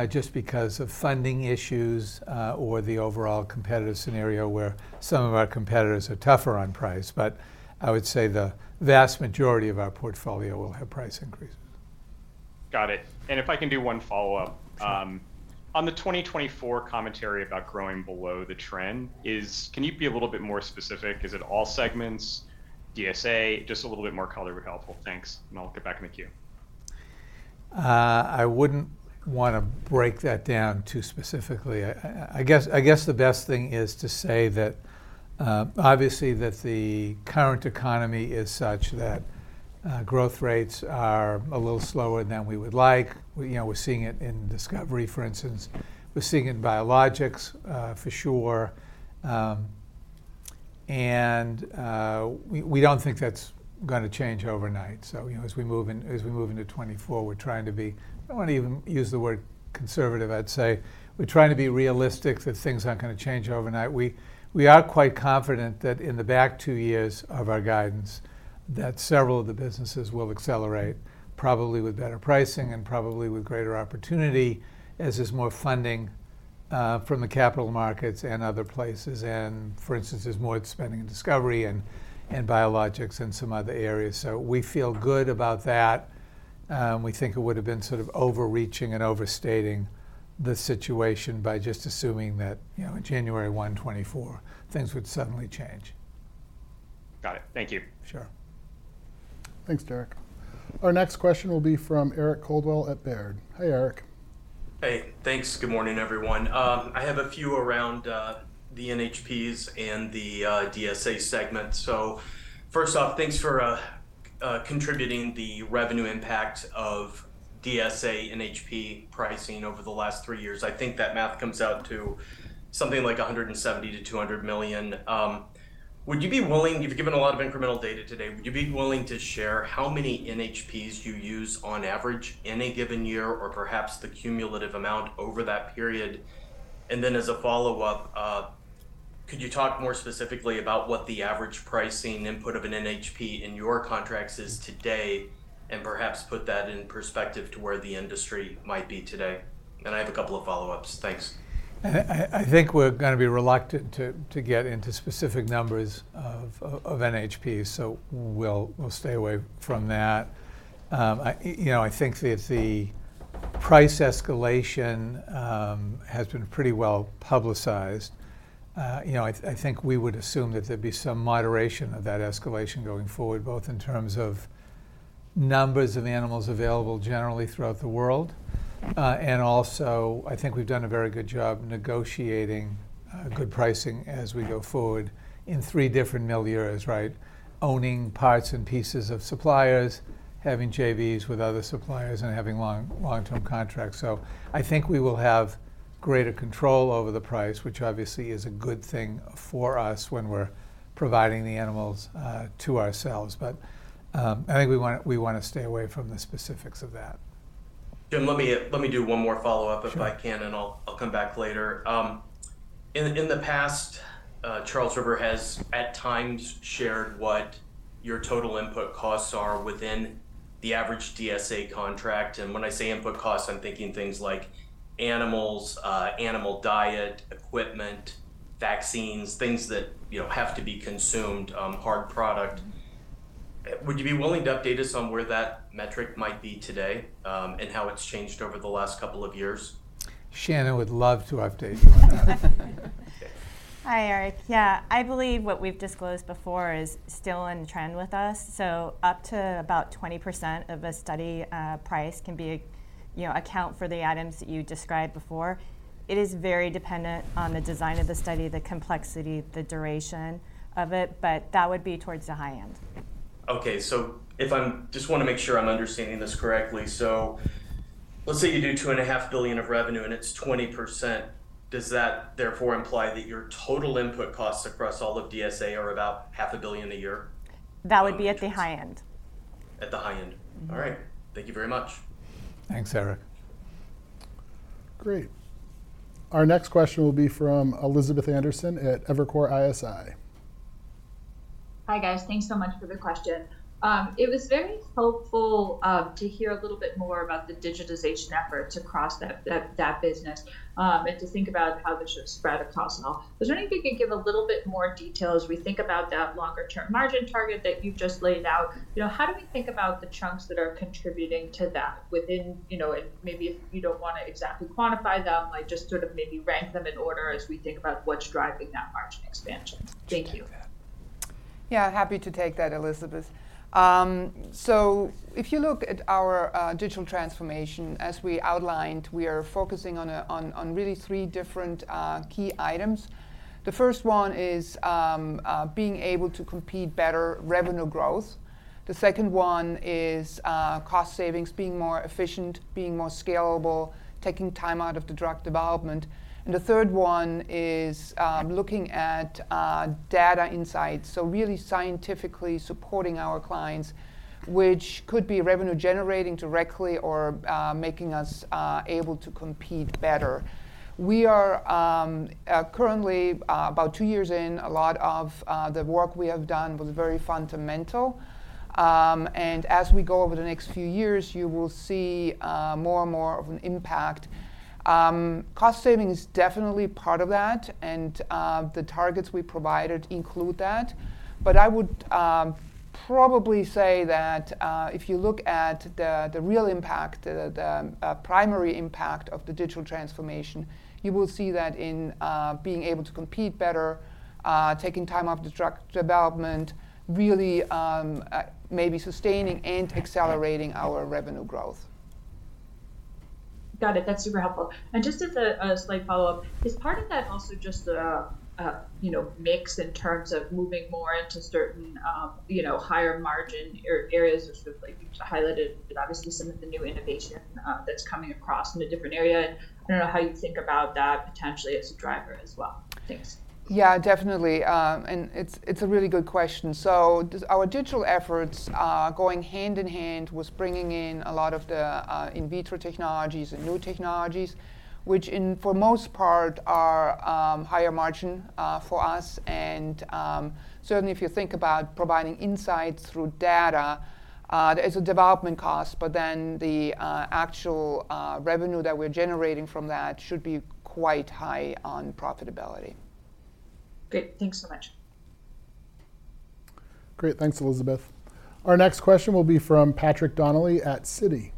just because of funding issues, or the overall competitive scenario where some of our competitors are tougher on price. But I would say the vast majority of our portfolio will have price increases. Got it. And if I can do one follow-up. Sure. On the 2024 commentary about growing below the trend, can you be a little bit more specific? Is it all segments, DSA? Just a little bit more color would be helpful. Thanks, and I'll get back in the queue. I wouldn't want to break that down too specifically. I guess the best thing is to say that, obviously, that the current economy is such that growth rates are a little slower than we would like. You know, we're seeing it in discovery, for instance. We're seeing it in biologics, for sure. And we don't think that's going to change overnight. So, you know, as we move in, as we move into 2024, we're trying to be... I wouldn't even use the word conservative. I'd say we're trying to be realistic that things aren't going to change overnight. We are quite confident that in the back two years of our guidance, that several of the businesses will accelerate, probably with better pricing and probably with greater opportunity, as is more funding from the capital markets and other places. For instance, there's more spending in discovery and biologics and some other areas. We feel good about that. We think it would have been sort of overreaching and overstating the situation by just assuming that, you know, in January 1, 2024, things would suddenly change. Got it. Thank you. Sure. Thanks, Derik. Our next question will be from Eric Coldwell at Baird. Hi, Eric. Hey, thanks. Good morning, everyone. I have a few around the NHPs and the DSA segment. So first off, thanks for contributing the revenue impact of DSA NHP pricing over the last three years. I think that math comes out to something like $170-$200 million. Would you be willing—you've given a lot of incremental data today, would you be willing to share how many NHPs you use on average in a given year, or perhaps the cumulative amount over that period? And then, as a follow-up, could you talk more specifically about what the average pricing input of an NHP in your contracts is today, and perhaps put that in perspective to where the industry might be today? And I have a couple of follow-ups. Thanks. I think we're going to be reluctant to get into specific numbers of NHPs, so we'll stay away from that. You know, I think that the price escalation has been pretty well publicized. You know, I think we would assume that there'd be some moderation of that escalation going forward, both in terms of numbers of animals available generally throughout the world. And also, I think we've done a very good job negotiating good pricing as we go forward in three different milieus, right? Owning parts and pieces of suppliers, having JVs with other suppliers, and having long-term contracts. So I think we will have greater control over the price, which obviously is a good thing for us when we're providing the animals to ourselves. But, I think we wanna stay away from the specifics of that. Jim, let me do one more follow-up- Sure If I can, and I'll come back later. In the past, Charles River has, at times, shared what your total input costs are within the average DSA contract, and when I say input costs, I'm thinking things like animals, animal diet, equipment, vaccines, things that, you know, have to be consumed, hard product. Would you be willing to update us on where that metric might be today, and how it's changed over the last couple of years? Shannon would love to update you on that. Hi, Eric. Yeah, I believe what we've disclosed before is still in trend with us. So up to about 20% of a study price can be, you know, account for the items that you described before. It is very dependent on the design of the study, the complexity, the duration of it, but that would be towards the high end. Okay. So if I'm just wanna make sure I'm understanding this correctly. So let's say you do $2.5 billion of revenue, and it's 20%. Does that therefore imply that your total input costs across all of DSA are about $0.5 billion a year? That would be at the high end. At the high end? Mm-hmm. All right. Thank you very much. Thanks, Eric. Great. Our next question will be from Elizabeth Anderson at Evercore ISI. Hi, guys. Thanks so much for the question. It was very helpful to hear a little bit more about the digitization efforts across that business, and to think about how this should spread across and all. Was there anything you could give a little bit more detail as we think about that longer-term margin target that you've just laid out? You know, how do we think about the chunks that are contributing to that within... You know, and maybe if you don't wanna exactly quantify them, like, just sort of maybe rank them in order as we think about what's driving that margin expansion. Thank you. Yeah, happy to take that, Elizabeth. So if you look at our digital transformation, as we outlined, we are focusing on really three different key items. The first one is being able to compete better, revenue growth. The second one is cost savings, being more efficient, being more scalable, taking time out of the drug development, and the third one is looking at data insights, so really scientifically supporting our clients, which could be revenue generating directly or making us able to compete better. We are currently about two years in. A lot of the work we have done was very fundamental, and as we go over the next few years, you will see more and more of an impact. Cost saving is definitely part of that, and the targets we provided include that. But I would probably say that if you look at the real impact, the primary impact of the digital transformation, you will see that in being able to compete better, taking time off the drug development, really maybe sustaining and accelerating our revenue growth. Got it. That's super helpful. And just as a slight follow-up, is part of that also just a you know mix in terms of moving more into certain you know higher margin areas, which was like highlighted, but obviously some of the new innovation that's coming across in a different area? I don't know how you think about that potentially as a driver as well. Thanks. Yeah, definitely, and it's, it's a really good question. So our digital efforts are going hand in hand with bringing in a lot of the in vitro technologies and new technologies, which in, for the most part, are higher margin for us and certainly if you think about providing insights through data, there's a development cost, but then the actual revenue that we're generating from that should be quite high on profitability. Great. Thanks so much. Great. Thanks, Elizabeth. Our next question will be from Patrick Donnelly at Citi.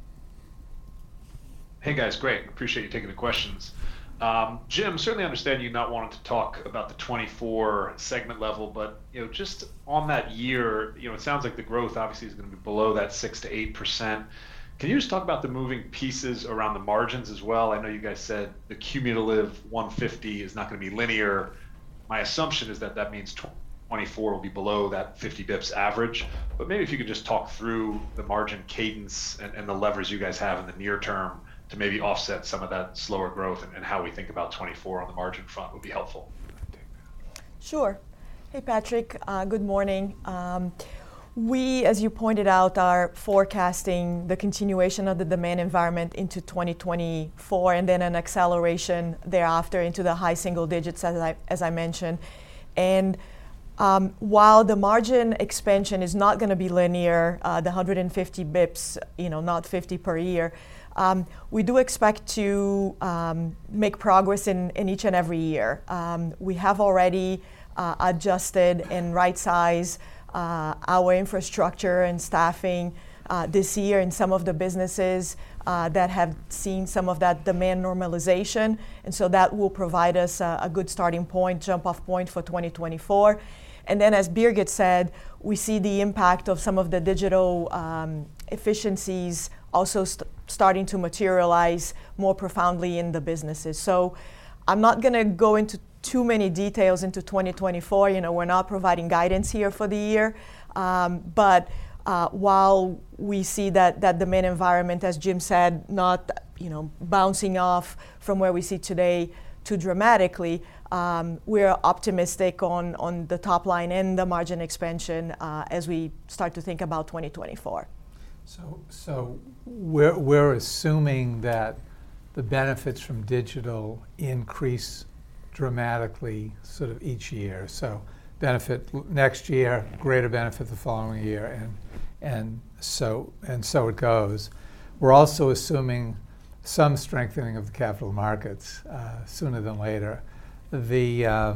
Hey, guys, great. Appreciate you taking the questions. Jim, certainly understand you not wanting to talk about the 2024 segment level, but you know, just on that year, you know, it sounds like the growth obviously is gonna be below that 6%-8%. Can you just talk about the moving pieces around the margins as well? I know you guys said the cumulative 150 is not gonna be linear. My assumption is that that means 2024 will be below that 50 basis points average. Maybe if you could just talk through the margin cadence and the levers you guys have in the near term to maybe offset some of that slower growth and how we think about 2024 on the margin front would be helpful. Sure. Hey, Patrick, good morning. We, as you pointed out, are forecasting the continuation of the demand environment into 2024 and then an acceleration thereafter into the high single digits, as I mentioned. While the margin expansion is not gonna be linear, the 150 basis points, you know, not 50 per year, we do expect to make progress in each and every year. We have already adjusted and right-sized our infrastructure and staffing this year in some of the businesses that have seen some of that demand normalization, and so that will provide us a good starting point, jump-off point for 2024.... And then, as Birgit said, we see the impact of some of the digital efficiencies also starting to materialize more profoundly in the businesses. So I'm not going to go into too many details into 2024. You know, we're not providing guidance here for the year. But while we see that the main environment, as Jim said, not, you know, bouncing off from where we see today too dramatically, we are optimistic on the top line and the margin expansion as we start to think about 2024. So we're assuming that the benefits from digital increase dramatically, sort of each year. So benefit next year, greater benefit the following year, and so it goes. We're also assuming some strengthening of the capital markets, sooner than later. The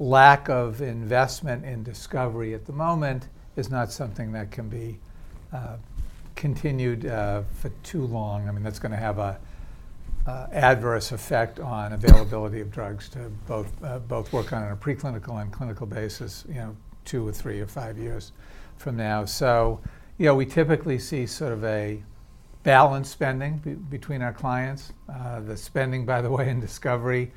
lack of investment in discovery at the moment is not something that can be continued for too long. I mean, that's going to have a adverse effect on availability of drugs to both work on a preclinical and clinical basis, you know, two or three or five years from now. So, you know, we typically see sort of a balanced spending between our clients. The spending, by the way, in discovery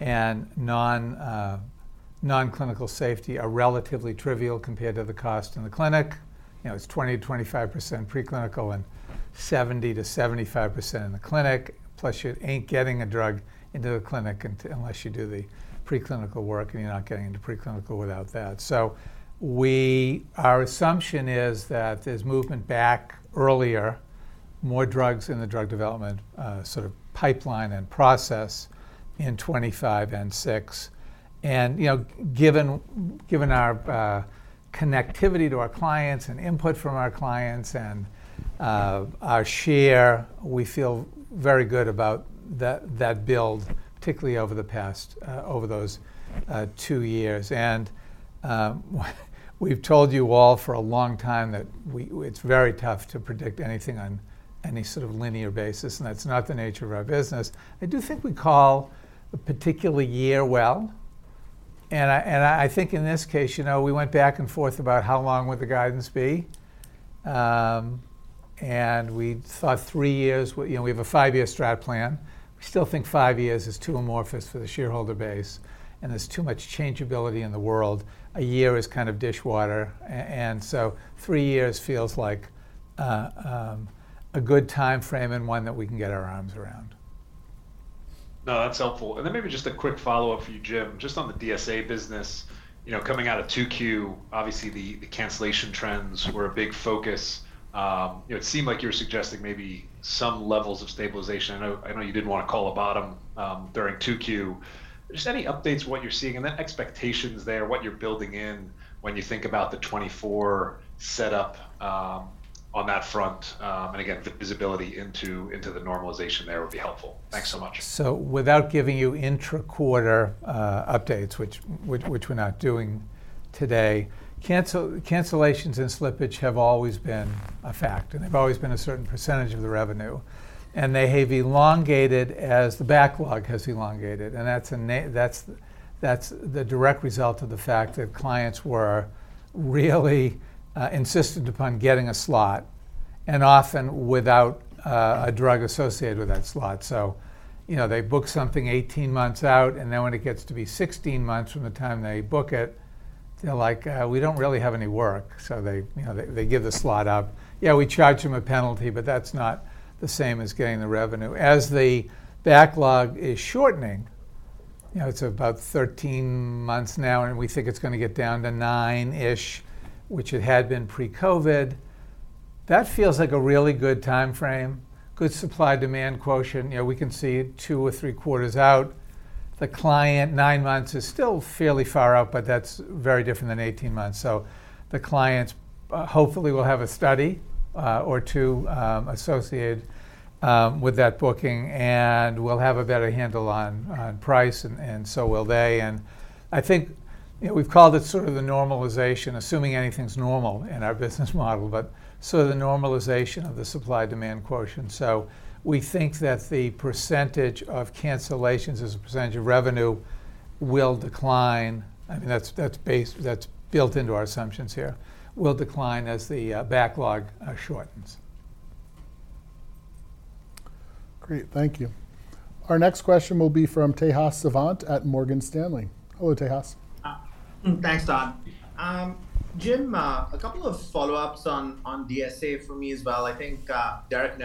and non-clinical safety are relatively trivial compared to the cost in the clinic. You know, it's 20%-25% preclinical and 70%-75% in the clinic. Plus, you ain't getting a drug into the clinic until—unless you do the preclinical work, and you're not getting into preclinical without that. Our assumption is that there's movement back earlier, more drugs in the drug development, sort of bipseline and process in 2025 and 2026. You know, given, given our connectivity to our clients and input from our clients and our share, we feel very good about that, that build, particularly over the past, over those two years. We've told you all for a long time that we—it's very tough to predict anything on any sort of linear basis, and that's not the nature of our business. I do think we call a particular year well, and I, and I think in this case, you know, we went back and forth about how long would the guidance be, and we thought three years. Well, you know, we have a five-year strat plan. We still think five years is too amorphous for the shareholder base, and there's too much changeability in the world. A year is kind of dishwater, and so three years feels like a good time frame and one that we can get our arms around. No, that's helpful. Then maybe just a quick follow-up for you, Jim, just on the DSA business. You know, coming out of 2Q, obviously, the cancellation trends were a big focus. You know, it seemed like you were suggesting maybe some levels of stabilization. I know, I know you didn't want to call a bottom, during 2Q. Just any updates what you're seeing, and then expectations there, what you're building in when you think about the 2024 setup, on that front, and again, the visibility into the normalization there would be helpful. Thanks so much. So without giving you intra-quarter updates, which we're not doing today, cancellations and slippage have always been a fact, and they've always been a certain percentage of the revenue, and they have elongated as the backlog has elongated. And that's the direct result of the fact that clients were really insistent upon getting a slot and often without a drug associated with that slot. So, you know, they book something 18 months out, and then when it gets to be 16 months from the time they book it, they're like: "We don't really have any work." So they, you know, they give the slot up. Yeah, we charge them a penalty, but that's not the same as getting the revenue. As the backlog is shortening, you know, it's about 13 months now, and we think it's going to get down to 9-ish, which it had been pre-COVID. That feels like a really good time frame, good supply-demand quotient. You know, we can see 2 or 3 quarters out. The client, 9 months is still fairly far out, but that's very different than 18 months. So the clients, hopefully will have a study, or two, associated, with that booking, and we'll have a better handle on price and so will they. And I think, you know, we've called it sort of the normalization, assuming anything's normal in our business model, but sort of the normalization of the supply-demand quotient. So we think that the percentage of cancellations as a percentage of revenue will decline. I mean, that's based, that's built into our assumptions here, will decline as the backlog shortens. Great. Thank you. Our next question will be from Tejas Savant at Morgan Stanley. Hello, Tejas. Thanks, Don. Jim, a couple of follow-ups on DSA for me as well. I think Derik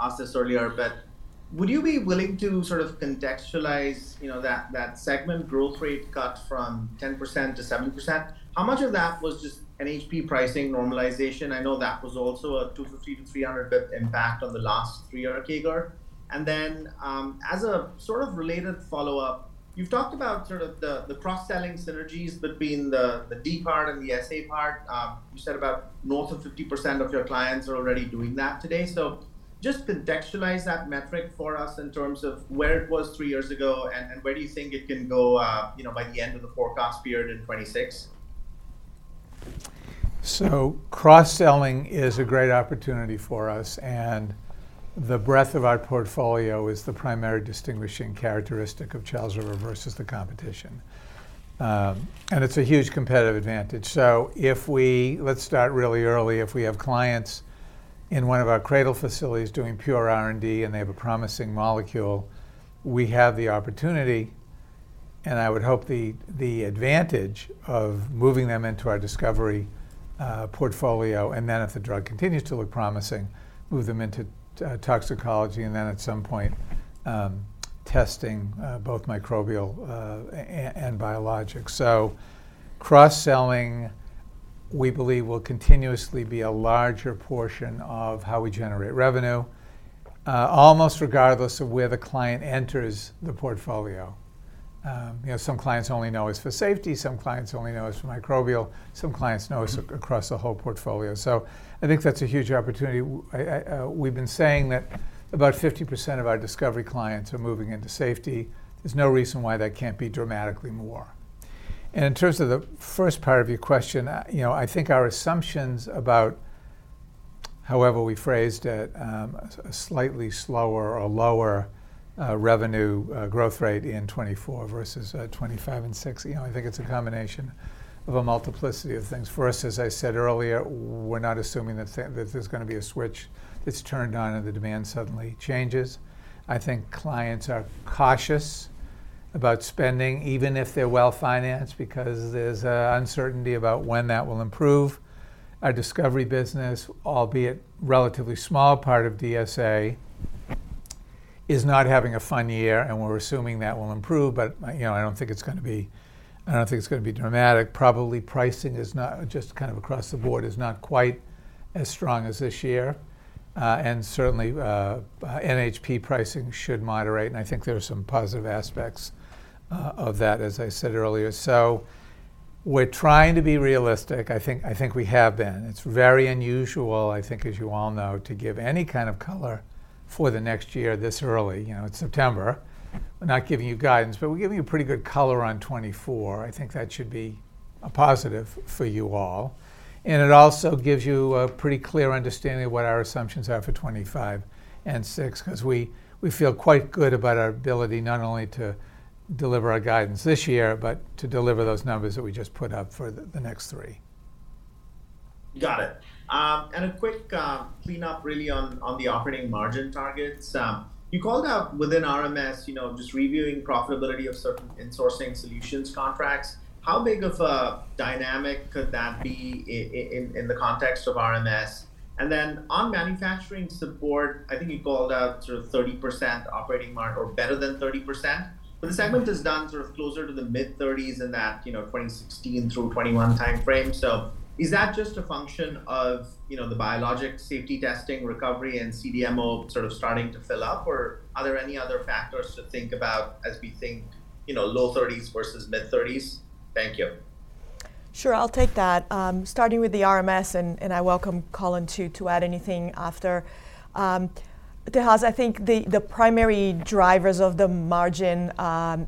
asked this earlier, but would you be willing to sort of contextualize, you know, that segment growth rate cut from 10%-7%? How much of that was just NHP pricing normalization? I know that was also a 250-300 bips impact on the last three-year CAGR. And then, as a sort of related follow-up, you've talked about sort of the cross-selling synergies between the D part and the SA part. You said about north of 50% of your clients are already doing that today. So just contextualize that metric for us in terms of where it was three years ago, and where do you think it can go, you know, by the end of the forecast period in 2026?... So cross-selling is a great opportunity for us, and the breadth of our portfolio is the primary distinguishing characteristic of Charles River versus the competition. And it's a huge competitive advantage. So if we—let's start really early. If we have clients in one of our CRADL facilities doing pure R&D, and they have a promising molecule, we have the opportunity, and I would hope the advantage of moving them into our discovery portfolio, and then if the drug continues to look promising, move them into toxicology, and then at some point, testing both microbial and biologics. So cross-selling, we believe, will continuously be a larger portion of how we generate revenue, almost regardless of where the client enters the portfolio. You know, some clients only know us for safety, some clients only know us for microbial, some clients know us across the whole portfolio. I think that's a huge opportunity. I, I... We've been saying that about 50% of our discovery clients are moving into safety. There's no reason why that can't be dramatically more. In terms of the first part of your question, you know, I think our assumptions about however we phrased it, a slightly slower or lower revenue growth rate in 2024 versus 2025 and 2026, you know, I think it's a combination of a multiplicity of things. First, as I said earlier, we're not assuming that there's gonna be a switch that's turned on, and the demand suddenly changes. I think clients are cautious about spending, even if they're well-financed, because there's uncertainty about when that will improve. Our discovery business, albeit a relatively small part of DSA, is not having a fun year, and we're assuming that will improve. But you know, I don't think it's gonna be—I don't think it's gonna be dramatic. Probably, pricing is not, just kind of across the board, is not quite as strong as this year. And certainly, NHP pricing should moderate, and I think there are some positive aspects of that, as I said earlier. So we're trying to be realistic. I think, I think we have been. It's very unusual, I think, as you all know, to give any kind of color for the next year this early. You know, it's September. We're not giving you guidance, but we're giving you pretty good color on 2024. I think that should be a positive for you all, and it also gives you a pretty clear understanding of what our assumptions are for 2025 and 2026, 'cause we feel quite good about our ability, not only to deliver our guidance this year but to deliver those numbers that we just put up for the next three. Got it. A quick clean up really on the operating margin targets. You called out within RMS, you know, just reviewing profitability of certain Insourcing Solutions contracts. How big of a dynamic could that be in the context of RMS? And then on Manufacturing Support, I think you called out sort of 30% operating margin or better than 30%, but the segment is down sort of closer to the mid-30s in that, you know, 2016 through 2021 timeframe. So is that just a function of, you know, the biologic safety testing, recovery, and CDMO sort of starting to fill up, or are there any other factors to think about as we think, you know, low 30s versus mid-30s? Thank you. Sure, I'll take that. Starting with the RMS, and I welcome Colin, too, to add anything after. Tejas, I think the primary drivers of the margin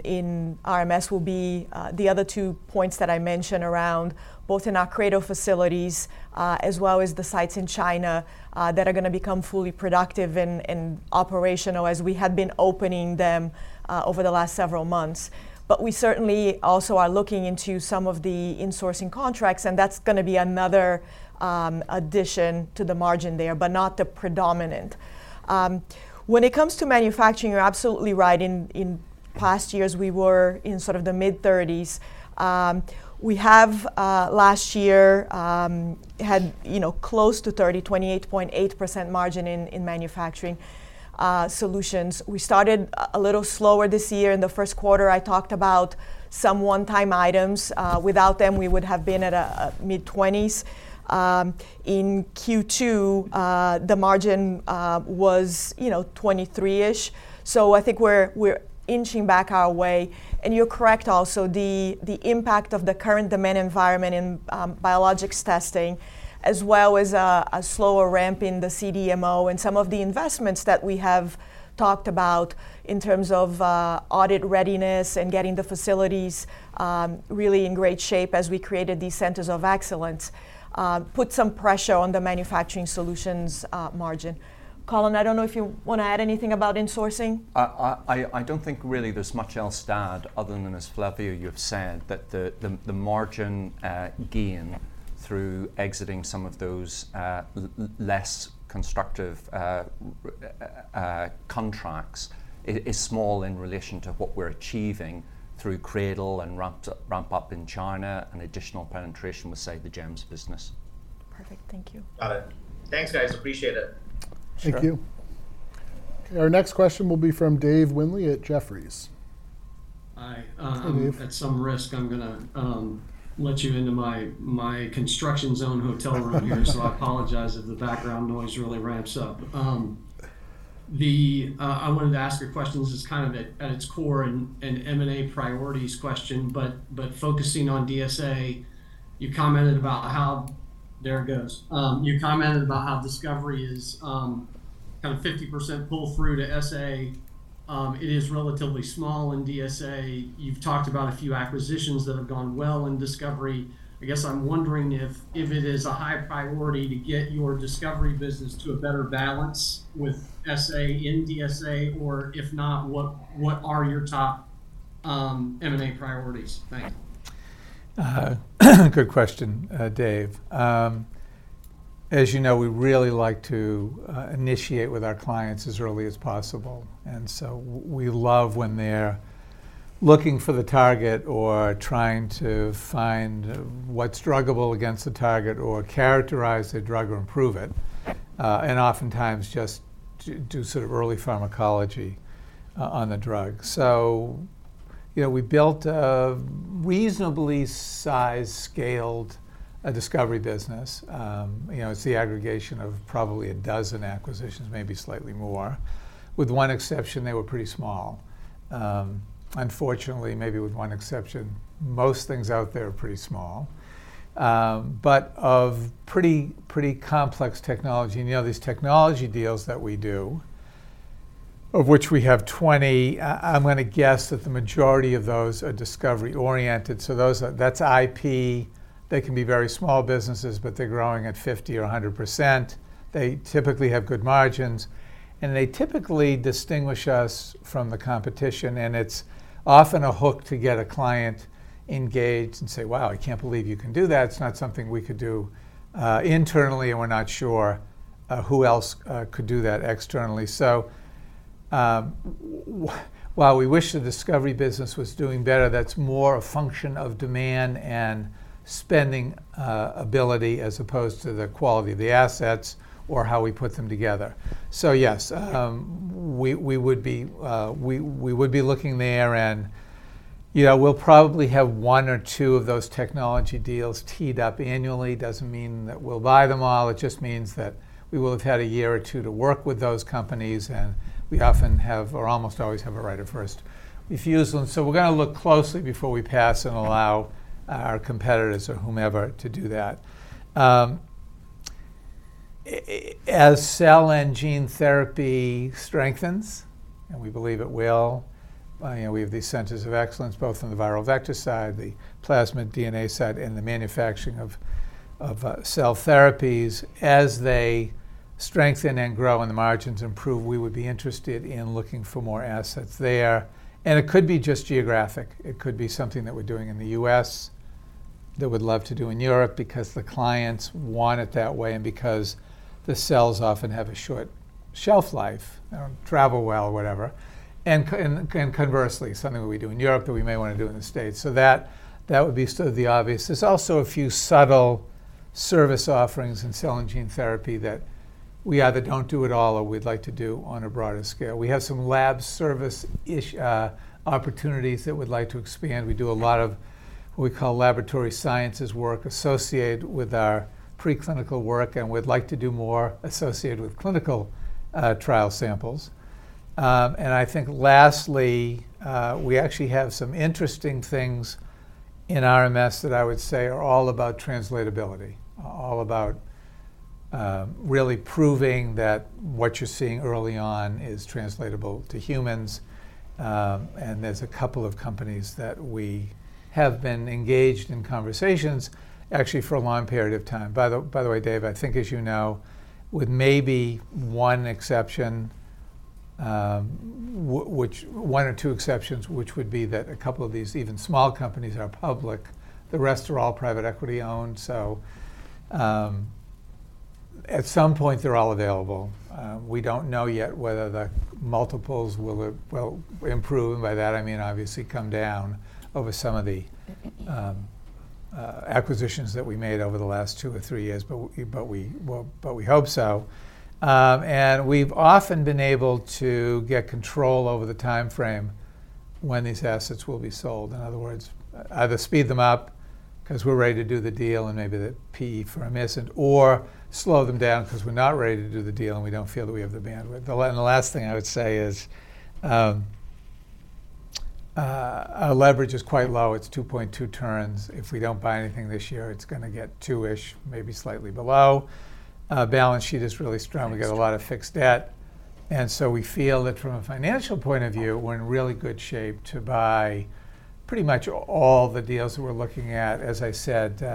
in RMS will be the other two points that I mentioned around both in our CRADL facilities as well as the sites in China that are gonna become fully productive and operational as we have been opening them over the last several months. But we certainly also are looking into some of the insourcing contracts, and that's gonna be another addition to the margin there, but not the predominant. When it comes to manufacturing, you're absolutely right. In past years, we were in sort of the mid-30s. We have last year had, you know, close to 30, 28.8% margin in manufacturing solutions. We started a little slower this year. In the first quarter, I talked about some one-time items. Without them, we would have been at a mid-20s%. In Q2, the margin was, you know, 23-ish%. So I think we're inching back our way, and you're correct also. The impact of the current demand environment in biologics testing, as well as a slower ramp in the CDMO and some of the investments that we have talked about in terms of audit readiness and getting the facilities really in great shape as we created these centers of excellence, put some pressure on the manufacturing solutions margin. Colin, I don't know if you want to add anything about insourcing. I don't think really there's much else to add other than as Flavia, you have said, that the margin gain through exiting some of those less constructive contracts is small in relation to what we're achieving through CRADL and ramp up in China and additional penetration with, say, the GEMS business. Perfect. Thank you. Got it. Thanks, guys. Appreciate it. Sure. Thank you. Our next question will be from David Windley at Jefferies. Hi, um- Hi, Dave At some risk, I'm gonna let you into my construction zone hotel room here. I apologize if the background noise really ramps up. I wanted to ask a question. This is kind of at its core an M&A priorities question, but focusing on DSA, you commented about how—there it goes—you commented about how discovery is kind of 50% pull through to SA. It is relatively small in DSA. You've talked about a few acquisitions that have gone well in discovery. I guess I'm wondering if it is a high priority to get your discovery business to a better balance with SA in DSA, or if not, what are your top M&A priorities? Thank you. Good question, Dave. As you know, we really like to initiate with our clients as early as possible, and we love when they're looking for the target or trying to find what's druggable against the target or characterize the drug or improve it. Oftentimes just to do sort of early pharmacology on the drug. You know, we built a reasonably sized, scaled discovery business. You know, it's the aggregation of probably a dozen acquisitions, maybe slightly more. With one exception, they were pretty small. Unfortunately, maybe with one exception, most things out there are pretty small, but of pretty, pretty complex technology. You know, these technology deals that we do, of which we have 20, I'm gonna guess that the majority of those are discovery-oriented. Those are-- that's IP. They can be very small businesses, but they're growing at 50% or 100%. They typically have good margins, and they typically distinguish us from the competition, and it's often a hook to get a client engaged and say, "Wow, I can't believe you can do that. It's not something we could do internally, and we're not sure who else could do that externally." So, while we wish the discovery business was doing better, that's more a function of demand and spending ability, as opposed to the quality of the assets or how we put them together. So yes, we would be looking there, and, you know, we'll probably have one or two of those technology deals teed up annually. Doesn't mean that we'll buy them all. It just means that we will have had a year or two to work with those companies, and we often have or almost always have a right of first refusal. So we're gonna look closely before we pass and allow our competitors or whomever to do that. As cell and gene therapy strengthens, and we believe it will, you know, we have these centers of excellence, both on the viral vector side, the plasmid DNA side, and the manufacturing of cell therapies. As they strengthen and grow and the margins improve, we would be interested in looking for more assets there. And it could be just geographic. It could be something that we're doing in the U.S. that we'd love to do in Europe because the clients want it that way and because the cells often have a short shelf life, travel well, or whatever. Conversely, something that we do in Europe that we may want to do in the States. That would be sort of the obvious. There's also a few subtle service offerings in cell and gene therapy that we either don't do at all or we'd like to do on a broader scale. We have some lab service-ish opportunities that we'd like to expand. We do a lot of what we call laboratory sciences work associated with our preclinical work, and we'd like to do more associated with clinical trial samples. I think lastly, we actually have some interesting things in RMS that I would say are all about translatability, all about really proving that what you're seeing early on is translatable to humans. And there's a couple of companies that we have been engaged in conversations, actually, for a long period of time. By the way, Dave, I think as you know, with maybe one exception, which... One or two exceptions, which would be that a couple of these even small companies are public, the rest are all private equity-owned. So, at some point, they're all available. We don't know yet whether the multiples will improve, and by that, I mean, obviously, come down over some of the acquisitions that we made over the last two or three years, but we well, but we hope so. And we've often been able to get control over the timeframe when these assets will be sold. In other words, either speed them up because we're ready to do the deal and maybe the PE firm is missing, or slow them down because we're not ready to do the deal, and we don't feel that we have the bandwidth. The last thing I would say is, our leverage is quite low. It's 2.2 turns. If we don't buy anything this year, it's gonna get 2-ish, maybe slightly below. Our balance sheet is really strong. Thanks. We've got a lot of fixed debt, and so we feel that from a financial point of view, we're in really good shape to buy pretty much all the deals that we're looking at, as I said,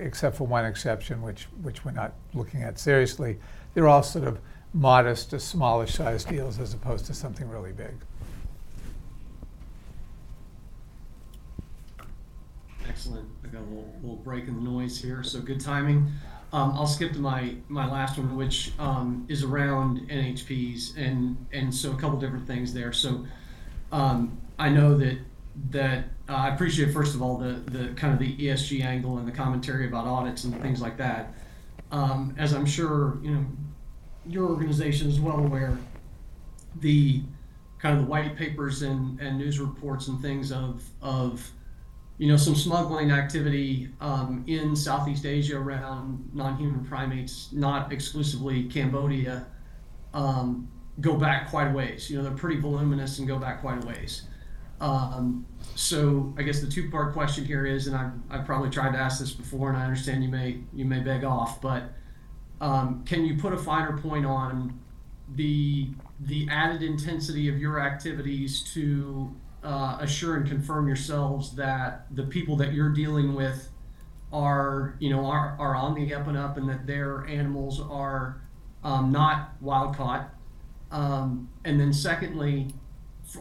except for one exception, which, which we're not looking at seriously. They're all sort of modest to smallish-sized deals as opposed to something really big. Excellent. We'll break in the noise here, so good timing. I'll skip to my last one, which is around NHPs, and a couple different things there. I know that I appreciate, first of all, the kind of the ESG angle and the commentary about audits and things like that. As I'm sure you know, your organization is well aware, the kind of the white papers and news reports and things of, you know, some smuggling activity in Southeast Asia around non-human primates, not exclusively Cambodia, go back quite a ways. You know, they're pretty voluminous and go back quite a ways. I guess the two-part question here is, and I've probably tried to ask this before, and I understand you may, you may beg off, but-... Can you put a finer point on the added intensity of your activities to assure and confirm yourselves that the people that you're dealing with are, you know, are on the up and up, and that their animals are not wild-caught? And then secondly,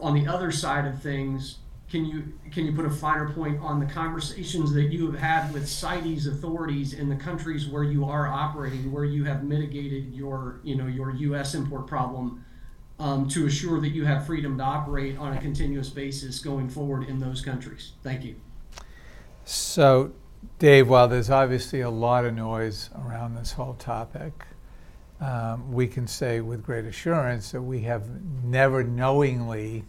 on the other side of things, can you put a finer point on the conversations that you have had with CITES authorities in the countries where you are operating, where you have mitigated your, you know, your U.S., import problem, to assure that you have freedom to operate on a continuous basis going forward in those countries? Thank you. So Dave, while there's obviously a lot of noise around this whole topic, we can say with great assurance that we have never knowingly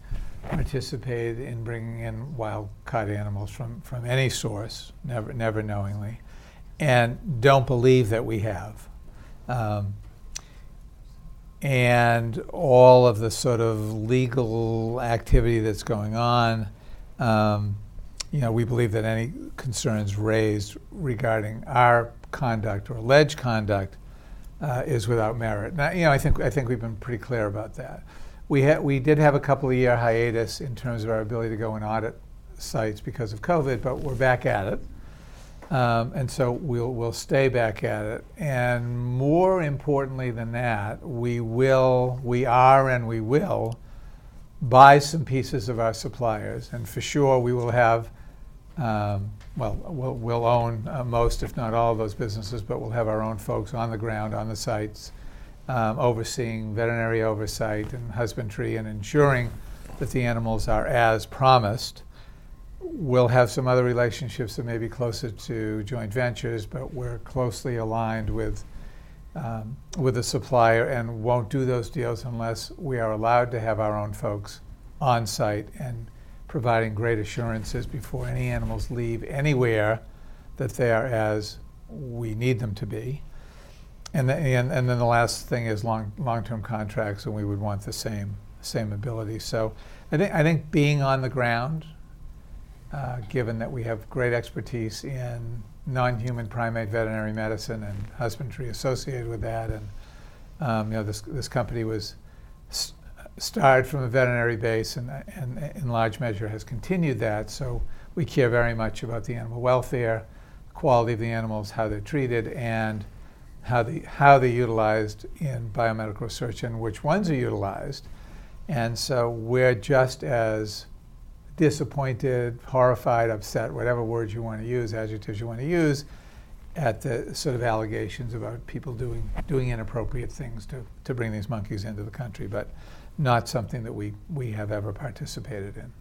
participated in bringing in wild-caught animals from any source, never, never knowingly, and don't believe that we have. And all of the sort of legal activity that's going on, you know, we believe that any concerns raised regarding our conduct or alleged conduct is without merit. Now, you know, I think, I think we've been pretty clear about that. We did have a couple of year hiatus in terms of our ability to go and audit sites because of COVID, but we're back at it. And so we'll, we'll stay back at it. And more importantly than that, we will... We are and we will buy some pieces of our suppliers. And for sure, we will have, well, we'll own most if not all of those businesses, but we'll have our own folks on the ground, on the sites, overseeing veterinary oversight and husbandry, and ensuring that the animals are as promised. We'll have some other relationships that may be closer to joint ventures, but we're closely aligned with a supplier, and won't do those deals unless we are allowed to have our own folks on-site and providing great assurances before any animals leave anywhere, that they are as we need them to be. And then the last thing is long-term contracts, and we would want the same ability. So I think, I think being on the ground, given that we have great expertise in non-human primate veterinary medicine and husbandry associated with that, and, you know, this, this company was started from a veterinary base and, and in large measure has continued that. So we care very much about the animal welfare, quality of the animals, how they're treated, and how they're utilized in biomedical research, and which ones are utilized. And so we're just as disappointed, horrified, upset, whatever word you want to use, adjectives you want to use, at the sort of allegations about people doing, doing inappropriate things to, to bring these monkeys into the country, but not something that we, we have ever participated in.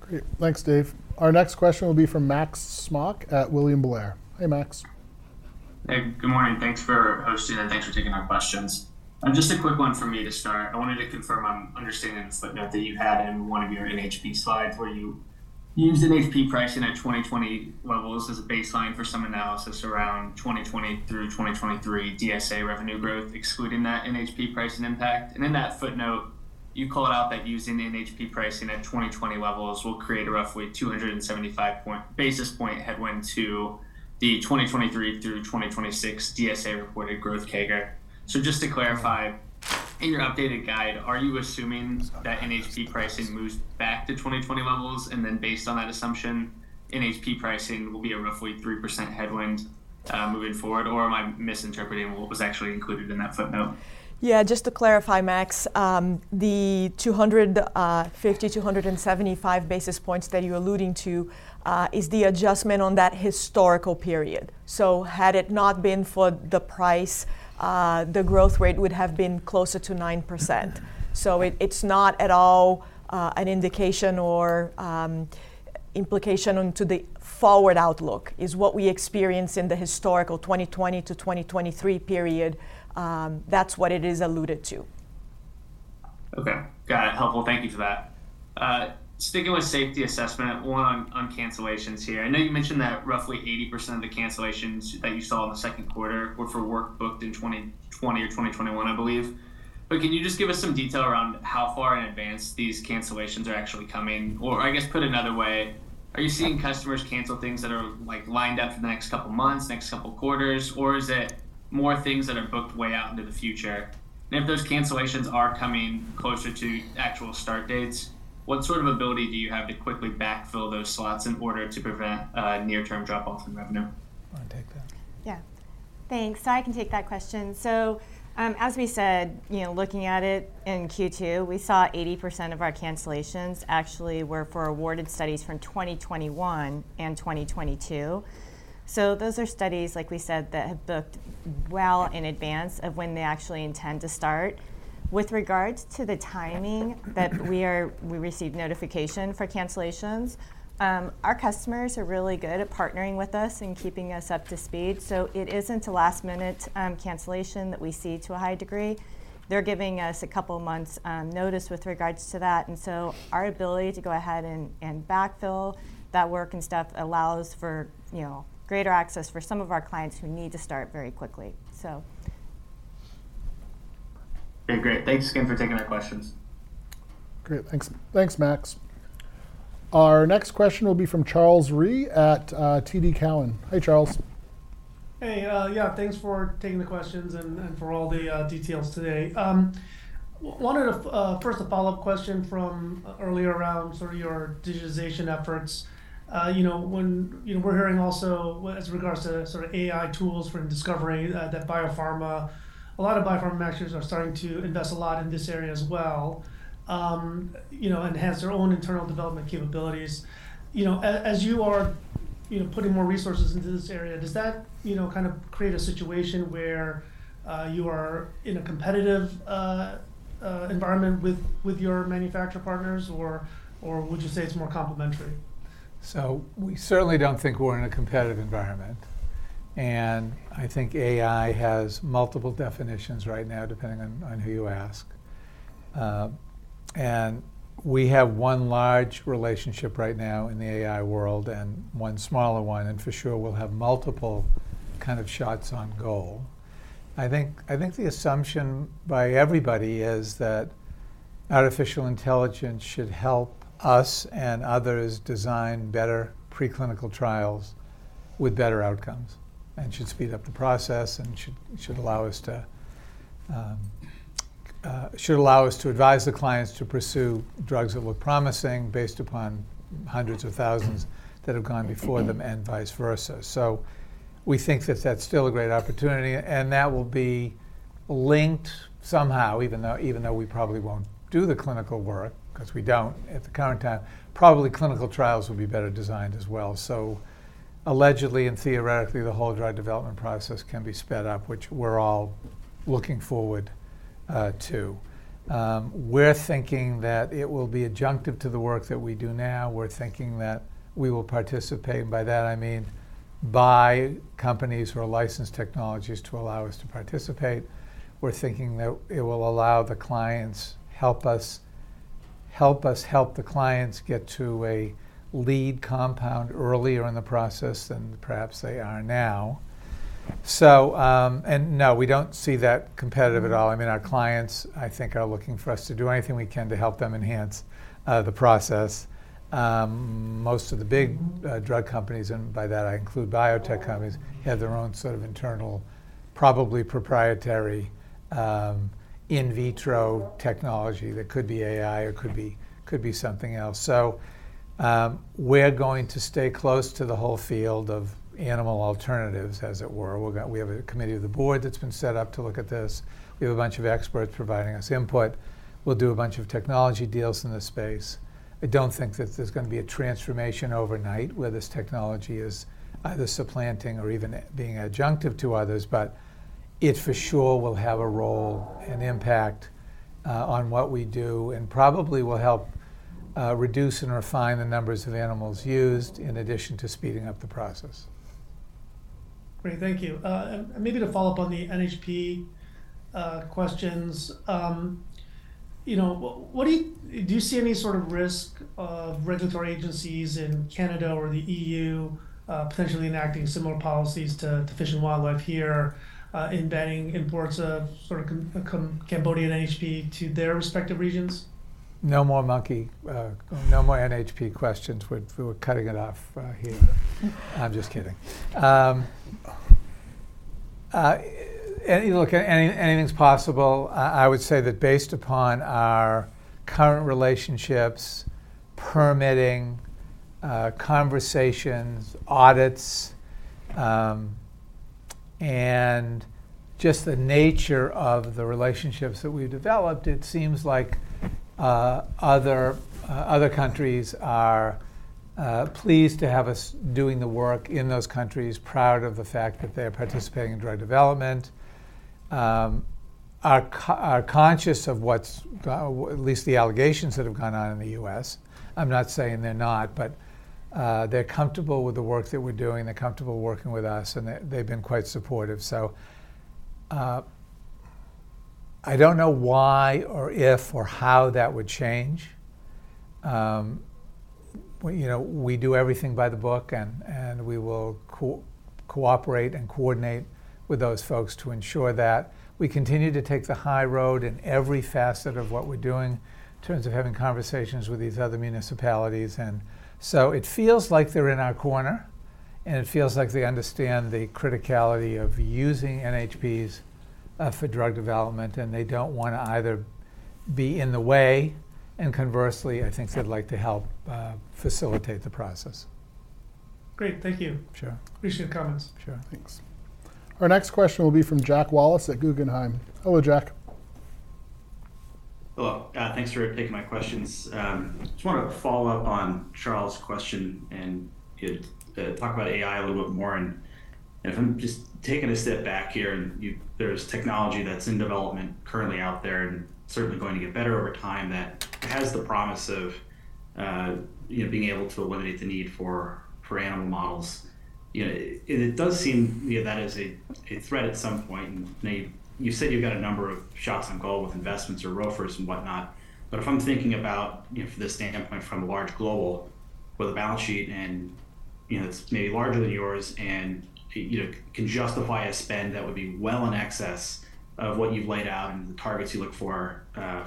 Great. Thanks, Dave. Our next question will be from Max Smock at William Blair. Hey, Max. Hey, good morning. Thanks for hosting, and thanks for taking our questions. Just a quick one for me to start. I wanted to confirm I'm understanding the footnote that you had in one of your NHP slides, where you used NHP pricing at 2020 levels as a baseline for some analysis around 2020 through 2023 DSA revenue growth, excluding that NHP pricing impact. And in that footnote, you call it out that using the NHP pricing at 2020 levels will create a roughly 275 basis point headwind to the 2023 through 2026 DSA reported growth CAGR. So just to clarify, in your updated guide, are you assuming that NHP pricing moves back to 2020 levels, and then based on that assumption, NHP pricing will be a roughly 3% headwind, moving forward? Or am I misinterpreting what was actually included in that footnote? Yeah, just to clarify, Max, the 250-275 basis points that you're alluding to is the adjustment on that historical period. So had it not been for the price, the growth rate would have been closer to 9%. So it's not at all an indication or implication onto the forward outlook. It's what we experienced in the historical 2020 to 2023 period, that's what it is alluded to. Okay. Got it. Helpful. Thank you for that. Sticking with safety assessment, one on cancellations here. I know you mentioned that roughly 80% of the cancellations that you saw in the second quarter were for work booked in 2020 or 2021, I believe. Can you just give us some detail around how far in advance these cancellations are actually coming? I guess put another way, are you seeing customers cancel things that are, like, lined up for the next couple of months, next couple of quarters, or is it more things that are booked way out into the future? If those cancellations are coming closer to actual start dates, what sort of ability do you have to quickly backfill those slots in order to prevent a near-term drop-off in revenue? Wanna take that? Yeah. Thanks. I can take that question. So, as we said, you know, looking at it in Q2, we saw 80% of our cancellations actually were for awarded studies from 2021 and 2022. So those are studies, like we said, that have booked well in advance of when they actually intend to start. With regards to the timing that we receive notification for cancellations, our customers are really good at partnering with us and keeping us up to speed, so it isn't a last-minute cancellation that we see to a high degree. They're giving us a couple of months' notice with regards to that, and so our ability to go ahead and backfill that work and stuff allows for, you know, greater access for some of our clients who need to start very quickly. So-... Okay, great. Thanks again for taking our questions. Great. Thanks. Thanks, Max. Our next question will be from Charles Rhyee at TD Cowen. Hey, Charles. Hey, yeah, thanks for taking the questions and for all the details today. One of the first, a follow-up question from earlier around sort of your digitization efforts. You know, when, you know, we're hearing also as regards to sort of AI tools for discovering that biopharma. A lot of biopharma manufacturers are starting to invest a lot in this area as well, you know, enhance their own internal development capabilities. You know, as you are, you know, putting more resources into this area, does that, you know, kind of create a situation where you are in a competitive environment with your manufacturer partners, or would you say it's more complementary? So we certainly don't think we're in a competitive environment, and I think AI has multiple definitions right now, depending on who you ask. And we have one large relationship right now in the AI world and one smaller one, and for sure, we'll have multiple kind of shots on goal. I think the assumption by everybody is that artificial intelligence should help us and others design better preclinical trials with better outcomes, and should speed up the process, and should allow us to advise the clients to pursue drugs that look promising, based upon hundreds of thousands that have gone before them, and vice versa. So we think that that's still a great opportunity, and that will be linked somehow, even though, even though we probably won't do the clinical work, 'cause we don't at the current time, probably clinical trials will be better designed as well. So allegedly and theoretically, the whole drug development process can be sped up, which we're all looking forward to. We're thinking that it will be adjunctive to the work that we do now. We're thinking that we will participate, and by that I mean, buy companies who are licensed technologies to allow us to participate. We're thinking that it will allow the clients help us, help us help the clients get to a lead compound earlier in the process than perhaps they are now. So, and no, we don't see that competitive at all. I mean, our clients, I think, are looking for us to do anything we can to help them enhance the process. Most of the big drug companies, and by that I include biotech companies, have their own sort of internal, probably proprietary, in vitro technology that could be AI or could be something else. So, we're going to stay close to the whole field of animal alternatives, as it were. We have a committee of the board that's been set up to look at this. We have a bunch of experts providing us input. We'll do a bunch of technology deals in this space. I don't think that there's gonna be a transformation overnight, where this technology is either supplanting or even being adjunctive to others, but it, for sure, will have a role and impact, on what we do, and probably will help, reduce and refine the numbers of animals used, in addition to speeding up the process. Great. Thank you. Maybe to follow up on the NHP questions. You know, what do you see any sort of risk of regulatory agencies in Canada or the EU potentially enacting similar policies to Fish and Wildlife here in banning imports of Cambodian NHP to their respective regions? No more monkey, no more NHP questions. We're cutting it off here. I'm just kidding. Anything's possible. I would say that based upon our current relationships, permitting, conversations, audits, and just the nature of the relationships that we've developed, it seems like other countries are pleased to have us doing the work in those countries, proud of the fact that they are participating in drug development. They are conscious of what's, at least the allegations that have gone on in the U.S. I'm not saying they're not, but they're comfortable with the work that we're doing, they're comfortable working with us, and they've been quite supportive. So, I don't know why, or if, or how that would change. We, you know, we do everything by the book, and we will cooperate and coordinate with those folks to ensure that we continue to take the high road in every facet of what we're doing, in terms of having conversations with these other municipalities. And so it feels like they're in our corner, and it feels like they understand the criticality of using NHPs for drug development, and they don't wanna either be in the way, and conversely, I think they'd like to help facilitate the process. Great. Thank you. Sure. Appreciate the comments. Sure. Thanks. Our next question will be from Jack Wallace at Guggenheim. Hello, Jack. Hello. Thanks for taking my questions. Just wanted to follow up on Charles' question and talk about AI a little bit more. And if I'm just taking a step back here, and you-- there's technology that's in development currently out there, and certainly going to get better over time, that has the promise of, you know, being able to eliminate the need for animal models. You know, and it does seem, you know, that is a threat at some point, and may-- You said you've got a number of shots on goal with investments or ROFRs and whatnot, but if I'm thinking about, you know, from the standpoint from a large global, with a balance sheet and-... You know, that's maybe larger than yours, and you, you know, can justify a spend that would be well in excess of what you've laid out and the targets you look for,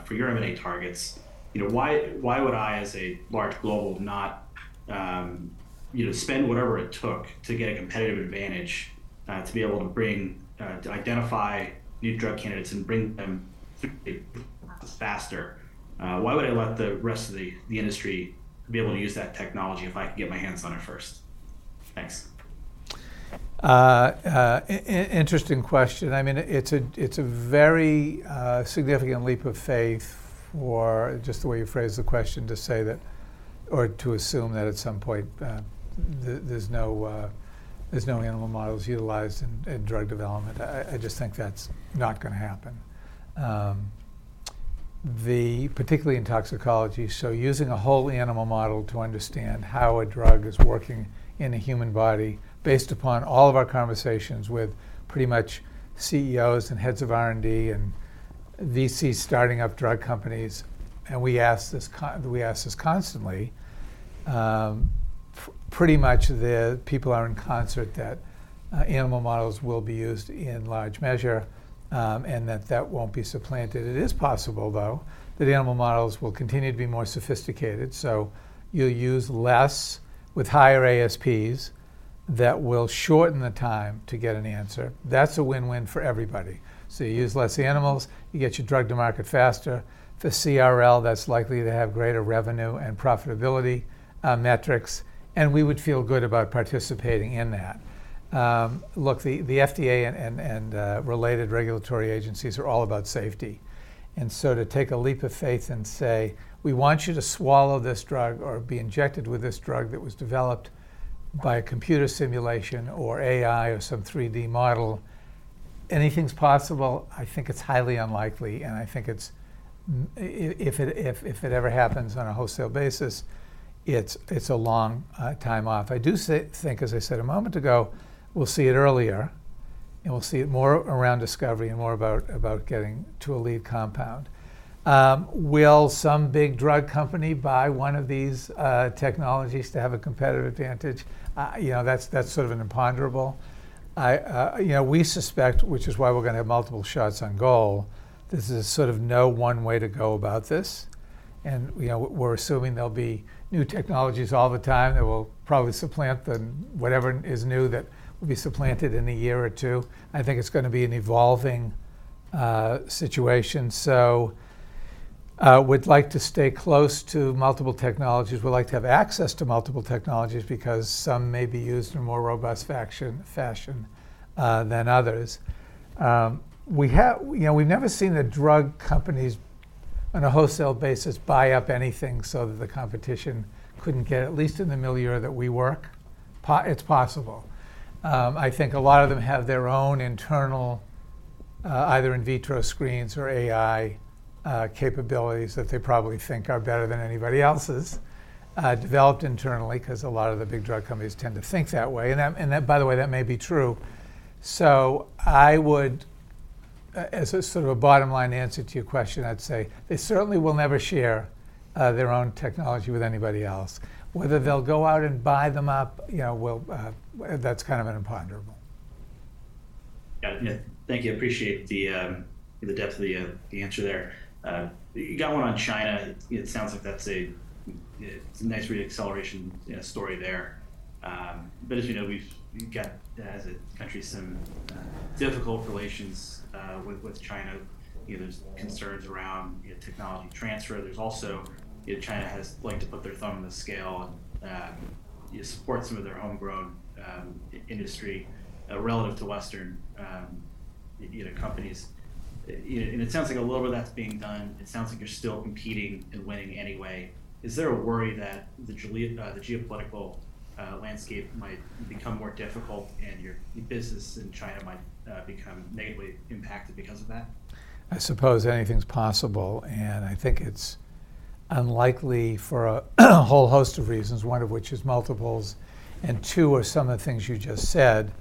for your M&A targets. You know, why, why would I, as a large global, not, you know, spend whatever it took to get a competitive advantage, to be able to bring, to identify new drug candidates and bring them faster? Why would I let the rest of the, the industry be able to use that technology if I can get my hands on it first? Thanks. Interesting question. I mean, it's a very significant leap of faith or just the way you phrased the question, to say that or to assume that at some point, there's no animal models utilized in drug development. I just think that's not gonna happen, particularly in toxicology. So using a whole animal model to understand how a drug is working in the human body, based upon all of our conversations with pretty much CEOs and heads of R&D and VCs starting up drug companies, and we ask this constantly, pretty much the people are in concert that animal models will be used in large measure, and that won't be supplanted. It is possible, though, that animal models will continue to be more sophisticated. So you'll use less with higher ASPs that will shorten the time to get an answer. That's a win-win for everybody. So you use less animals, you get your drug to market faster. For CRL, that's likely to have greater revenue and profitability metrics, and we would feel good about participating in that. Look, the FDA and related regulatory agencies are all about safety. And so to take a leap of faith and say, "We want you to swallow this drug or be injected with this drug that was developed by a computer simulation, or AI, or some 3D model," anything's possible. I think it's highly unlikely, and I think if it ever happens on a wholesale basis, it's a long time off. I do think, as I said a moment ago, we'll see it earlier, and we'll see it more around discovery and more about, about getting to a lead compound. Will some big drug company buy one of these technologies to have a competitive advantage? You know, that's, that's sort of an imponderable. You know, we suspect, which is why we're gonna have multiple shots on goal, this is sort of no one way to go about this. And, you know, we're assuming there'll be new technologies all the time that will probably supplant the whatever is new that will be supplanted in a year or two. I think it's gonna be an evolving situation. So, we'd like to stay close to multiple technologies. We'd like to have access to multiple technologies because some may be used in a more robust fashion, you know, than others. We have-- you know, we've never seen the drug companies, on a wholesale basis, buy up anything so that the competition couldn't get, at least in the milieu that we work. It's possible. I think a lot of them have their own internal, either in vitro screens or AI capabilities that they probably think are better than anybody else's, developed internally, 'cause a lot of the big drug companies tend to think that way. That, by the way, that may be true. I would, as a sort of a bottom line answer to your question, I'd say they certainly will never share their own technology with anybody else. Whether they'll go out and buy them up, you know, well, that's kind of an imponderable. Got it. Yeah. Thank you. Appreciate the, the depth of the, the answer there. You got one on China. It sounds like that's a, it's a nice reacceleration, story there. But as you know, we've, we've got, as a country, some, difficult relations, with, with China. You know, there's concerns around, you know, technology transfer. There's also, you know, China has liked to put their thumb on the scale and, support some of their homegrown, industry, relative to Western, you know, companies. You know, and it sounds like a little of that's being done, it sounds like you're still competing and winning anyway. Is there a worry that the geopolitical, landscape might become more difficult and your business in China might, become negatively impacted because of that? I suppose anything's possible, and I think it's unlikely for a whole host of reasons, one of which is multiples, and two are some of the things you just said.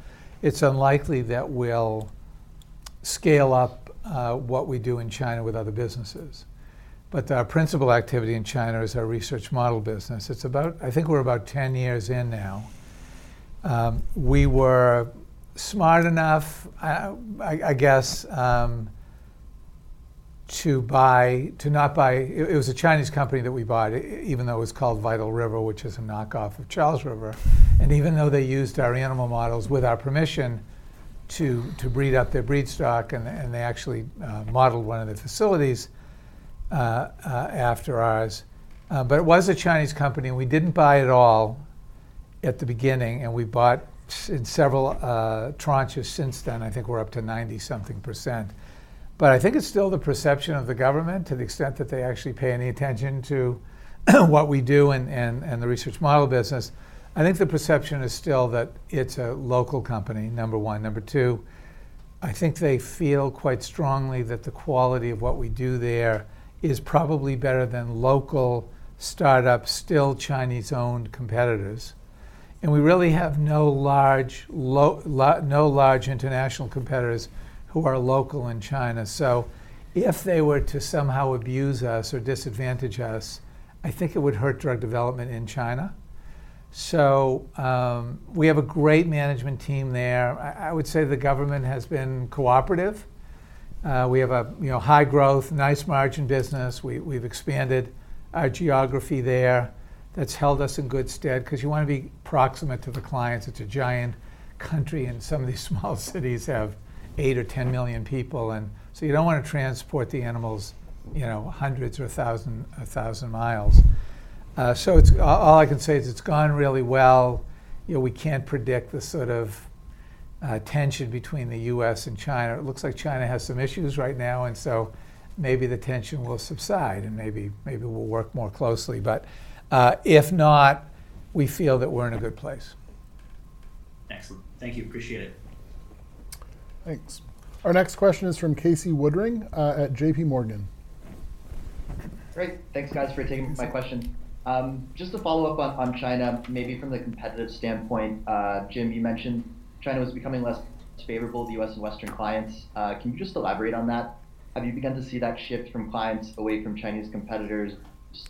It's unlikely that we'll scale up what we do in China with other businesses. Our principal activity in China is our research model business. It's about—I think we're about 10 years in now. We were smart enough, I guess, to buy—to not buy... It was a Chinese company that we bought, even though it was called Vital River, which is a knockoff of Charles River, and even though they used our animal models with our permission to breed up their breed stock, and they actually modeled one of their facilities after ours. But it was a Chinese company, and we didn't buy it all at the beginning, and we bought in several tranches since then. I think we're up to 90-something%. But I think it's still the perception of the government to the extent that they actually pay any attention to what we do and, and, and the research model business. I think the perception is still that it's a local company, number one. Number two, I think they feel quite strongly that the quality of what we do there is probably better than local startup, still Chinese-owned competitors. And we really have no large international competitors who are local in China. So if they were to somehow abuse us or disadvantage us, I think it would hurt drug development in China. So, we have a great management team there. I would say the government has been cooperative. We have a, you know, high growth, nice margin business. We've expanded our geography there. That's held us in good stead because you want to be proximate to the clients. It's a giant country, and some of these small cities have 8 or 10 million people, and you don't want to transport the animals, you know, hundreds or 1,000, 1,000 miles. All I can say is it's gone really well. You know, we can't predict the sort of tension between the U.S. and China. It looks like China has some issues right now, and maybe the tension will subside, and maybe we'll work more closely. If not, we feel that we're in a good place. Excellent. Thank you. Appreciate it. Thanks. Our next question is from Casey Woodring at J.P. Morgan. Great. Thanks, guys, for taking my question. Just to follow up on China, maybe from the competitive standpoint, Jim, you mentioned China was becoming less favorable to U.S. and Western clients. Can you just elaborate on that? Have you begun to see that shift from clients away from Chinese competitors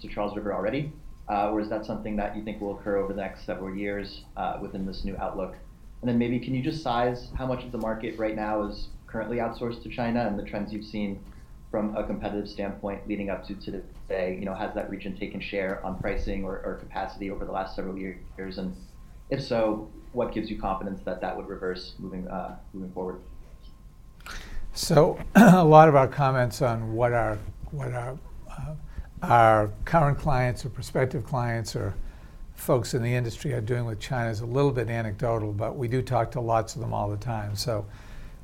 to Charles River already? Or is that something that you think will occur over the next several years within this new outlook? And then maybe, can you just size how much of the market right now is currently outsourced to China and the trends you've seen from a competitive standpoint leading up to today? You know, has that region taken share on pricing or capacity over the last several years? And if so, what gives you confidence that that would reverse moving forward? So, a lot of our comments on what our current clients or prospective clients or folks in the industry are doing with China is a little bit anecdotal, but we do talk to lots of them all the time. So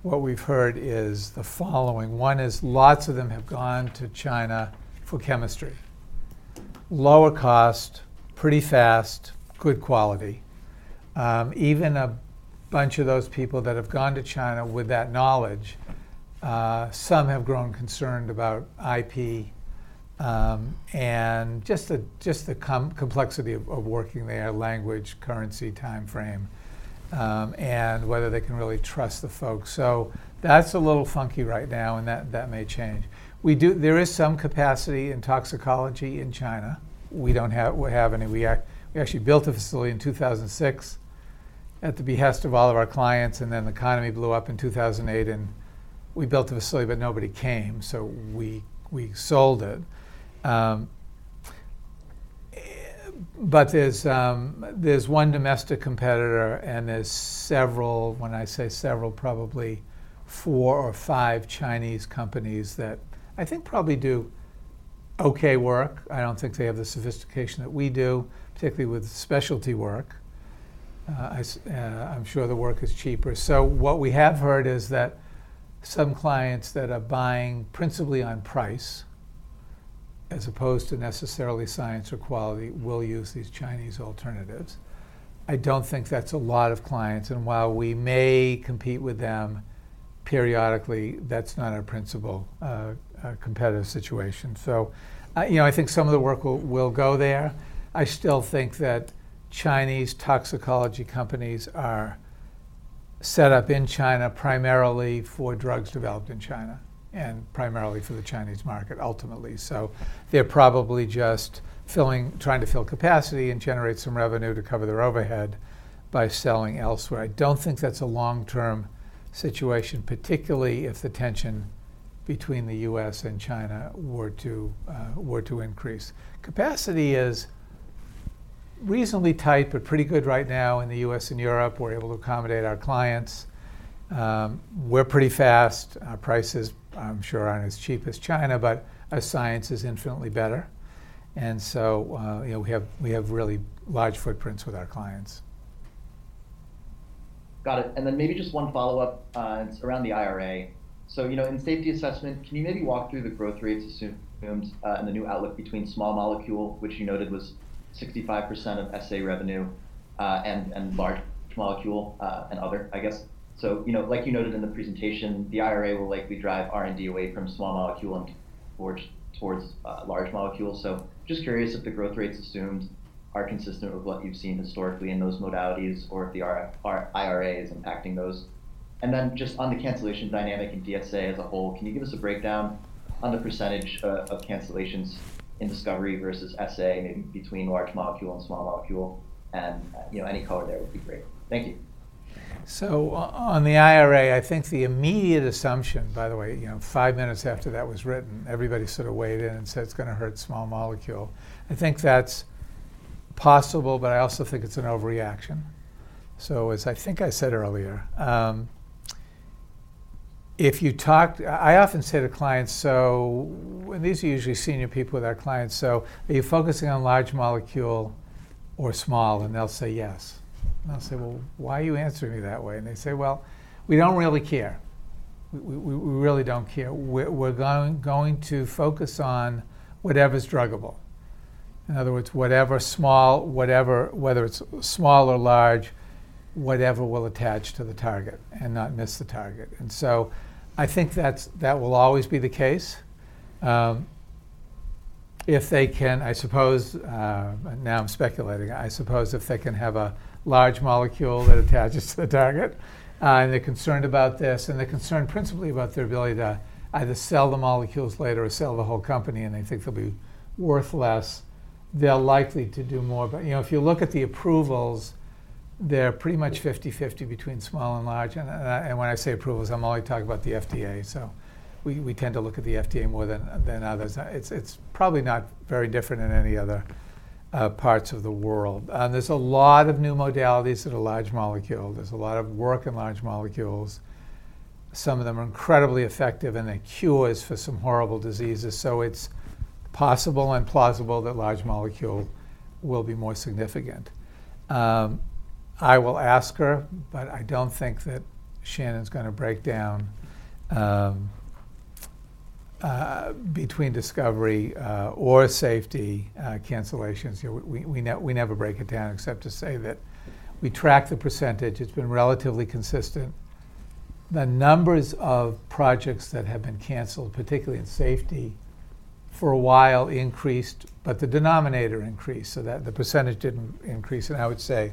what we've heard is the following. One is, lots of them have gone to China for chemistry. Lower cost, pretty fast, good quality. Even a bunch of those people that have gone to China with that knowledge, some have grown concerned about IP, and just the complexity of working there, language, currency, time frame, and whether they can really trust the folks. So that's a little funky right now, and that may change. There is some capacity in toxicology in China. We don't have any... We actually built a facility in 2006 at the behest of all of our clients, and then the economy blew up in 2008, and we built a facility, but nobody came, so we sold it. But there's one domestic competitor, and there's several, when I say several, probably four or five Chinese companies that I think probably do okay work. I don't think they have the sophistication that we do, particularly with specialty work. I'm sure the work is cheaper. So what we have heard is that some clients that are buying principally on price, as opposed to necessarily science or quality, will use these Chinese alternatives. I don't think that's a lot of clients, and while we may compete with them periodically, that's not our principal competitive situation. So, you know, I think some of the work will go there. I still think that Chinese toxicology companies are set up in China primarily for drugs developed in China and primarily for the Chinese market ultimately. So they're probably just trying to fill capacity and generate some revenue to cover their overhead by selling elsewhere. I don't think that's a long-term situation, particularly if the tension between the U.S. and China were to increase. Capacity is reasonably tight but pretty good right now in the U.S. and Europe. We're able to accommodate our clients. We're pretty fast. Our prices, I'm sure, aren't as cheap as China, but our science is infinitely better. And so, you know, we have really large footprints with our clients. Got it. Maybe just one follow-up around the IRA. In safety assessment, can you maybe walk through the growth rates assumes, and the new outlook between small molecule, which you noted was 65% of SA revenue, and large molecule, and other, I guess? You know, like you noted in the presentation, the IRA will likely drive R&D away from small molecule and towards, towards large molecules. Just curious if the growth rates assumed are consistent with what you've seen historically in those modalities or if the IRA is impacting those. Just on the cancellation dynamic and DSA as a whole, can you give us a breakdown on the percentage of cancellations in discovery versus SA, maybe between large molecule and small molecule? Any color there would be great. Thank you. So on the IRA, I think the immediate assumption, by the way, you know, five minutes after that was written, everybody sort of weighed in and said it's gonna hurt small molecule. I think that's possible, but I also think it's an overreaction. So as I think I said earlier, if you talk. I often say to clients, so. And these are usually senior people with our clients, "So are you focusing on large molecule or small?" And they'll say, "Yes." And I'll say, "Well, why are you answering me that way?" And they say, "Well, we don't really care. We really don't care. We're going to focus on whatever's druggable." In other words, whatever small, whatever, whether it's small or large, whatever will attach to the target and not miss the target. And so I think that's that will always be the case. If they can, I suppose, now I'm speculating. I suppose if they can have a large molecule that attaches to the target, and they're concerned about this, and they're concerned principally about their ability to either sell the molecules later or sell the whole company, and they think they'll be worth less, they're likely to do more. But, you know, if you look at the approvals, they're pretty much 50/50 between small and large. And, and when I say approvals, I'm only talking about the FDA. So we, we tend to look at the FDA more than, than others. It's, it's probably not very different in any other, parts of the world. And there's a lot of new modalities that are large molecule. There's a lot of work in large molecules. Some of them are incredibly effective, and they're cures for some horrible diseases, so it's possible and plausible that large molecule will be more significant. I will ask her, but I don't think that Shannon's going to break down between discovery or safety cancellations. You know, we never break it down except to say that we track the percentage. It's been relatively consistent. The numbers of projects that have been canceled, particularly in safety, for a while increased, but the denominator increased, so that the percentage didn't increase. I would say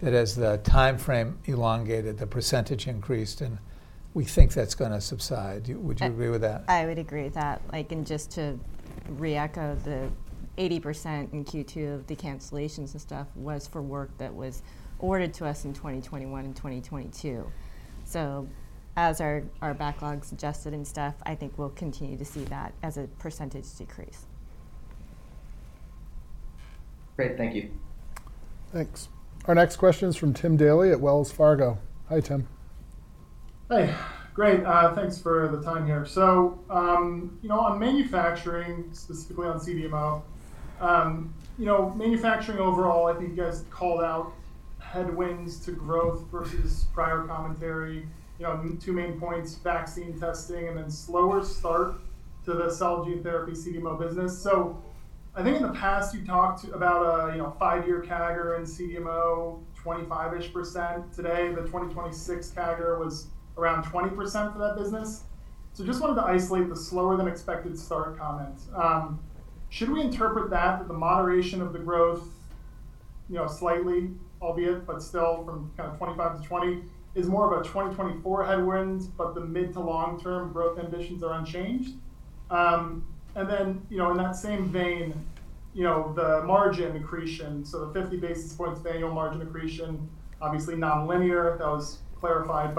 that as the timeframe elongated, the percentage increased, and we think that's going to subside. Would you agree with that? I would agree with that. Like, and just to reecho, the 80% in Q2 of the cancellations and stuff was for work that was ordered to us in 2021 and 2022. So as our backlogs adjusted and stuff, I think we'll continue to see that as a percentage decrease. Great. Thank you. Thanks. Our next question is from Tim Daley at Wells Fargo. Hi, Tim. Hey. Great, thanks for the time here. So, you know, on manufacturing, specifically on CDMO, you know, manufacturing overall, I think you guys called out headwinds to growth versus prior commentary. You know, two main points, vaccine testing and then slower start to the cell and gene therapy CDMO business. So I think in the past, you talked about a, you know, 5-year CAGR in CDMO, 25-ish%. Today, the 2026 CAGR was around 20% for that business. So just wanted to isolate the slower-than-expected start comments. Should we interpret that, that the moderation of the growth, you know, slightly, albeit but still from kind of 25 to 20, is more of a 2024 headwinds, but the mid to long-term growth ambitions are unchanged? And then, you know, in that same vein, you know, the margin accretion, so the 50 basis points annual margin accretion, obviously nonlinear. That was clarified.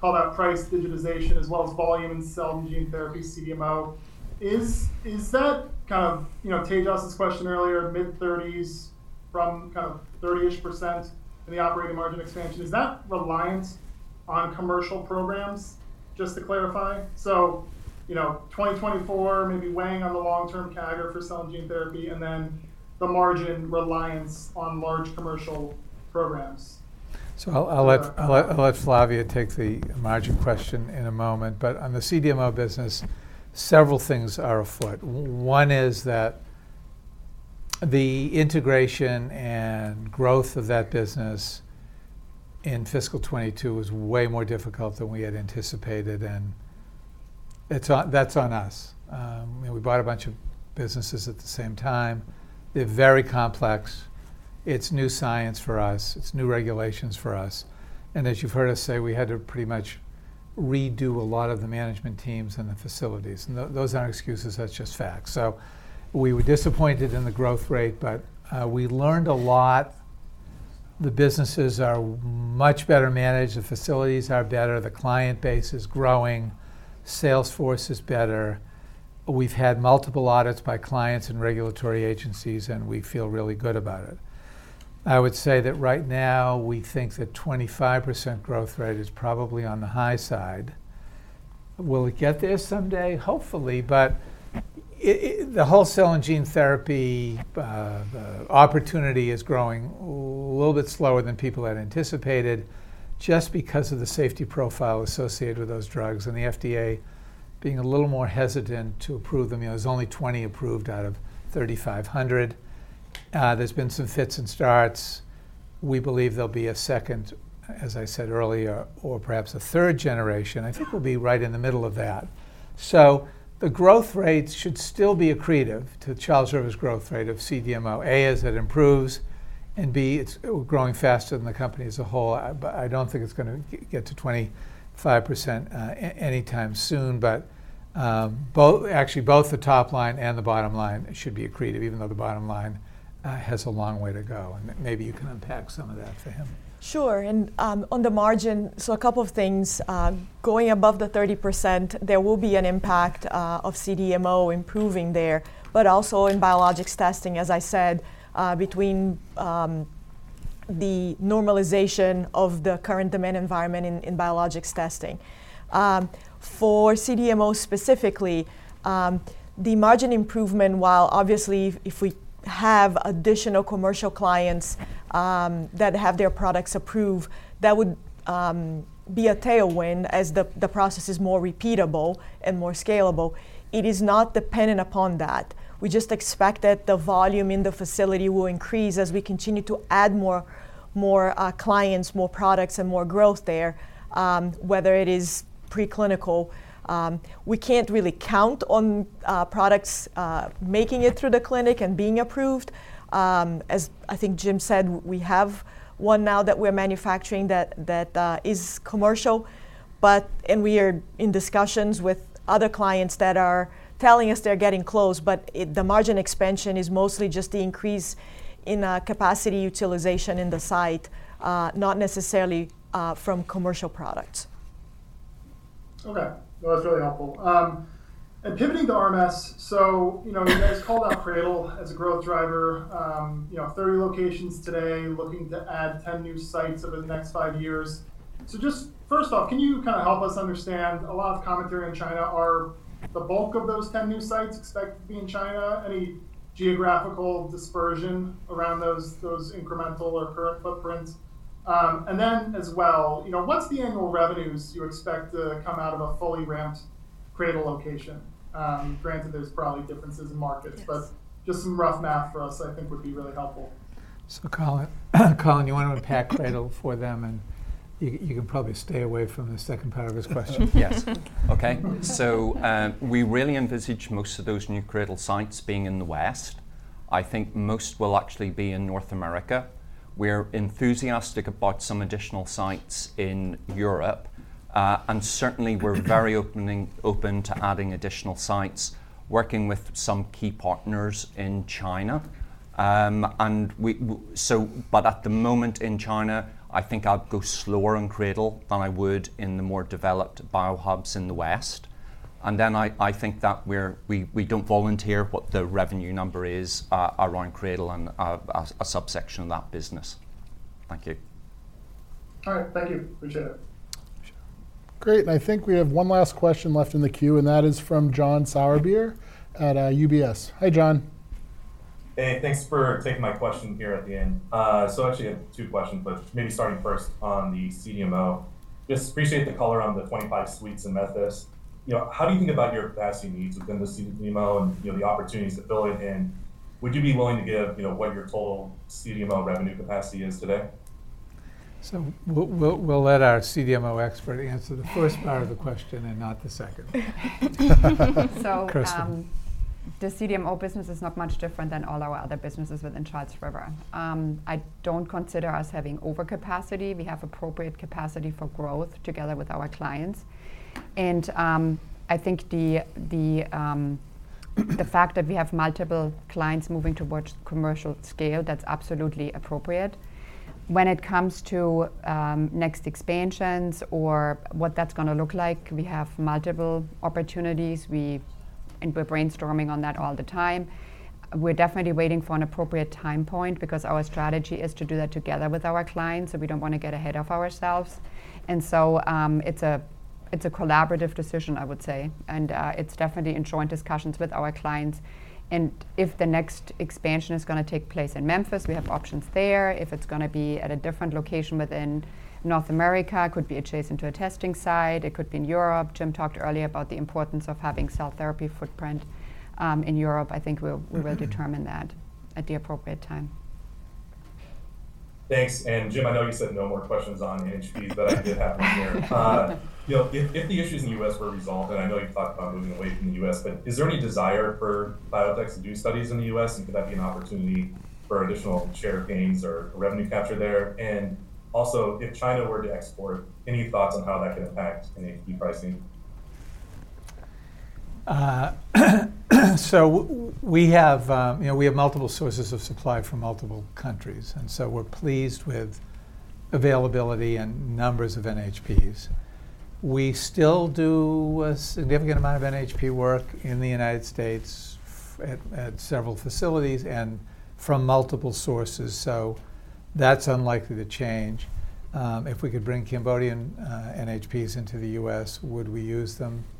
But called out price digitization, as well as volume in cell and gene therapy CDMO. Is that kind of... You know, Tejas's question earlier, mid-30s from kind of 30-ish% in the operating margin expansion, is that reliance on commercial programs, just to clarify? So, you know, 2024 maybe weighing on the long-term CAGR for cell and gene therapy, and then the margin reliance on large commercial programs. So I'll let Flavia take the margin question in a moment. But on the CDMO business, several things are afoot. One is that the integration and growth of that business in fiscal 2022 was way more difficult than we had anticipated, and that's on us. You know, we bought a bunch of businesses at the same time. They're very complex. It's new science for us. It's new regulations for us. And as you've heard us say, we had to pretty much redo a lot of the management teams and the facilities. And those aren't excuses, that's just facts. So we were disappointed in the growth rate, but we learned a lot. The businesses are much better managed, the facilities are better, the client base is growing, sales force is better. We've had multiple audits by clients and regulatory agencies, and we feel really good about it. I would say that right now, we think that 25% growth rate is probably on the high side. Will it get there someday? Hopefully, but the cell and gene therapy opportunity is growing a little bit slower than people had anticipated just because of the safety profile associated with those drugs and the FDA being a little more hesitant to approve them. You know, there's only 20 approved out of 3,500. There's been some fits and starts. We believe there'll be a second, as I said earlier, or perhaps a third generation. I think we'll be right in the middle of that. So the growth rates should still be accretive to Charles River's growth rate of CDMO, A, as it improves, and B, it's growing faster than the company as a whole. But I don't think it's gonna get to 25%, anytime soon, but, actually, both the top line and the bottom line should be accretive, even though the bottom line has a long way to go. And maybe you can unpack some of that for him. Sure. On the margin, a couple of things. Going above the 30%, there will be an impact of CDMO improving there, but also in biologics testing, as I said, between the normalization of the current demand environment in biologics testing. For CDMO specifically, the margin improvement, while obviously, if we have additional commercial clients that have their products approved, that would be a tailwind as the process is more repeatable and more scalable. It is not dependent upon that. We just expect that the volume in the facility will increase as we continue to add more clients, more products, and more growth there, whether it is preclinical. We can't really count on products making it through the clinic and being approved. As I think Jim said, we have one now that we're manufacturing that is commercial, and we are in discussions with other clients that are telling us they're getting close, but the margin expansion is mostly just the increase in capacity utilization in the site, not necessarily from commercial products.... Okay, well, that's really helpful. And pivoting to RMS, so, you know, you guys called out Cradle as a growth driver. You know, 30 locations today, looking to add 10 new sites over the next five years. So just first off, can you kind of help us understand, a lot of commentary on China, are the bulk of those 10 new sites expected to be in China? Any geographical dispersion around those, those incremental or current footprints? And then as well, you know, what's the annual revenues you expect to come out of a fully ramped Cradle location? Granted, there's probably differences in markets- Yes. But just some rough math for us, I think would be really helpful. So Colin, Colin, you want to unpack Cradle for them, and you can, you can probably stay away from the second part of his question. Yes. Okay. We really envisage most of those new CRADL sites being in the West. I think most will actually be in North America. We're enthusiastic about some additional sites in Europe. Certainly, we're very open to adding additional sites, working with some key partners in China. At the moment in China, I think I'd go slower in CRADL than I would in the more developed Biohubs in the West. I think that we don't volunteer what the revenue number is around CRADL and a subsection of that business. Thank you. All right. Thank you. Appreciate it. Sure. Great, and I think we have one last question left in the queue, and that is from John Sourbeer at UBS. Hi, John. Hey, thanks for taking my question here at the end. So I actually have two questions, but maybe starting first on the CDMO. Just appreciate the color on the 25 suites in Memphis. You know, how do you think about your capacity needs within the CDMO and, you know, the opportunities to fill it in? Would you be willing to give, you know, what your total CDMO revenue capacity is today? So we'll let our CDMO expert answer the first part of the question and not the second. Kerstin. So, the CDMO business is not much different than all our other businesses within Charles River. I don't consider us having overcapacity. We have appropriate capacity for growth together with our clients, and I think the fact that we have multiple clients moving towards commercial scale, that's absolutely appropriate. When it comes to next expansions or what that's gonna look like, we have multiple opportunities, and we're brainstorming on that all the time. We're definitely waiting for an appropriate time point because our strategy is to do that together with our clients, so we don't want to get ahead of ourselves. And so, it's a collaborative decision, I would say, and it's definitely in joint discussions with our clients. And if the next expansion is gonna take place in Memphis, we have options there. If it's gonna be at a different location within North America, it could be adjacent to a testing site, it could be in Europe. Jim talked earlier about the importance of having cell therapy footprint in Europe. I think we will determine that at the appropriate time. Thanks. And Jim, I know you said no more questions on NHPs, but I did have one here. You know, if the issues in the U.S. were resolved, and I know you've talked about moving away from the U.S., but is there any desire for biotechs to do studies in the U.S., and could that be an opportunity for additional share gains or revenue capture there? And also, if China were to export, any thoughts on how that could impact NHP pricing? We have, you know, we have multiple sources of supply from multiple countries, and we're pleased with availability and numbers of NHPs. We still do a significant amount of NHP work in the United States at several facilities and from multiple sources, so that's unlikely to change. If we could bring Cambodian NHPs into the US, would we use them? Perhaps.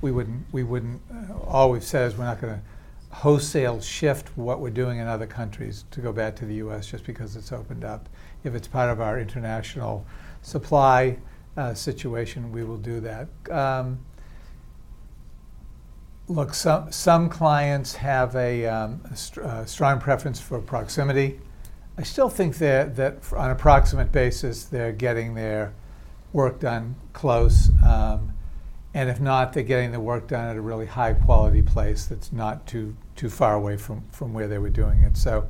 We wouldn't, we wouldn't... All we've said is we're not gonna wholesale shift what we're doing in other countries to go back to the US just because it's opened up. If it's part of our international supply situation, we will do that. Look, some clients have a, you know, a strong preference for proximity. I still think that on an approximate basis, they're getting their work done close, and if not, they're getting the work done at a really high-quality place that's not too far away from where they were doing it. So,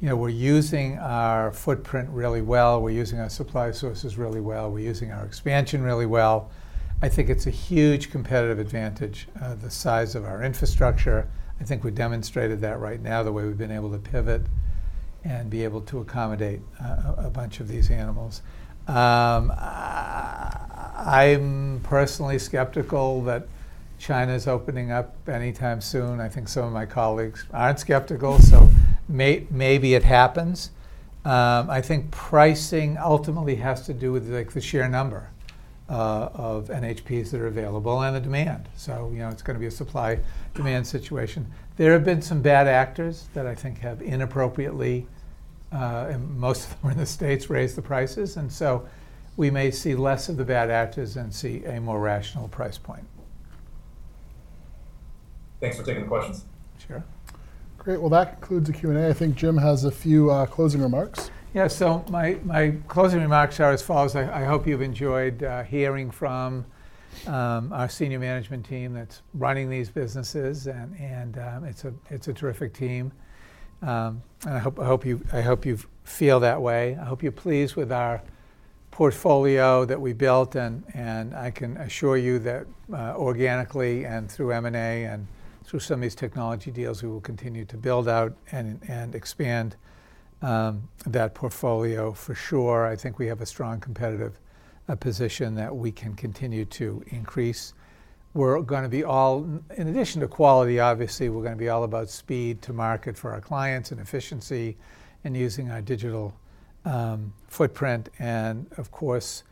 you know, we're using our footprint really well. We're using our supply sources really well. We're using our expansion really well. I think it's a huge competitive advantage, the size of our infrastructure. I think we demonstrated that right now, the way we've been able to pivot and be able to accommodate a bunch of these animals. I'm personally skeptical that China's opening up anytime soon. I think some of my colleagues aren't skeptical, so maybe it happens. I think pricing ultimately has to do with, like, the sheer number of NHPs that are available and the demand. So, you know, it's gonna be a supply-demand situation. There have been some bad actors that I think have inappropriately, and most of them are in the States, raised the prices, and so we may see less of the bad actors and see a more rational price point. Thanks for taking the questions. Sure. Great. Well, that concludes the Q&A. I think Jim has a few closing remarks. Yeah, so my closing remarks are as follows: I hope you've enjoyed hearing from our senior management team that's running these businesses, and it's a terrific team. And I hope you feel that way. I hope you're pleased with our portfolio that we built, and I can assure you that organically and through M&A and through some of these technology deals, we will continue to build out and expand that portfolio for sure. I think we have a strong competitive position that we can continue to increase. In addition to quality, obviously, we're gonna be all about speed to market for our clients and efficiency and using our digital footprint. Of course,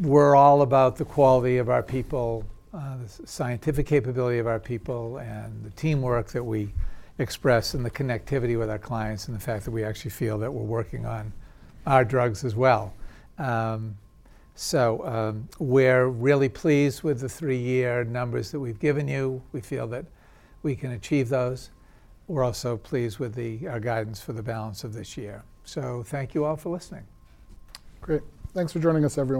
we're all about the quality of our people, the scientific capability of our people, and the teamwork that we express, and the connectivity with our clients, and the fact that we actually feel that we're working on our drugs as well. We're really pleased with the three-year numbers that we've given you. We feel that we can achieve those. We're also pleased with our guidance for the balance of this year. Thank you all for listening. Great. Thanks for joining us, everyone.